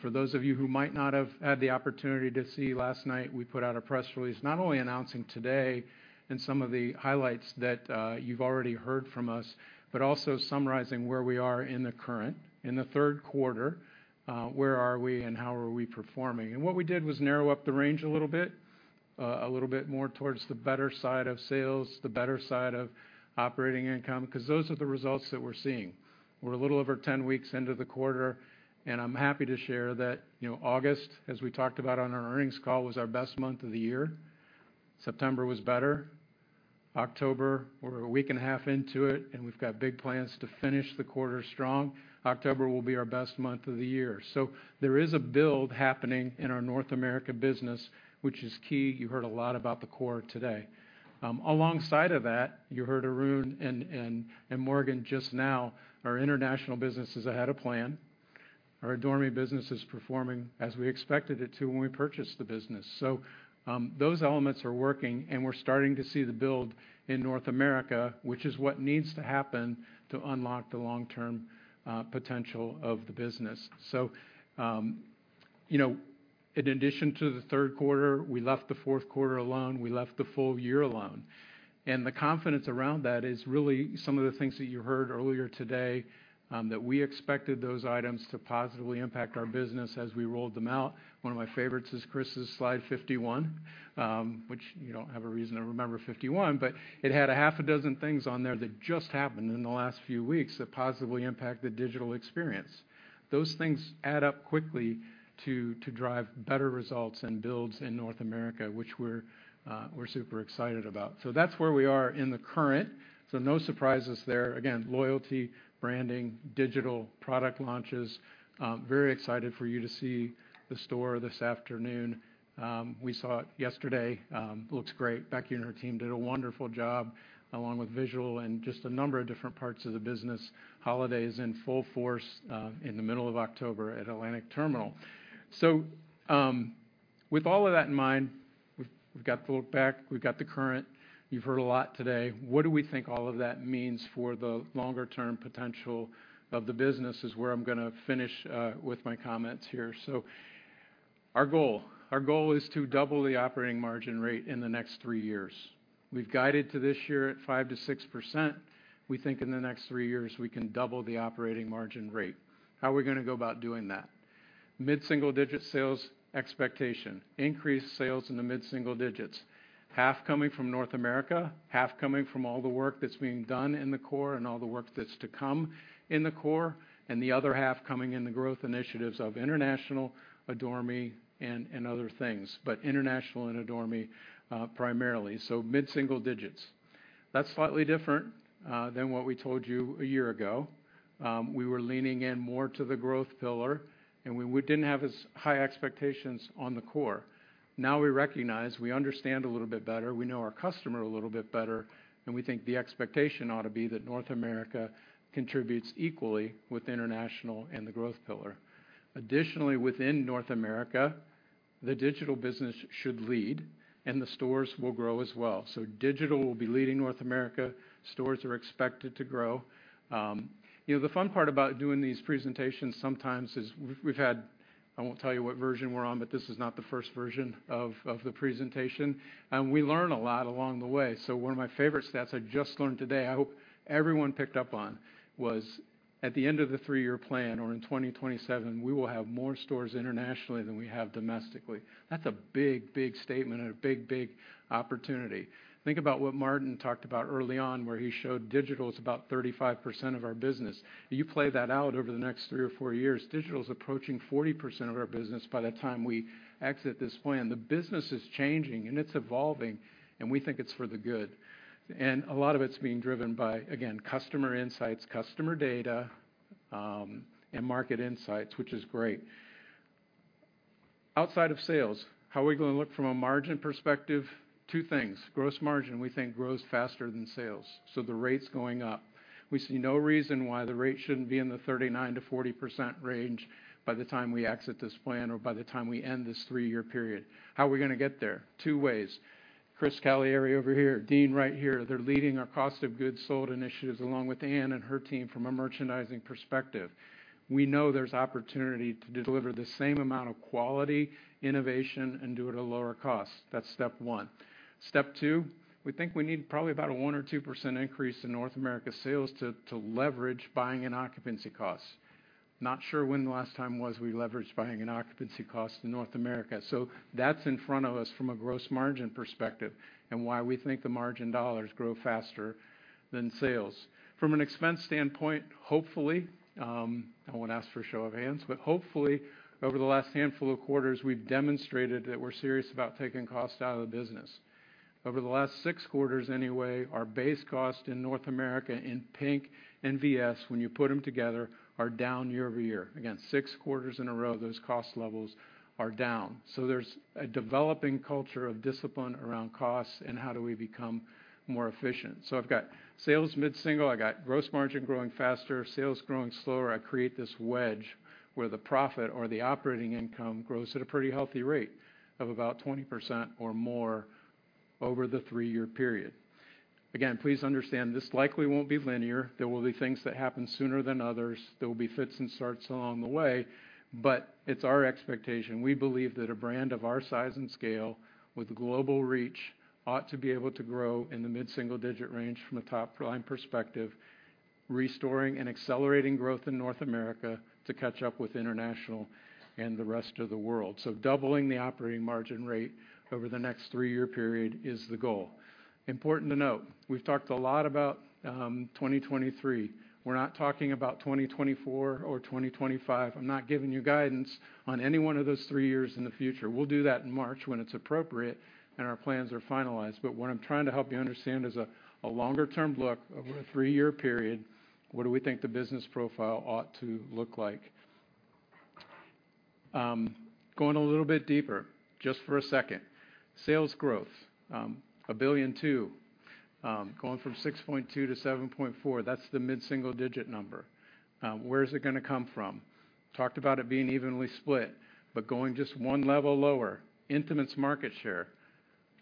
For those of you who might not have had the opportunity to see, last night, we put out a press release, not only announcing today and some of the highlights that you've already heard from us, but also summarizing where we are in the third quarter, where are we and how are we performing? And what we did was narrow up the range a little bit, a little bit more towards the better side of sales, the better side of operating income, because those are the results that we're seeing. We're a little over 10 weeks into the quarter, and I'm happy to share that, you know, August, as we talked about on our earnings call, was our best month of the year. September was better. October, we're a week and a half into it, and we've got big plans to finish the quarter strong. October will be our best month of the year. So there is a build happening in our North America business, which is key. You heard a lot about the core today. Alongside of that, you heard Arun and Morgan just now, our international business is ahead of plan. Our Adore Me business is performing as we expected it to when we purchased the business. So, those elements are working, and we're starting to see the build in North America, which is what needs to happen to unlock the long-term potential of the business. So, you know, in addition to the third quarter, we left the fourth quarter alone, we left the full year alone. The confidence around that is really some of the things that you heard earlier today, that we expected those items to positively impact our business as we rolled them out. One of my favorites is Chris's slide 51, which you don't have a reason to remember 51, but it had half a dozen things on there that just happened in the last few weeks that positively impact the digital experience. Those things add up quickly to drive better results and builds in North America, which we're super excited about. That's where we are in the current, so no surprises there. Again, loyalty, branding, digital, product launches. Very excited for you to see the store this afternoon. We saw it yesterday. Looks great. Becky and her team did a wonderful job, along with visual and just a number of different parts of the business. Holiday is in full force in the middle of October at Atlantic Terminal. So, with all of that in mind, we've got the look back, we've got the current. You've heard a lot today. What do we think all of that means for the longer term potential of the business, is where I'm gonna finish with my comments here. So our goal: our goal is to double the operating margin rate in the next three years. We've guided to this year at 5%-6%. We think in the next three years, we can double the operating margin rate. How are we gonna go about doing that? Mid-single-digit sales expectation, increased sales in the mid-single digits, half coming from North America, half coming from all the work that's being done in the core and all the work that's to come in the core, and the other half coming in the growth initiatives of international, Adore Me, and, and other things, but international and Adore Me, primarily. So mid-single digits. That's slightly different than what we told you a year ago. We were leaning in more to the growth pillar, and we, we didn't have as high expectations on the core. Now, we recognize, we understand a little bit better, we know our customer a little bit better, and we think the expectation ought to be that North America contributes equally with international and the growth pillar. Additionally, within North America, the digital business should lead and the stores will grow as well. So digital will be leading North America. Stores are expected to grow. You know, the fun part about doing these presentations sometimes is we've, we've had... I won't tell you what version we're on, but this is not the first version of, of the presentation, and we learn a lot along the way. So one of my favorite stats I just learned today, I hope everyone picked up on, was at the end of the three-year plan, or in 2027, we will have more stores internationally than we have domestically. That's a big, big statement and a big, big opportunity. Think about what Martin talked about early on, where he showed digital is about 35% of our business. You play that out over the next three or four years, digital is approaching 40% of our business by the time we exit this plan. The business is changing, and it's evolving, and we think it's for the good. And a lot of it's being driven by, again, customer insights, customer data, and market insights, which is great. Outside of sales, how are we gonna look from a margin perspective? Two things: gross margin, we think, grows faster than sales, so the rate's going up. We see no reason why the rate shouldn't be in the 39%-40% range by the time we exit this plan or by the time we end this three-year period. How are we gonna get there? Two ways: Chris Caliendo over here, Dean right here, they're leading our cost of goods sold initiatives, along with Anne and her team from a merchandising perspective. We know there's opportunity to deliver the same amount of quality, innovation, and do it at a lower cost. That's step one. Step two, we think we need probably about a 1% or 2% increase in North America sales to leverage buying and occupancy costs. Not sure when the last time was we leveraged buying and occupancy costs in North America. That's in front of us from a gross margin perspective, and why we think the margin dollars grow faster than sales. From an expense standpoint, hopefully, I won't ask for a show of hands, but hopefully, over the last handful of quarters, we've demonstrated that we're serious about taking costs out of the business. Over the last 6 quarters anyway, our base cost in North America in PINK and VS, when you put them together, are down year-over-year. Again, 6 quarters in a row, those cost levels are down. There's a developing culture of discipline around costs and how do we become more efficient. So I've got sales mid-single, I got gross margin growing faster, sales growing slower. I create this wedge where the profit or the operating income grows at a pretty healthy rate of about 20% or more over the three-year period. Again, please understand, this likely won't be linear. There will be things that happen sooner than others. There will be fits and starts along the way, but it's our expectation. We believe that a brand of our size and scale, with global reach, ought to be able to grow in the mid-single-digit range from a top-line perspective... restoring and accelerating growth in North America to catch up with international and the rest of the world. So doubling the operating margin rate over the next three-year period is the goal. Important to note, we've talked a lot about 2023. We're not talking about 2024 or 2025. I'm not giving you guidance on any one of those three years in the future. We'll do that in March when it's appropriate, and our plans are finalized. But what I'm trying to help you understand is a longer-term look over a three-year period, what do we think the business profile ought to look like? Going a little bit deeper, just for a second. Sales growth, $1.2 billion, going from $6.2 billion to $7.4 billion, that's the mid-single digit number. Where is it gonna come from? Talked about it being evenly split, but going just one level lower, intimates market share.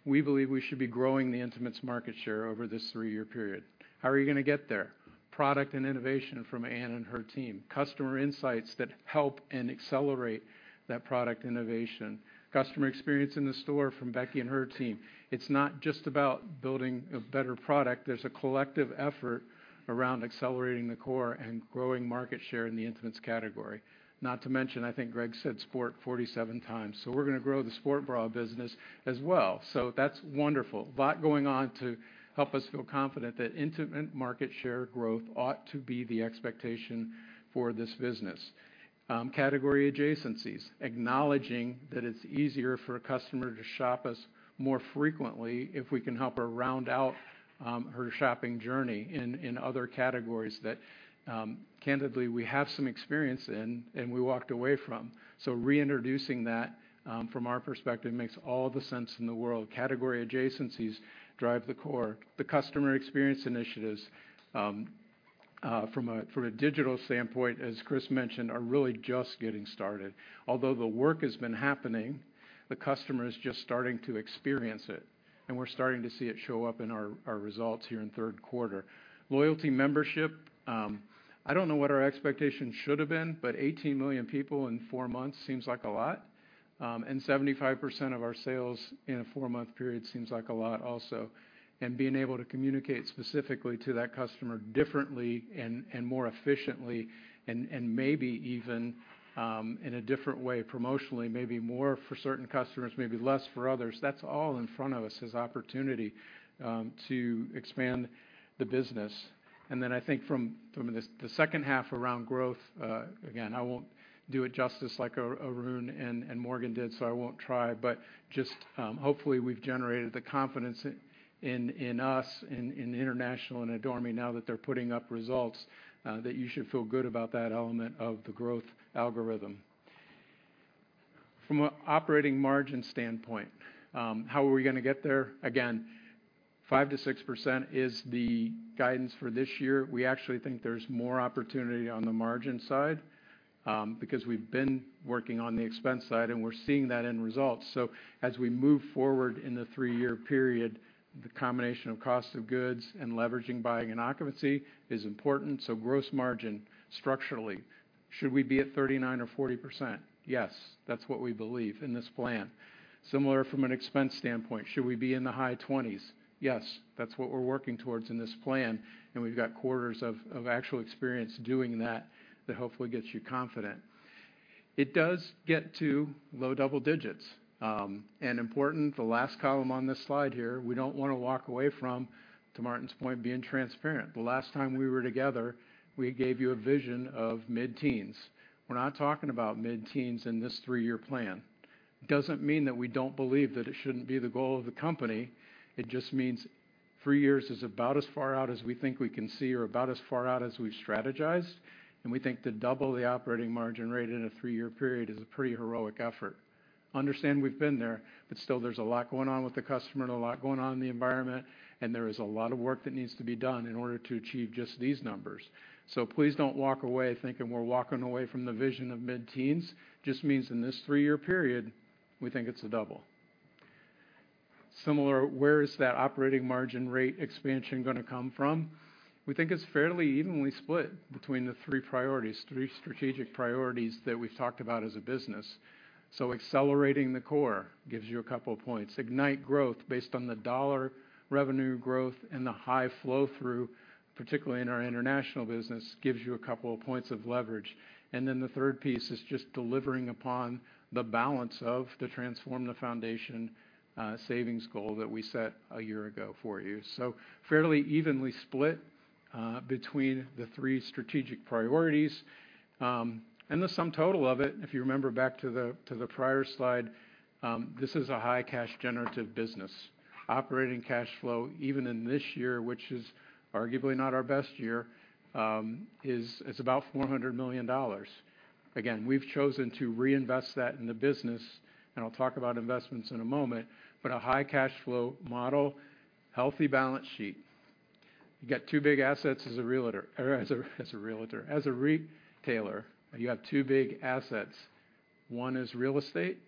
We believe we should be growing the intimates market share over this three-year period. How are you gonna get there? Product and innovation from Anne and her team, customer insights that help and accelerate that product innovation, customer experience in the store from Becky and her team. It's not just about building a better product. There's a collective effort around Accelerating the Core and growing market share in the intimates category. Not to mention, I think Greg said sport 47 times, so we're gonna grow the sport bra business as well. So that's wonderful. A lot going on to help us feel confident that intimate market share growth ought to be the expectation for this business. Category adjacencies, acknowledging that it's easier for a customer to shop us more frequently if we can help her round out her shopping journey in other categories that, candidly, we have some experience in and we walked away from. So reintroducing that, from our perspective, makes all the sense in the world. Category adjacencies drive the core. The customer experience initiatives, from a digital standpoint, as Chris mentioned, are really just getting started. Although the work has been happening, the customer is just starting to experience it, and we're starting to see it show up in our results here in third quarter. Loyalty membership, I don't know what our expectations should have been, but 18 million people in four months seems like a lot, and 75% of our sales in a four-month period seems like a lot also. And being able to communicate specifically to that customer differently and more efficiently and maybe even in a different way, promotionally, maybe more for certain customers, maybe less for others, that's all in front of us as opportunity to expand the business. And then I think from the second half around growth, again, I won't do it justice like Arun and Morgan did, so I won't try, but just hopefully we've generated the confidence in us, in international and Adore Me, now that they're putting up results, that you should feel good about that element of the growth algorithm. From an operating margin standpoint, how are we gonna get there? Again, 5%-6% is the guidance for this year. We actually think there's more opportunity on the margin side, because we've been working on the expense side, and we're seeing that in results. As we move forward in the three-year period, the combination of cost of goods and leveraging buying and occupancy is important, so gross margin, structurally, should we be at 39% or 40%? Yes, that's what we believe in this plan. Similar from an expense standpoint, should we be in the high 20s? Yes, that's what we're working towards in this plan, and we've got quarters of actual experience doing that, that hopefully gets you confident. It does get to low double digits. Important, the last column on this slide here, we don't wanna walk away from, to Martin's point, being transparent. The last time we were together, we gave you a vision of mid-teens. We're not talking about mid-teens in this three-year plan. Doesn't mean that we don't believe that it shouldn't be the goal of the company, it just means three years is about as far out as we think we can see or about as far out as we've strategized, and we think to double the operating margin rate in a three-year period is a pretty heroic effort. Understand we've been there, but still there's a lot going on with the customer and a lot going on in the environment, and there is a lot of work that needs to be done in order to achieve just these numbers. So please don't walk away thinking we're walking away from the vision of mid-teens, just means in this three-year period, we think it's a double. Similar, where is that operating margin rate expansion gonna come from? We think it's fairly evenly split between the three priorities, three strategic priorities that we've talked about as a business. So Accelerating the Core gives you a couple of points. Ignite Growth based on the dollar revenue growth and the high flow through, particularly in our international business, gives you a couple of points of leverage. And then the third piece is just delivering upon the balance of the Transform the Foundation savings goal that we set a year ago for you. So fairly evenly split between the three strategic priorities. And the sum total of it, if you remember back to the prior slide, this is a high cash generative business. Operating cash flow, even in this year, which is arguably not our best year, is—it's about $400 million. Again, we've chosen to reinvest that in the business, and I'll talk about investments in a moment, but a high cash flow model, healthy balance sheet. You got two big assets as a realtor—or as a retailer. As a retailer, you have two big assets. One is real estate...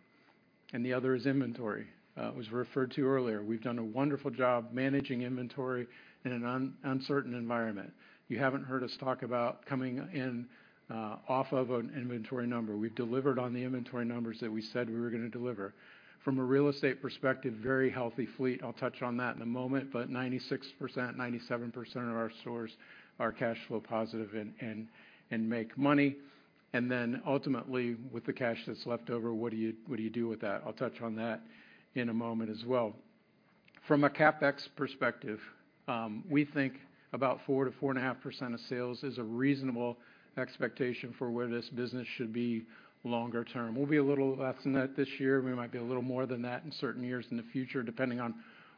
and the other is inventory. It was referred to earlier. We've done a wonderful job managing inventory in an uncertain environment. You haven't heard us talk about coming in off of an inventory number. We've delivered on the inventory numbers that we said we were gonna deliver. From a real estate perspective, very healthy fleet. I'll touch on that in a moment, but 96%, 97% of our stores are cash flow positive and make money. Then ultimately, with the cash that's left over, what do you, what do you do with that? I'll touch on that in a moment as well. From a CapEx perspective, we think about 4%-4.5% of sales is a reasonable expectation for where this business should be longer term. We'll be a little less than that this year. We might be a little more than that in certain years in the future, depending on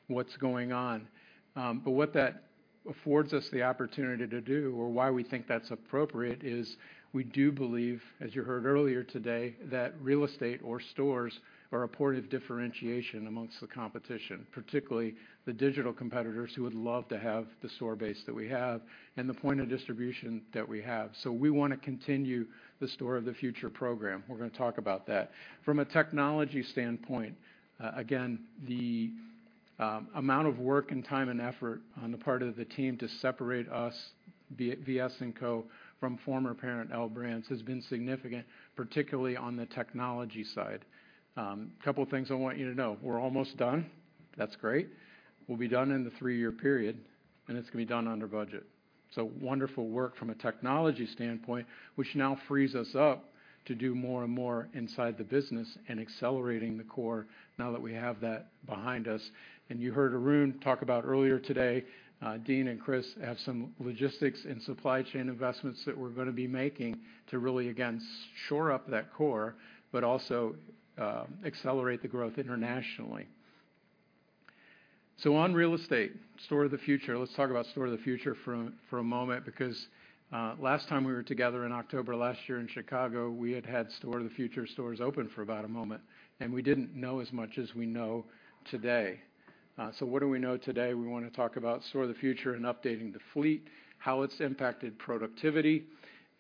what's going on. But what that affords us the opportunity to do, or why we think that's appropriate, is we do believe, as you heard earlier today, that real estate or stores are a point of differentiation among the competition, particularly the digital competitors, who would love to have the store base that we have and the point of distribution that we have. So we want to continue the Store of the Future program. We're gonna talk about that. From a technology standpoint, again, the amount of work and time and effort on the part of the team to separate us, VS&Co, from former parent L Brands, has been significant, particularly on the technology side. Couple of things I want you to know. We're almost done. That's great. We'll be done in the three-year period, and it's gonna be done under budget. So wonderful work from a technology standpoint, which now frees us up to do more and more inside the business and Accelerating the Core now that we have that behind us. And you heard Arun talk about earlier today, Dean and Chris have some logistics and supply chain investments that we're gonna be making to really, again, shore up that core, but also, accelerate the growth internationally. So on real estate, Store of the Future. Let's talk about Store of the Future for a moment, because last time we were together in October last year in Chicago, we had had Store of the Future stores open for about a moment, and we didn't know as much as we know today. So what do we know today? We want to talk about Store of the Future and updating the fleet, how it's impacted productivity,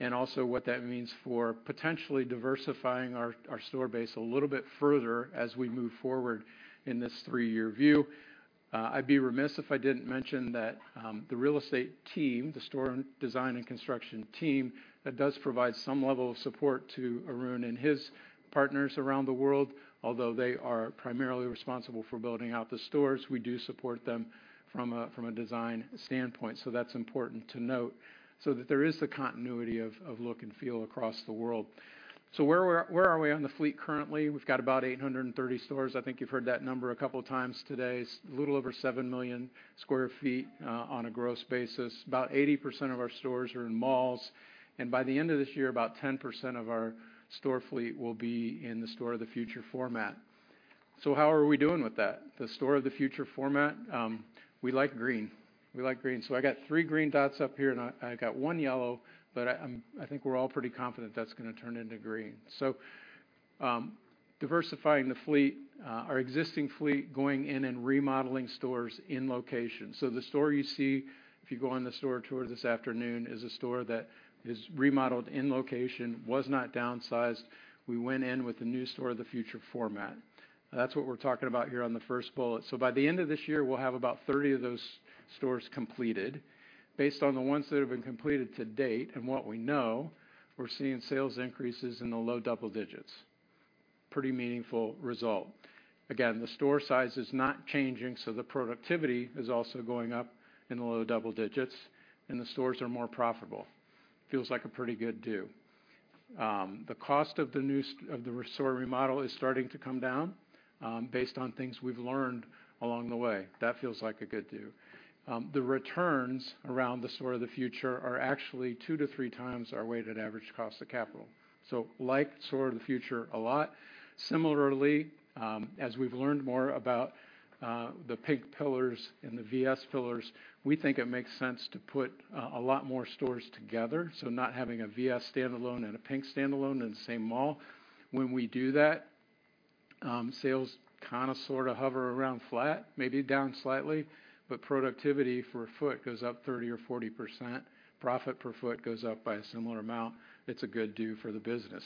and also what that means for potentially diversifying our store base a little bit further as we move forward in this three-year view. I'd be remiss if I didn't mention that, the real estate team, the store design and construction team, that does provide some level of support to Arun and his partners around the world. Although they are primarily responsible for building out the stores, we do support them from a, from a design standpoint. So that's important to note, so that there is the continuity of, of look and feel across the world. So where are we, where are we on the fleet currently? We've got about 830 stores. I think you've heard that number a couple of times today. It's a little over 7 million sq ft, on a gross basis. About 80% of our stores are in malls, and by the end of this year, about 10% of our store fleet will be in the Store of the Future format. So how are we doing with that? The Store of the Future format, we like green. We like green, so I got three green dots up here, and I got one yellow, but I think we're all pretty confident that's gonna turn into green. So, diversifying the fleet, our existing fleet, going in and remodeling stores in location. So the store you see, if you go on the store tour this afternoon, is a store that is remodeled in location, was not downsized. We went in with the new Store of the Future format. That's what we're talking about here on the first bullet. So by the end of this year, we'll have about 30 of those stores completed. Based on the ones that have been completed to date and what we know, we're seeing sales increases in the low double digits. Pretty meaningful result. Again, the store size is not changing, so the productivity is also going up in the low double digits, and the stores are more profitable. Feels like a pretty good do. The cost of the new store remodel is starting to come down, based on things we've learned along the way. That feels like a good do. The returns around the Store of the Future are actually two three times our weighted average cost of capital. So like Store of the Future a lot. Similarly, as we've learned more about the PINK pillars and the VS pillars, we think it makes sense to put a lot more stores together, so not having a VS standalone and a PINK standalone in the same mall. When we do that, sales kind of sort of hover around flat, maybe down slightly, but productivity for a foot goes up 30% or 40%. Profit per foot goes up by a similar amount. It's a good do for the business.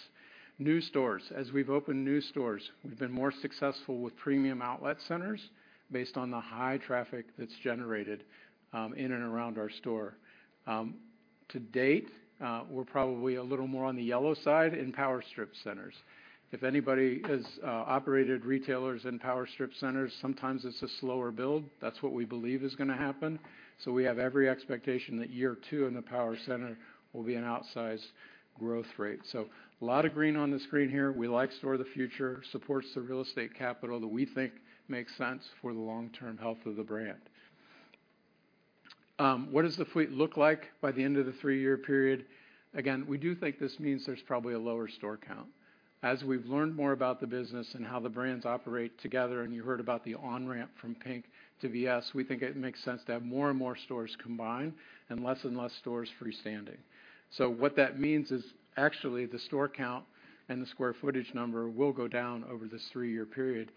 New stores. As we've opened new stores, we've been more successful with premium outlet centers based on the high traffic that's generated in and around our store. To date, we're probably a little more on the yellow side in power strip centers. If anybody has operated retailers in power strip centers, sometimes it's a slower build. That's what we believe is gonna happen. So we have every expectation that year two in the power center will be an outsized growth rate. So a lot of green on the screen here. We like Store of the Future, supports the real estate capital that we think makes sense for the long-term health of the brand. What does the fleet look like by the end of the three-year period? Again, we do think this means there's probably a lower store count. As we've learned more about the business and how the brands operate together, and you heard about the on-ramp from PINK to VS, we think it makes sense to have more and more stores combined and less and less stores freestanding. So what that means is, actually, the store count and the square footage number will go down over this three-year period,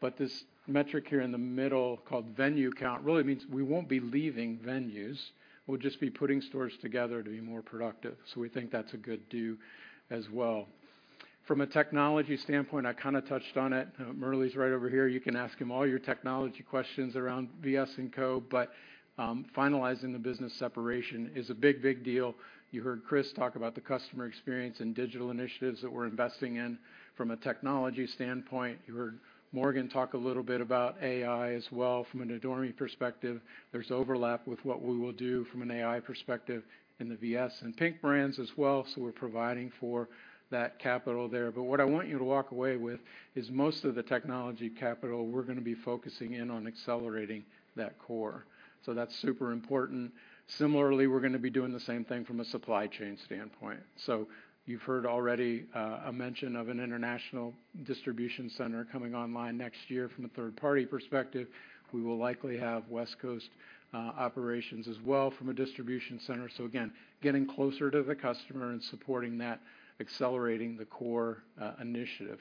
but this metric here in the middle, called venue count, really means we won't be leaving venues. We'll just be putting stores together to be more productive. We think that's a good do as well. From a technology standpoint, I kind of touched on it. Murali is right over here. You can ask him all your technology questions around VS&Co. Finalizing the business separation is a big, big deal. You heard Chris talk about the customer experience and digital initiatives that we're investing in from a technology standpoint. You heard Morgan talk a little bit about AI as well. From an Adore Me perspective, there's overlap with what we will do from an AI perspective in the VS and PINK brands as well, so we're providing for that capital there. What I want you to walk away with is most of the technology capital, we're gonna be focusing in on accelerating that core. That's super important. Similarly, we're gonna be doing the same thing from a supply chain standpoint. So you've heard already, a mention of an international distribution center coming online next year. From a third-party perspective, we will likely have West Coast operations as well from a distribution center. So again, getting closer to the customer and supporting that, Accelerating the Core initiative.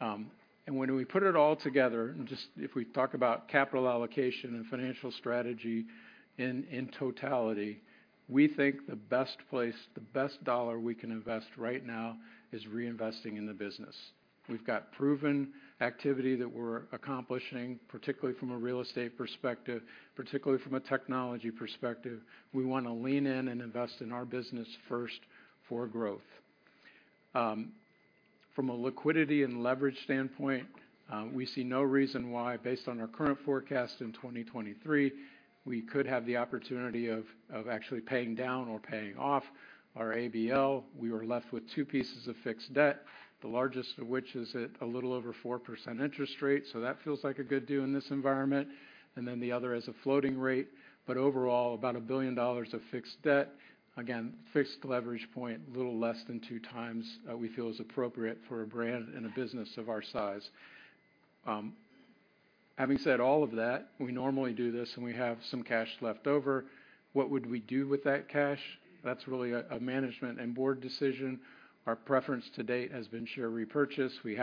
And when we put it all together, and just if we talk about capital allocation and financial strategy in, in totality, we think the best place, the best dollar we can invest right now is reinvesting in the business. We've got proven activity that we're accomplishing, particularly from a real estate perspective, particularly from a technology perspective. We want to lean in and invest in our business first for growth. From a liquidity and leverage standpoint, we see no reason why, based on our current forecast in 2023, we could have the opportunity of actually paying down or paying off our ABL. We were left with two pieces of fixed debt, the largest of which is at a little over 4% interest rate, so that feels like a good deal in this environment. And then the other is a floating rate, but overall, about $1 billion of fixed debt. Again, fixed leverage point, a little less than 2x, we feel is appropriate for a brand and a business of our size. Having said all of that, we normally do this, and we have some cash left over. What would we do with that cash? That's really a management and board decision. Our preference to date has been share repurchase. We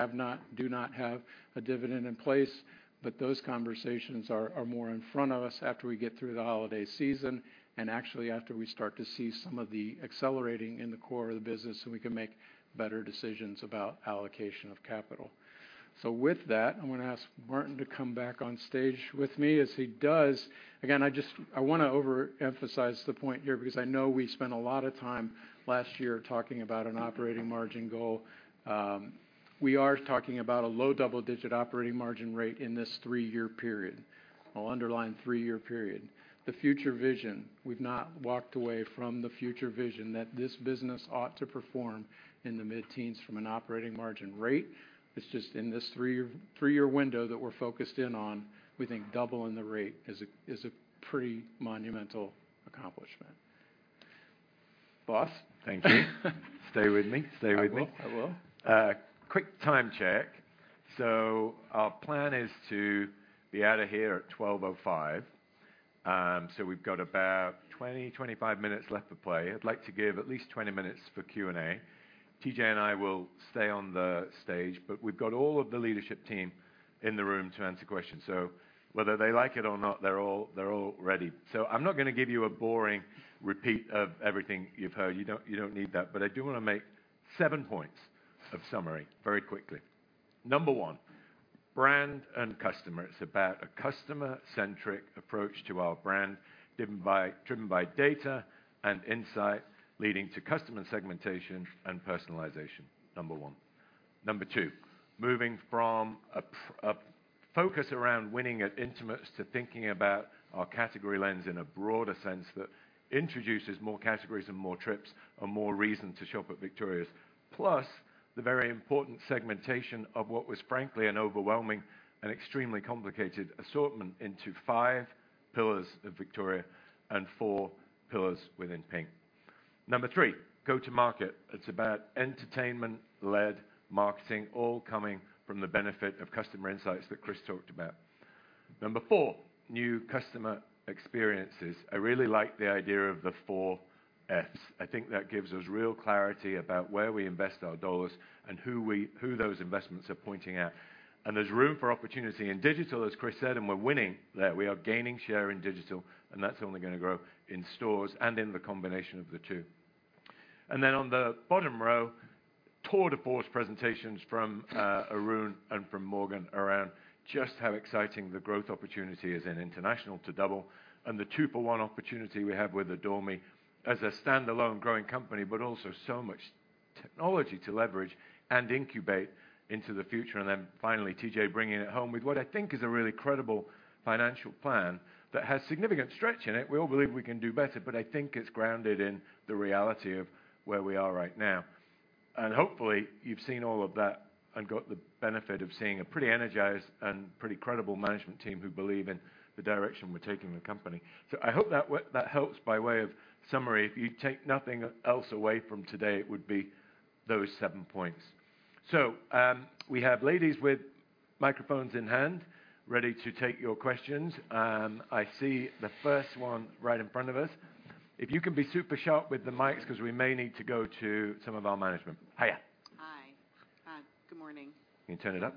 do not have a dividend in place, but those conversations are more in front of us after we get through the holiday season, and actually after we start to see some of the accelerating in the core of the business, so we can make better decisions about allocation of capital. So with that, I'm gonna ask Martin to come back on stage with me. As he does... Again, I just wanna overemphasize the point here, because I know we spent a lot of time last year talking about an operating margin goal. We are talking about a low double-digit operating margin rate in this three-year period. I'll underline three-year period. The future vision, we've not walked away from the future vision that this business ought to perform in the mid-teens from an operating margin rate. It's just in this three-year, three-year window that we're focused in on, we think doubling the rate is a, is a pretty monumental accomplishment. Boss? Thank you. Stay with me. Stay with me. I will. I will. Quick time check. So our plan is to be out of here at 12:05. So we've got about 20-25 minutes left to play. I'd like to give at least 20 minutes for Q&A. TJ and I will stay on the stage, but we've got all of the leadership team in the room to answer questions. So whether they like it or not, they're all, they're all ready. So I'm not gonna give you a boring repeat of everything you've heard. You don't, you don't need that. But I do wanna make seven points of summary very quickly. Number one, brand and customer. It's about a customer-centric approach to our brand, driven by, driven by data and insight, leading to customer segmentation and personalization, Number one. Number two, moving from a focus around winning at intimates to thinking about our category lens in a broader sense, that introduces more categories and more trips and more reason to shop at Victoria's. Plus, the very important segmentation of what was, frankly, an overwhelming and extremely complicated assortment into five pillars of Victoria and four pillars within PINK. Number three, go to market. It's about entertainment-led marketing, all coming from the benefit of customer insights that Chris talked about. Number four, new customer experiences. I really like the idea of the Four Fs. I think that gives us real clarity about where we invest our dollars and who those investments are pointing at. And there's room for opportunity in digital, as Chris said, and we're winning there. We are gaining share in digital, and that's only gonna grow in stores and in the combination of the two. And then on the bottom row, tour de force presentations from Arun and from Morgan around just how exciting the growth opportunity is in international to double, and the two-for-one opportunity we have with Adore Me as a standalone growing company, but also so much technology to leverage and incubate into the future. And then finally, TJ bringing it home with what I think is a really credible financial plan that has significant stretch in it. We all believe we can do better, but I think it's grounded in the reality of where we are right now. And hopefully, you've seen all of that and got the benefit of seeing a pretty energized and pretty credible management team who believe in the direction we're taking the company. So I hope that that helps. By way of summary, if you take nothing else away from today, it would be those seven points. So, we have ladies with microphones in hand, ready to take your questions. I see the first one right in front of us. If you can be super sharp with the mics, because we may need to go to some of our management. Hiya. Hi. Good morning. Can you turn it up?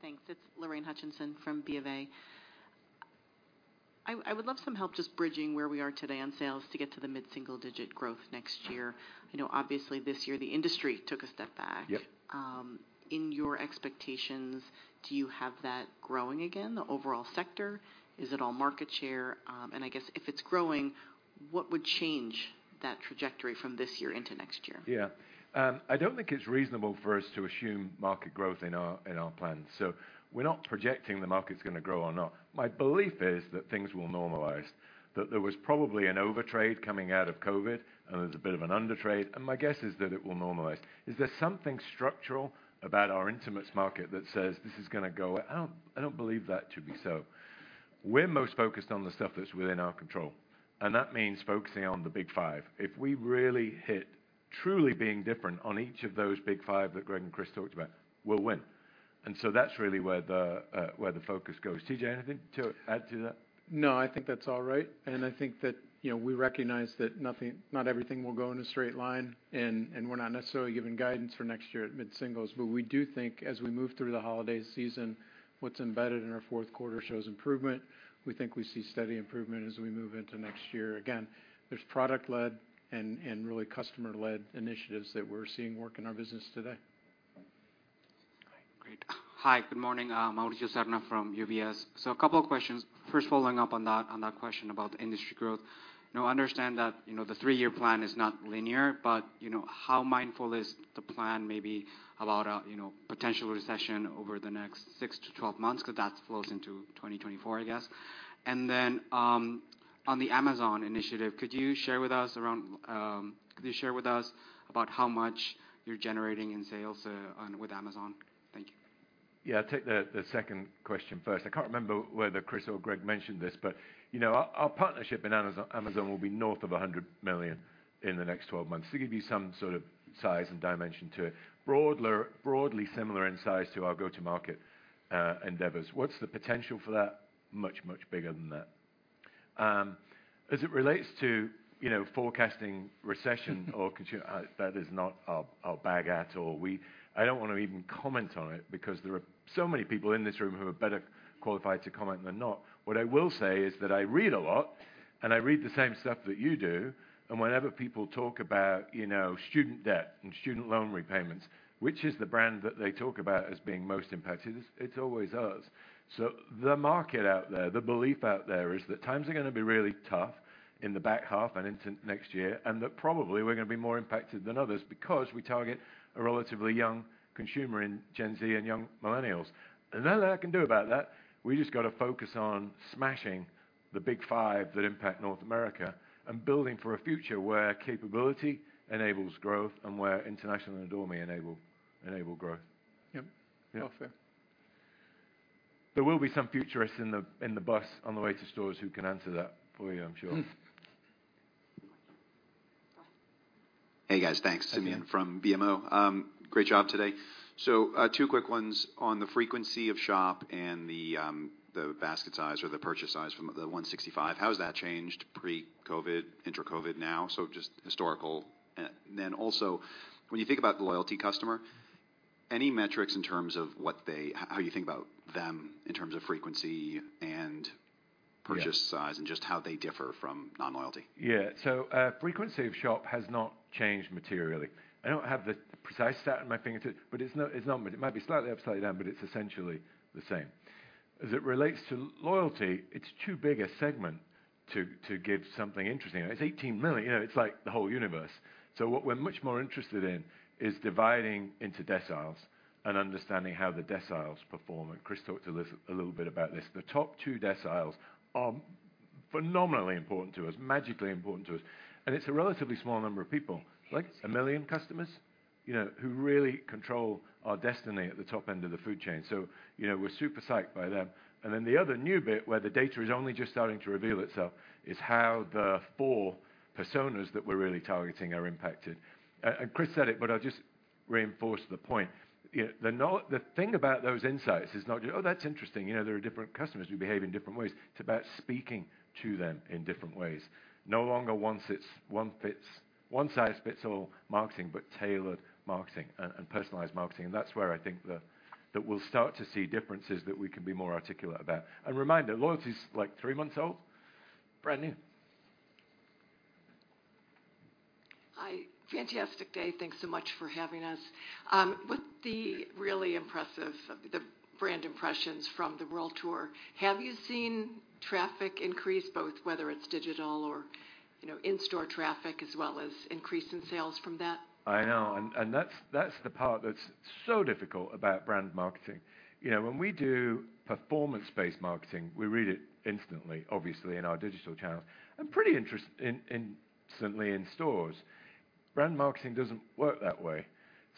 Thanks. It's Lorraine Hutchinson from BofA. I, I would love some help just bridging where we are today on sales to get to the mid-single-digit growth next year. I know, obviously, this year the industry took a step back. Yep. In your expectations, do you have that growing again, the overall sector? Is it all market share? I guess if it's growing, what would change that trajectory from this year into next year? Yeah. I don't think it's reasonable for us to assume market growth in our plans. So we're not projecting the market's gonna grow or not. My belief is that things will normalize, that there was probably an overtrade coming out of COVID, and there's a bit of an undertrade, and my guess is that it will normalize. Is there something structural about our intimates market that says this is gonna go... I don't believe that to be so. We're most focused on the stuff that's within our control, and that means focusing on the big five. If we really hit truly being different on each of those big five that Greg and Chris talked about, we'll win. And so that's really where the focus goes. TJ, anything to add to that? No, I think that's all right. And I think that, you know, we recognize that nothing, not everything will go in a straight line, and, and we're not necessarily giving guidance for next year at mid-singles. But we do think, as we move through the holiday season, what's embedded in our fourth quarter shows improvement. We think we see steady improvement as we move into next year. Again, there's product-led and, and really customer-led initiatives that we're seeing work in our business today. Great. Great. Hi, good morning. I'm Mauricio Serna from UBS. So a couple of questions. First, following up on that, on that question about industry growth. You know, I understand that, you know, the three-year plan is not linear, but, you know, how mindful is the plan maybe about a, you know, potential recession over the next six to 12 months? Because that flows into 2024, I guess. And then, on the Amazon initiative, could you share with us about how much you're generating in sales, on, with Amazon? Thank you. Yeah, I'll take the second question first. I can't remember whether Chris or Greg mentioned this, but, you know, our partnership in Amazon, Amazon will be north of $100 million in the next 12 months. To give you some sort of size and dimension to it. Broadly similar in size to our go-to-market endeavors. What's the potential for that? Much, much bigger than that. As it relates to, you know, forecasting recession or consumer, that is not our bag at all. I don't want to even comment on it because there are so many people in this room who are better qualified to comment than not. What I will say is that I read a lot, and I read the same stuff that you do, and whenever people talk about, you know, student debt and student loan repayments, which is the brand that they talk about as being most impacted? It's, it's always us. So the market out there, the belief out there, is that times are gonna be really tough in the back half and into next year, and that probably we're gonna be more impacted than others because we target a relatively young consumer in Gen Z and young millennials. Nothing I can do about that. We just got to focus on smashing the big five that impact North America and building for a future where capability enables growth and where international and Adore Me enable, enable growth. Yep. Yeah. All fair. There will be some futurists in the bus on the way to stores who can answer that for you, I'm sure. Hey, guys. Thanks. Simeon from BMO. Great job today. So, two quick ones on the frequency of shop and the basket size or the purchase size from the $165. How has that changed pre-COVID, intra-COVID now? So just historical. Then also, when you think about the loyalty customer, any metrics in terms of what they... how you think about them in terms of frequency and- Yeah... purchase size, and just how they differ from non-loyalty? Yeah. So, frequency of shop has not changed materially. I don't have the precise stat at my fingertips, but it's not, it's not, it might be slightly upside down, but it's essentially the same. As it relates to loyalty, it's too big a segment to give something interesting. It's 18 million, you know, it's like the whole universe. What we're much more interested in is dividing into deciles and understanding how the deciles perform, and Chris talked to this a little bit about this. The top two deciles are phenomenally important to us, magically important to us, and it's a relatively small number of people, like one million customers, you know, who really control our destiny at the top end of the food chain. You know, we're super psyched by them. The other new bit, where the data is only just starting to reveal itself, is how the four personas that we're really targeting are impacted. Chris said it, but I'll just reinforce the point. You know, the thing about those insights is not, "Oh, that's interesting, you know, there are different customers who behave in different ways." It's about speaking to them in different ways. No longer once it's one fits, one size fits all marketing, but tailored marketing and, and personalized marketing. And that's where I think that we'll start to see differences that we can be more articulate about. And reminder, loyalty is, like, three months old? Brand new. Hi. Fantastic day. Thanks so much for having us. With the really impressive, the brand impressions from the World Tour, have you seen traffic increase, both whether it's digital or, you know, in-store traffic, as well as increase in sales from that? I know, and that's the part that's so difficult about brand marketing. You know, when we do performance-based marketing, we read it instantly, obviously, in our digital channels and pretty instantly in stores. Brand marketing doesn't work that way.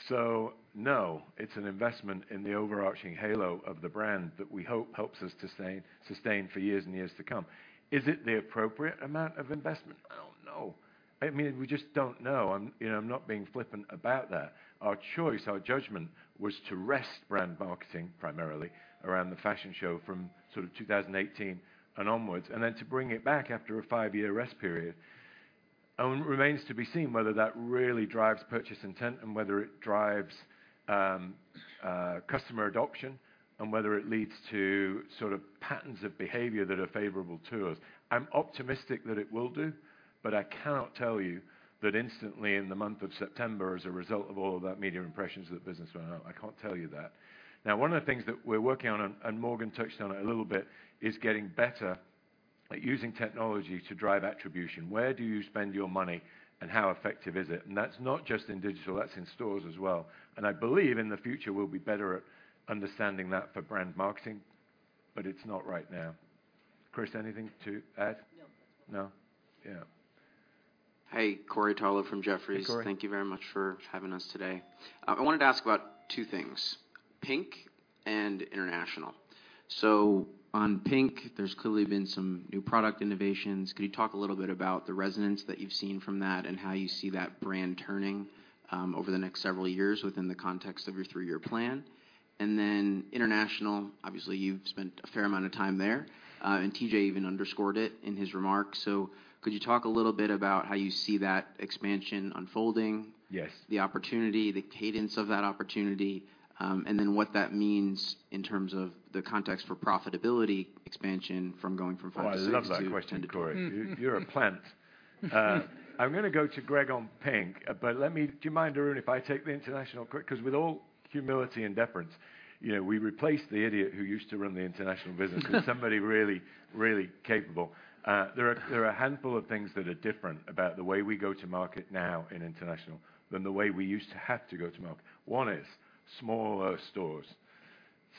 So no, it's an investment in the overarching halo of the brand that we hope helps us to sustain for years and years to come. Is it the appropriate amount of investment? I don't know. I mean, we just don't know, and, you know, I'm not being flippant about that. Our choice, our judgment was to rest brand marketing, primarily, around the fashion show from sort of 2018 and onwards, and then to bring it back after a five-year rest period. It remains to be seen whether that really drives purchase intent and whether it drives, customer adoption, and whether it leads to sort of patterns of behavior that are favorable to us. I'm optimistic that it will do, but I cannot tell you that instantly, in the month of September, as a result of all of that media impressions, that business went up. I can't tell you that. Now, one of the things that we're working on, and Morgan touched on it a little bit, is getting better at using technology to drive attribution. Where do you spend your money, and how effective is it? And that's not just in digital, that's in stores as well. And I believe in the future, we'll be better at understanding that for brand marketing, but it's not right now. Chris, anything to add? No. No? Yeah. Hey, Corey Tarlowe from Jefferies. Hey, Corey. Thank you very much for having us today. I wanted to ask about two things: PINK and international. So on PINK, there's clearly been some new product innovations. Could you talk a little bit about the resonance that you've seen from that, and how you see that brand turning over the next several years within the context of your three-year plan? And then international, obviously, you've spent a fair amount of time there, and TJ even underscored it in his remarks. So could you talk a little bit about how you see that expansion unfolding? Yes. The opportunity, the cadence of that opportunity, and then what that means in terms of the context for profitability expansion from going from five to six to- Oh, I love that question, Corey. You, you're a plant. I'm gonna go to Greg on PINK, but let me—do you mind, Arun, if I take the international quick? Because with all humility and deference, you know, we replaced the idiot who used to run the international business with somebody really, really capable. There are, there are a handful of things that are different about the way we go to market now in international, than the way we used to have to go to market. One is smaller stores.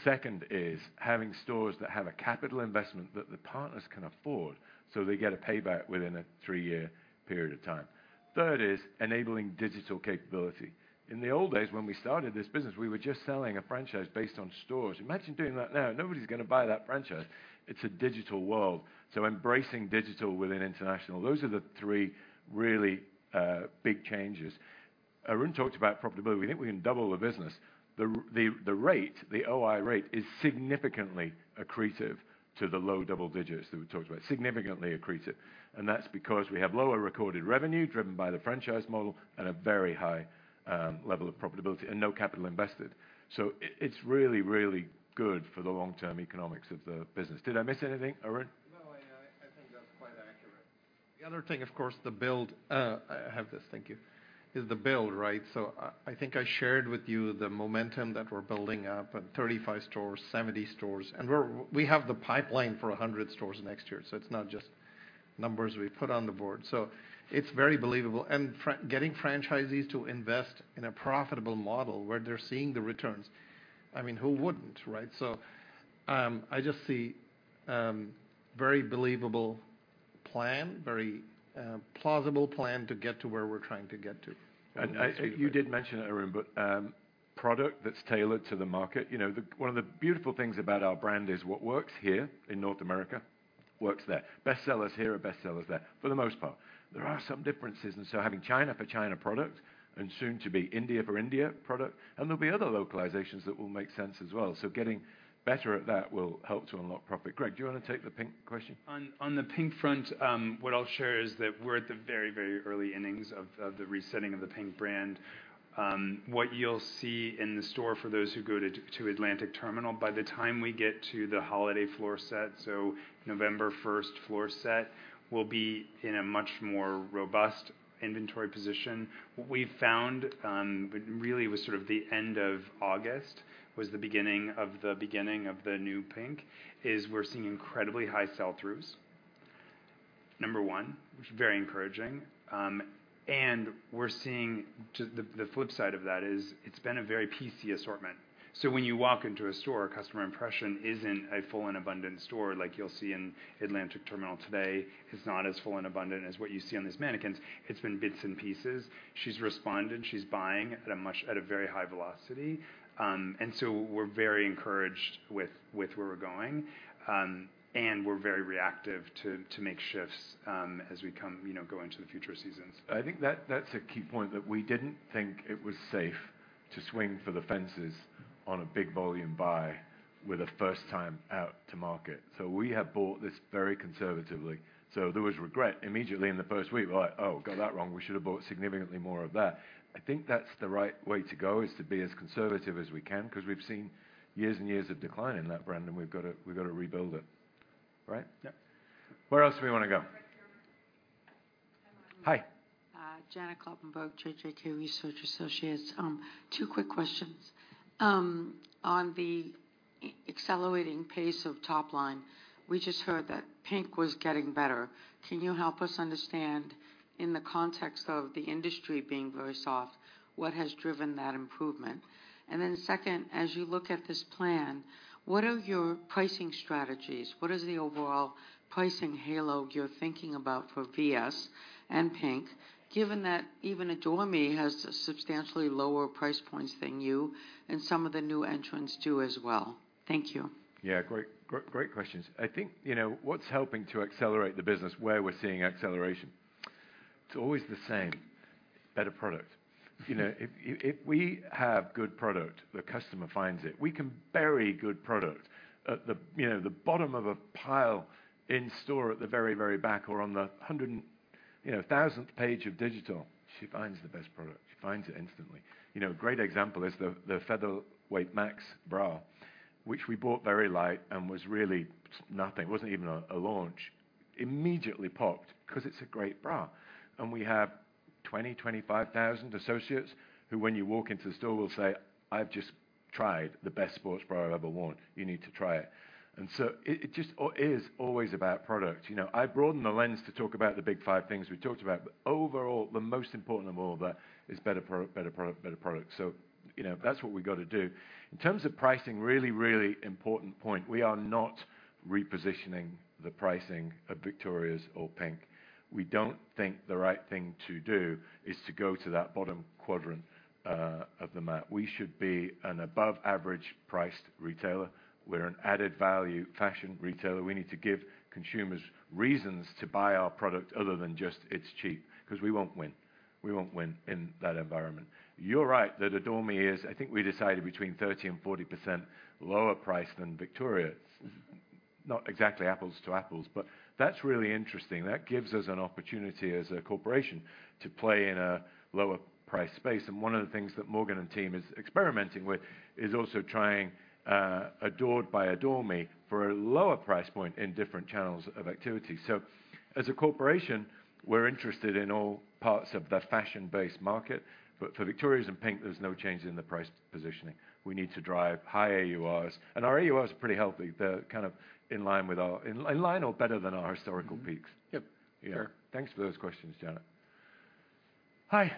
Second is having stores that have a capital investment that the partners can afford, so they get a payback within a three-year period of time. Third is enabling digital capability. In the old days, when we started this business, we were just selling a franchise based on stores. Imagine doing that now! Nobody's gonna buy that franchise. It's a digital world, so embracing digital within international. Those are the three really big changes. Arun talked about profitability. We think we can double the business. The rate, the OI rate, is significantly accretive to the low double digits that we talked about, significantly accretive, and that's because we have lower recorded revenue, driven by the franchise model, and a very high level of profitability and no capital invested. So it's really, really good for the long-term economics of the business. Did I miss anything, Arun? No, I think that's quite accurate. The other thing, of course, the build... I have this, thank you. Is the build, right? So I think I shared with you the momentum that we're building up, and 35 stores, 70 stores, and we have the pipeline for 100 stores next year, so it's not just numbers we put on the board. So it's very believable. And getting franchisees to invest in a profitable model where they're seeing the returns, I mean, who wouldn't, right? So I just see very believable plan, very plausible plan to get to where we're trying to get to. You did mention it, Arun, but product that's tailored to the market. You know, one of the beautiful things about our brand is, what works here in North America, works there. Bestsellers here are bestsellers there, for the most part. There are some differences, and so having China for China product and soon to be India for India product, and there'll be other localizations that will make sense as well. So getting better at that will help to unlock profit. Greg, do you want to take the PINK question? On the PINK front, what I'll share is that we're at the very, very early innings of the resetting of the PINK brand. What you'll see in the store, for those who go to Atlantic Terminal, by the time we get to the holiday floor set, November first floor set, will be in a much more robust inventory position. What we've found, really was sort of the end of August, was the beginning of the beginning of the new PINK, is we're seeing incredibly high sell-throughs, number one, which is very encouraging. We're seeing, the flip side of that is, it's been a very piecey assortment. When you walk into a store, a customer impression isn't a full and abundant store, like you'll see in Atlantic Terminal today. It's not as full and abundant as what you see on these mannequins. It's been bits and pieces. She's responded, she's buying at a very high velocity. We're very encouraged with where we're going. We're very reactive to make shifts, you know, as we come, go into the future seasons. I think that, that's a key point, that we didn't think it was safe to swing for the fences on a big volume buy with a first time out to market. So we have bought this very conservatively. So there was regret immediately in the first week. We're like, "Oh, got that wrong. We should have bought significantly more of that." I think that's the right way to go, is to be as conservative as we can, because we've seen years and years of decline in that brand, and we've got to, we've got to rebuild it. Right? Yep. Where else do we want to go? Right here. Hi. Janet Kloppenburg, JJK Research Associates. Two quick questions. On the accelerating pace of top line, we just heard that PINK was getting better. Can you help us understand, in the context of the industry being very soft, what has driven that improvement? And then second, as you look at this plan, what are your pricing strategies? What is the overall pricing halo you're thinking about for VS and PINK, given that even Adore Me has substantially lower price points than you, and some of the new entrants do as well? Thank you. Yeah, great, great, great questions. I think, you know, what's helping to accelerate the business, where we're seeing acceleration, it's always the same... better product. You know, if, if, if we have good product, the customer finds it. We can bury good product at the, you know, the bottom of a pile in store at the very, very back or on the hundred-and-thousandth page of digital. She finds the best product. She finds it instantly. You know, a great example is the Featherweight Max bra, which we bought very light and was really nothing. It wasn't even a launch. Immediately popped, 'cause it's a great bra, and we have 20-25,000 associates who, when you walk into the store, will say, "I've just tried the best sports bra I've ever worn. You need to try it." And so it just always is about product. You know, I broadened the lens to talk about the big five things we talked about, but overall, the most important of all of that is better product, better product. So, you know, that's what we've got to do. In terms of pricing, really, really important point: we are not repositioning the pricing of Victoria's or PINK. We don't think the right thing to do is to go to that bottom quadrant of the map. We should be an above-average-priced retailer. We're an added-value fashion retailer. We need to give consumers reasons to buy our product other than just, "It's cheap," 'cause we won't win. We won't win in that environment. You're right that Adore Me is... I think we decided between 30% and 40% lower price than Victoria's. Not exactly apples to apples, but that's really interesting. That gives us an opportunity as a corporation to play in a lower price space, and one of the things that Morgan and team is experimenting with is also trying Adored by Adore Me for a lower price point in different channels of activity. So as a corporation, we're interested in all parts of the fashion-based market, but for Victoria's and PINK, there's no change in the price positioning. We need to drive high AURs, and our AUR is pretty healthy. They're kind of in line with our in line or better than our historical peaks. Mm-hmm. Yep. Sure. Yeah. Thanks for those questions, Janet. Hi.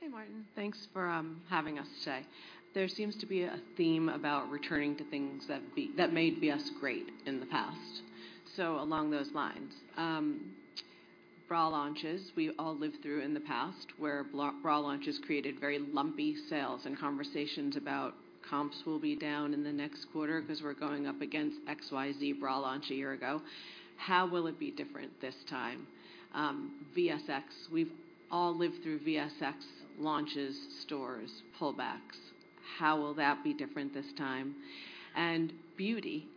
Hey, Martin. Thanks for having us today. There seems to be a theme about returning to things that made VS great in the past. So along those lines, bra launches, we've all lived through in the past, where bra launches created very lumpy sales and conversations about comps will be down in the next quarter, 'cause we're going up against XYZ bra launch a year ago. How will it be different this time? VSX, we've all lived through VSX launches, stores, pullbacks. How will that be different this time? And beauty,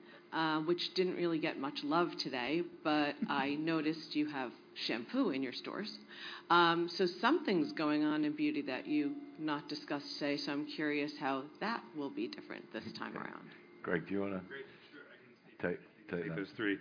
which didn't really get much love today, but I noticed you have shampoo in your stores. So something's going on in beauty that you've not discussed today, so I'm curious how that will be different this time around. Greg, do you wanna- Greg, sure, I can take- Take, take that. Take those three.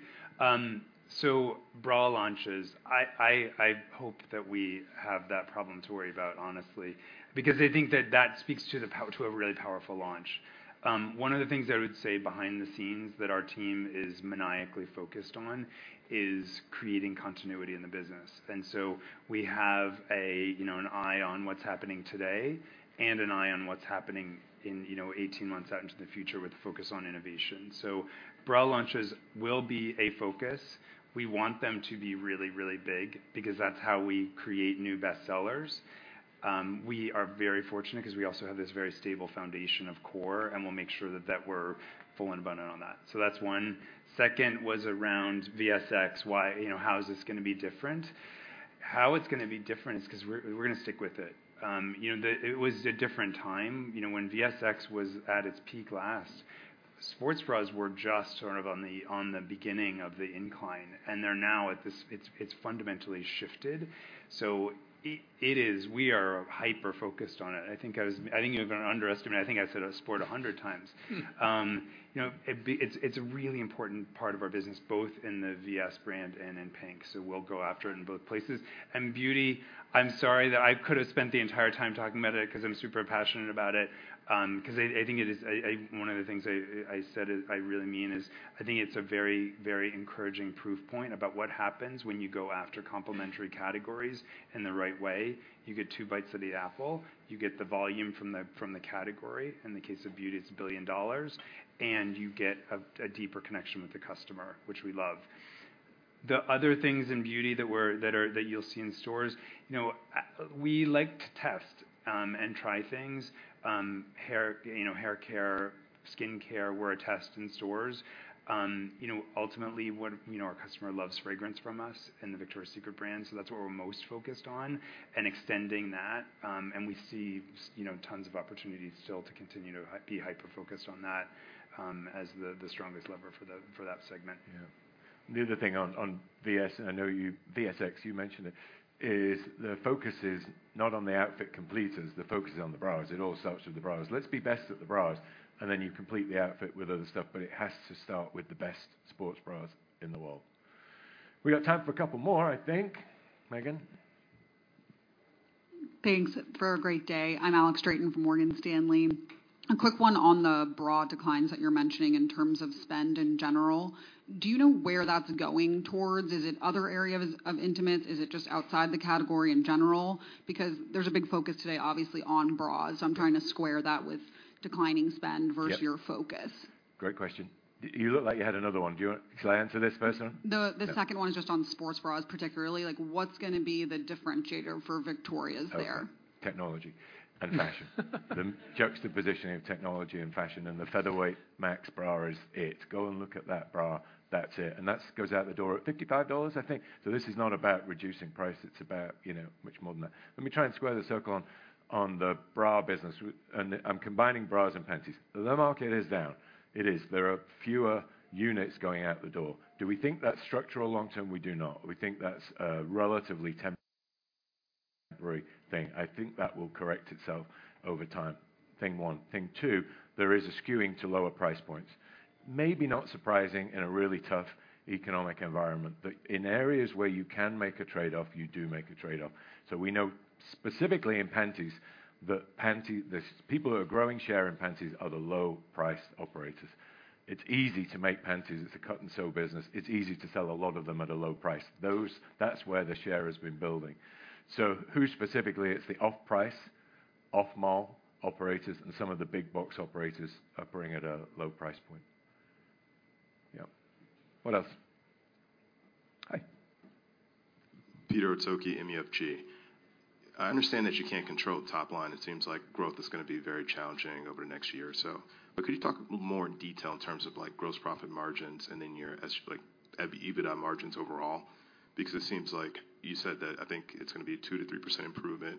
So bra launches, I hope that we have that problem to worry about honestly, because I think that that speaks to a really powerful launch. One of the things I would say behind the scenes that our team is maniacally focused on is creating continuity in the business, and so we have, you know, an eye on what's happening today and an eye on what's happening, you know, 18 months out into the future with a focus on innovation. So bra launches will be a focus. We want them to be really, really big, because that's how we create new bestsellers. We are very fortunate, 'cause we also have this very stable foundation of core, and we'll make sure that we're full and abundant on that. So that's one. Second, was around VSX. Why, you know, how is this gonna be different? How it's gonna be different is 'cause we're, we're gonna stick with it. You know, the... It was a different time. You know, when VSX was at its peak last, sports bras were just sort of on the, on the beginning of the incline, and they're now at this—it's, it's fundamentally shifted, so it, it is—we are hyper-focused on it. I think I was... I think you've underestimated. I think I said the word "sport" 100 times. You know, it be—it's, it's a really important part of our business, both in the VS brand and in PINK, so we'll go after it in both places. Beauty, I'm sorry that I could have spent the entire time talking about it, 'cause I'm super passionate about it. 'Cause I, I think it is, I, I... One of the things I said, I really mean is, I think it's a very, very encouraging proof point about what happens when you go after complementary categories in the right way. You get two bites of the apple. You get the volume from the category, in the case of beauty, it's $1 billion, and you get a deeper connection with the customer, which we love. The other things in beauty that you'll see in stores, you know, we like to test and try things. Hair, you know, hair care, skin care, we're a test in stores. You know, ultimately, you know, our customer loves fragrance from us and the Victoria's Secret brand, so that's what we're most focused on and extending that, and we see you know, tons of opportunities still to continue to be hyper-focused on that, as the strongest lever for that segment. Yeah. The other thing on, on VS, I know you—VSX, you mentioned it, is the focus is not on the outfit completers, the focus is on the bras. It all starts with the bras. Let's be best at the bras, and then you complete the outfit with other stuff, but it has to start with the best sports bras in the world. We've got time for a couple more, I think. Megan? Thanks for a great day. I'm Alex Straton from Morgan Stanley. A quick one on the bra declines that you're mentioning in terms of spend in general. Do you know where that's going towards? Is it other areas of intimates? Is it just outside the category in general? Because there's a big focus today, obviously, on bras, so I'm trying to square that with declining spend- Yep... versus your focus. Great question. You look like you had another one. Shall I answer this first one? The, the- Yeah... second one is just on sports bras, particularly. Like, what's gonna be the differentiator for Victoria's there?... technology and fashion. The juxtaposition of technology and fashion, and the Featherweight Max bra is it. Go and look at that bra, that's it. And that goes out the door at $55, I think. So this is not about reducing price, it's about, you know, much more than that. Let me try and square the circle on the bra business and I'm combining bras and panties. The market is down. It is. There are fewer units going out the door. Do we think that's structural long term? We do not. We think that's a relatively temporary thing. I think that will correct itself over time, thing one. Thing two, there is a skewing to lower price points. Maybe not surprising in a really tough economic environment, but in areas where you can make a trade-off, you do make a trade-off. So we know specifically in panties, that panties, the people who are growing share in panties are the low price operators. It's easy to make panties. It's a cut-and-sew business. It's easy to sell a lot of them at a low price. Those, that's where the share has been building. So who specifically? It's the off-price, off-mall operators and some of the big box operators are operating at a low price point. Yeah. What else? Hi. I understand that you can't control the top line. It seems like growth is gonna be very challenging over the next year or so. Could you talk a little more in detail in terms of, like, gross profit margins and then your, like, EBITDA margins overall? Because it seems like you said that, I think, it's gonna be a 2%-3% improvement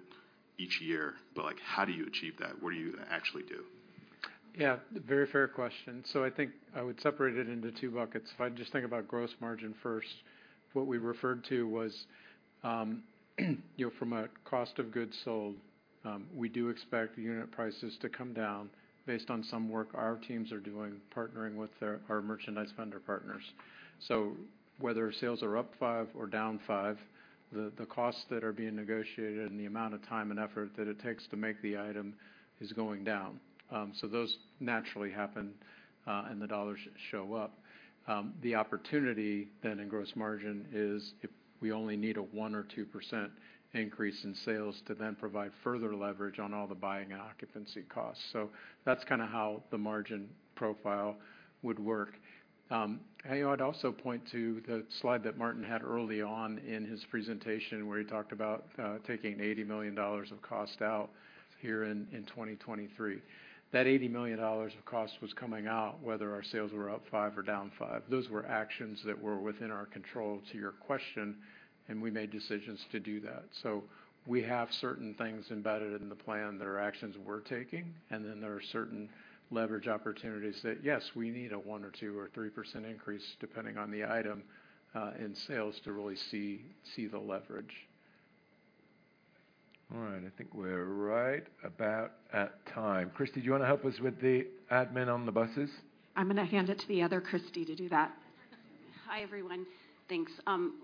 each year, like, how do you achieve that? What do you actually do? Yeah, very fair question. So I think I would separate it into two buckets. If I just think about gross margin first, what we referred to was, you know, from a cost of goods sold, we do expect the unit prices to come down based on some work our teams are doing, partnering with our merchandise vendor partners. So whether sales are up five or down five, the costs that are being negotiated and the amount of time and effort that it takes to make the item is going down. So those naturally happen, and the dollars show up. The opportunity then in gross margin is if we only need a one or two percent increase in sales to then provide further leverage on all the buying and occupancy costs. So that's kind of how the margin profile would work. Hey, I'd also point to the slide that Martin had early on in his presentation, where he talked about taking $80 million of cost out here in 2023. That $80 million of cost was coming out, whether our sales were up 5% or down 5%. Those were actions that were within our control, to your question, and we made decisions to do that. We have certain things embedded in the plan that are actions we're taking, and then there are certain leverage opportunities that, yes, we need a 1% or 2% or 3% increase, depending on the item, in sales, to really see the leverage. All right, I think we're right about at time. Christy, do you wanna help us with the admin on the buses? I'm gonna hand it to the other Christy to do that. Hi, everyone. Thanks.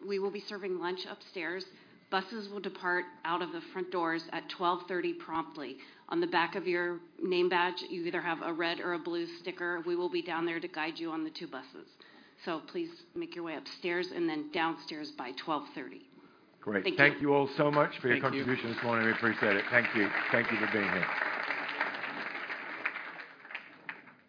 We will be serving lunch upstairs. Buses will depart out of the front doors at 12:30 P.M. promptly. On the back of your name badge, you either have a red or a blue sticker. We will be down there to guide you on the two buses. So please make your way upstairs and then downstairs by 12:30 P.M. Great. Thank you. Thank you all so much for your contribution- Thank you... this morning. We appreciate it. Thank you. Thank you for being here.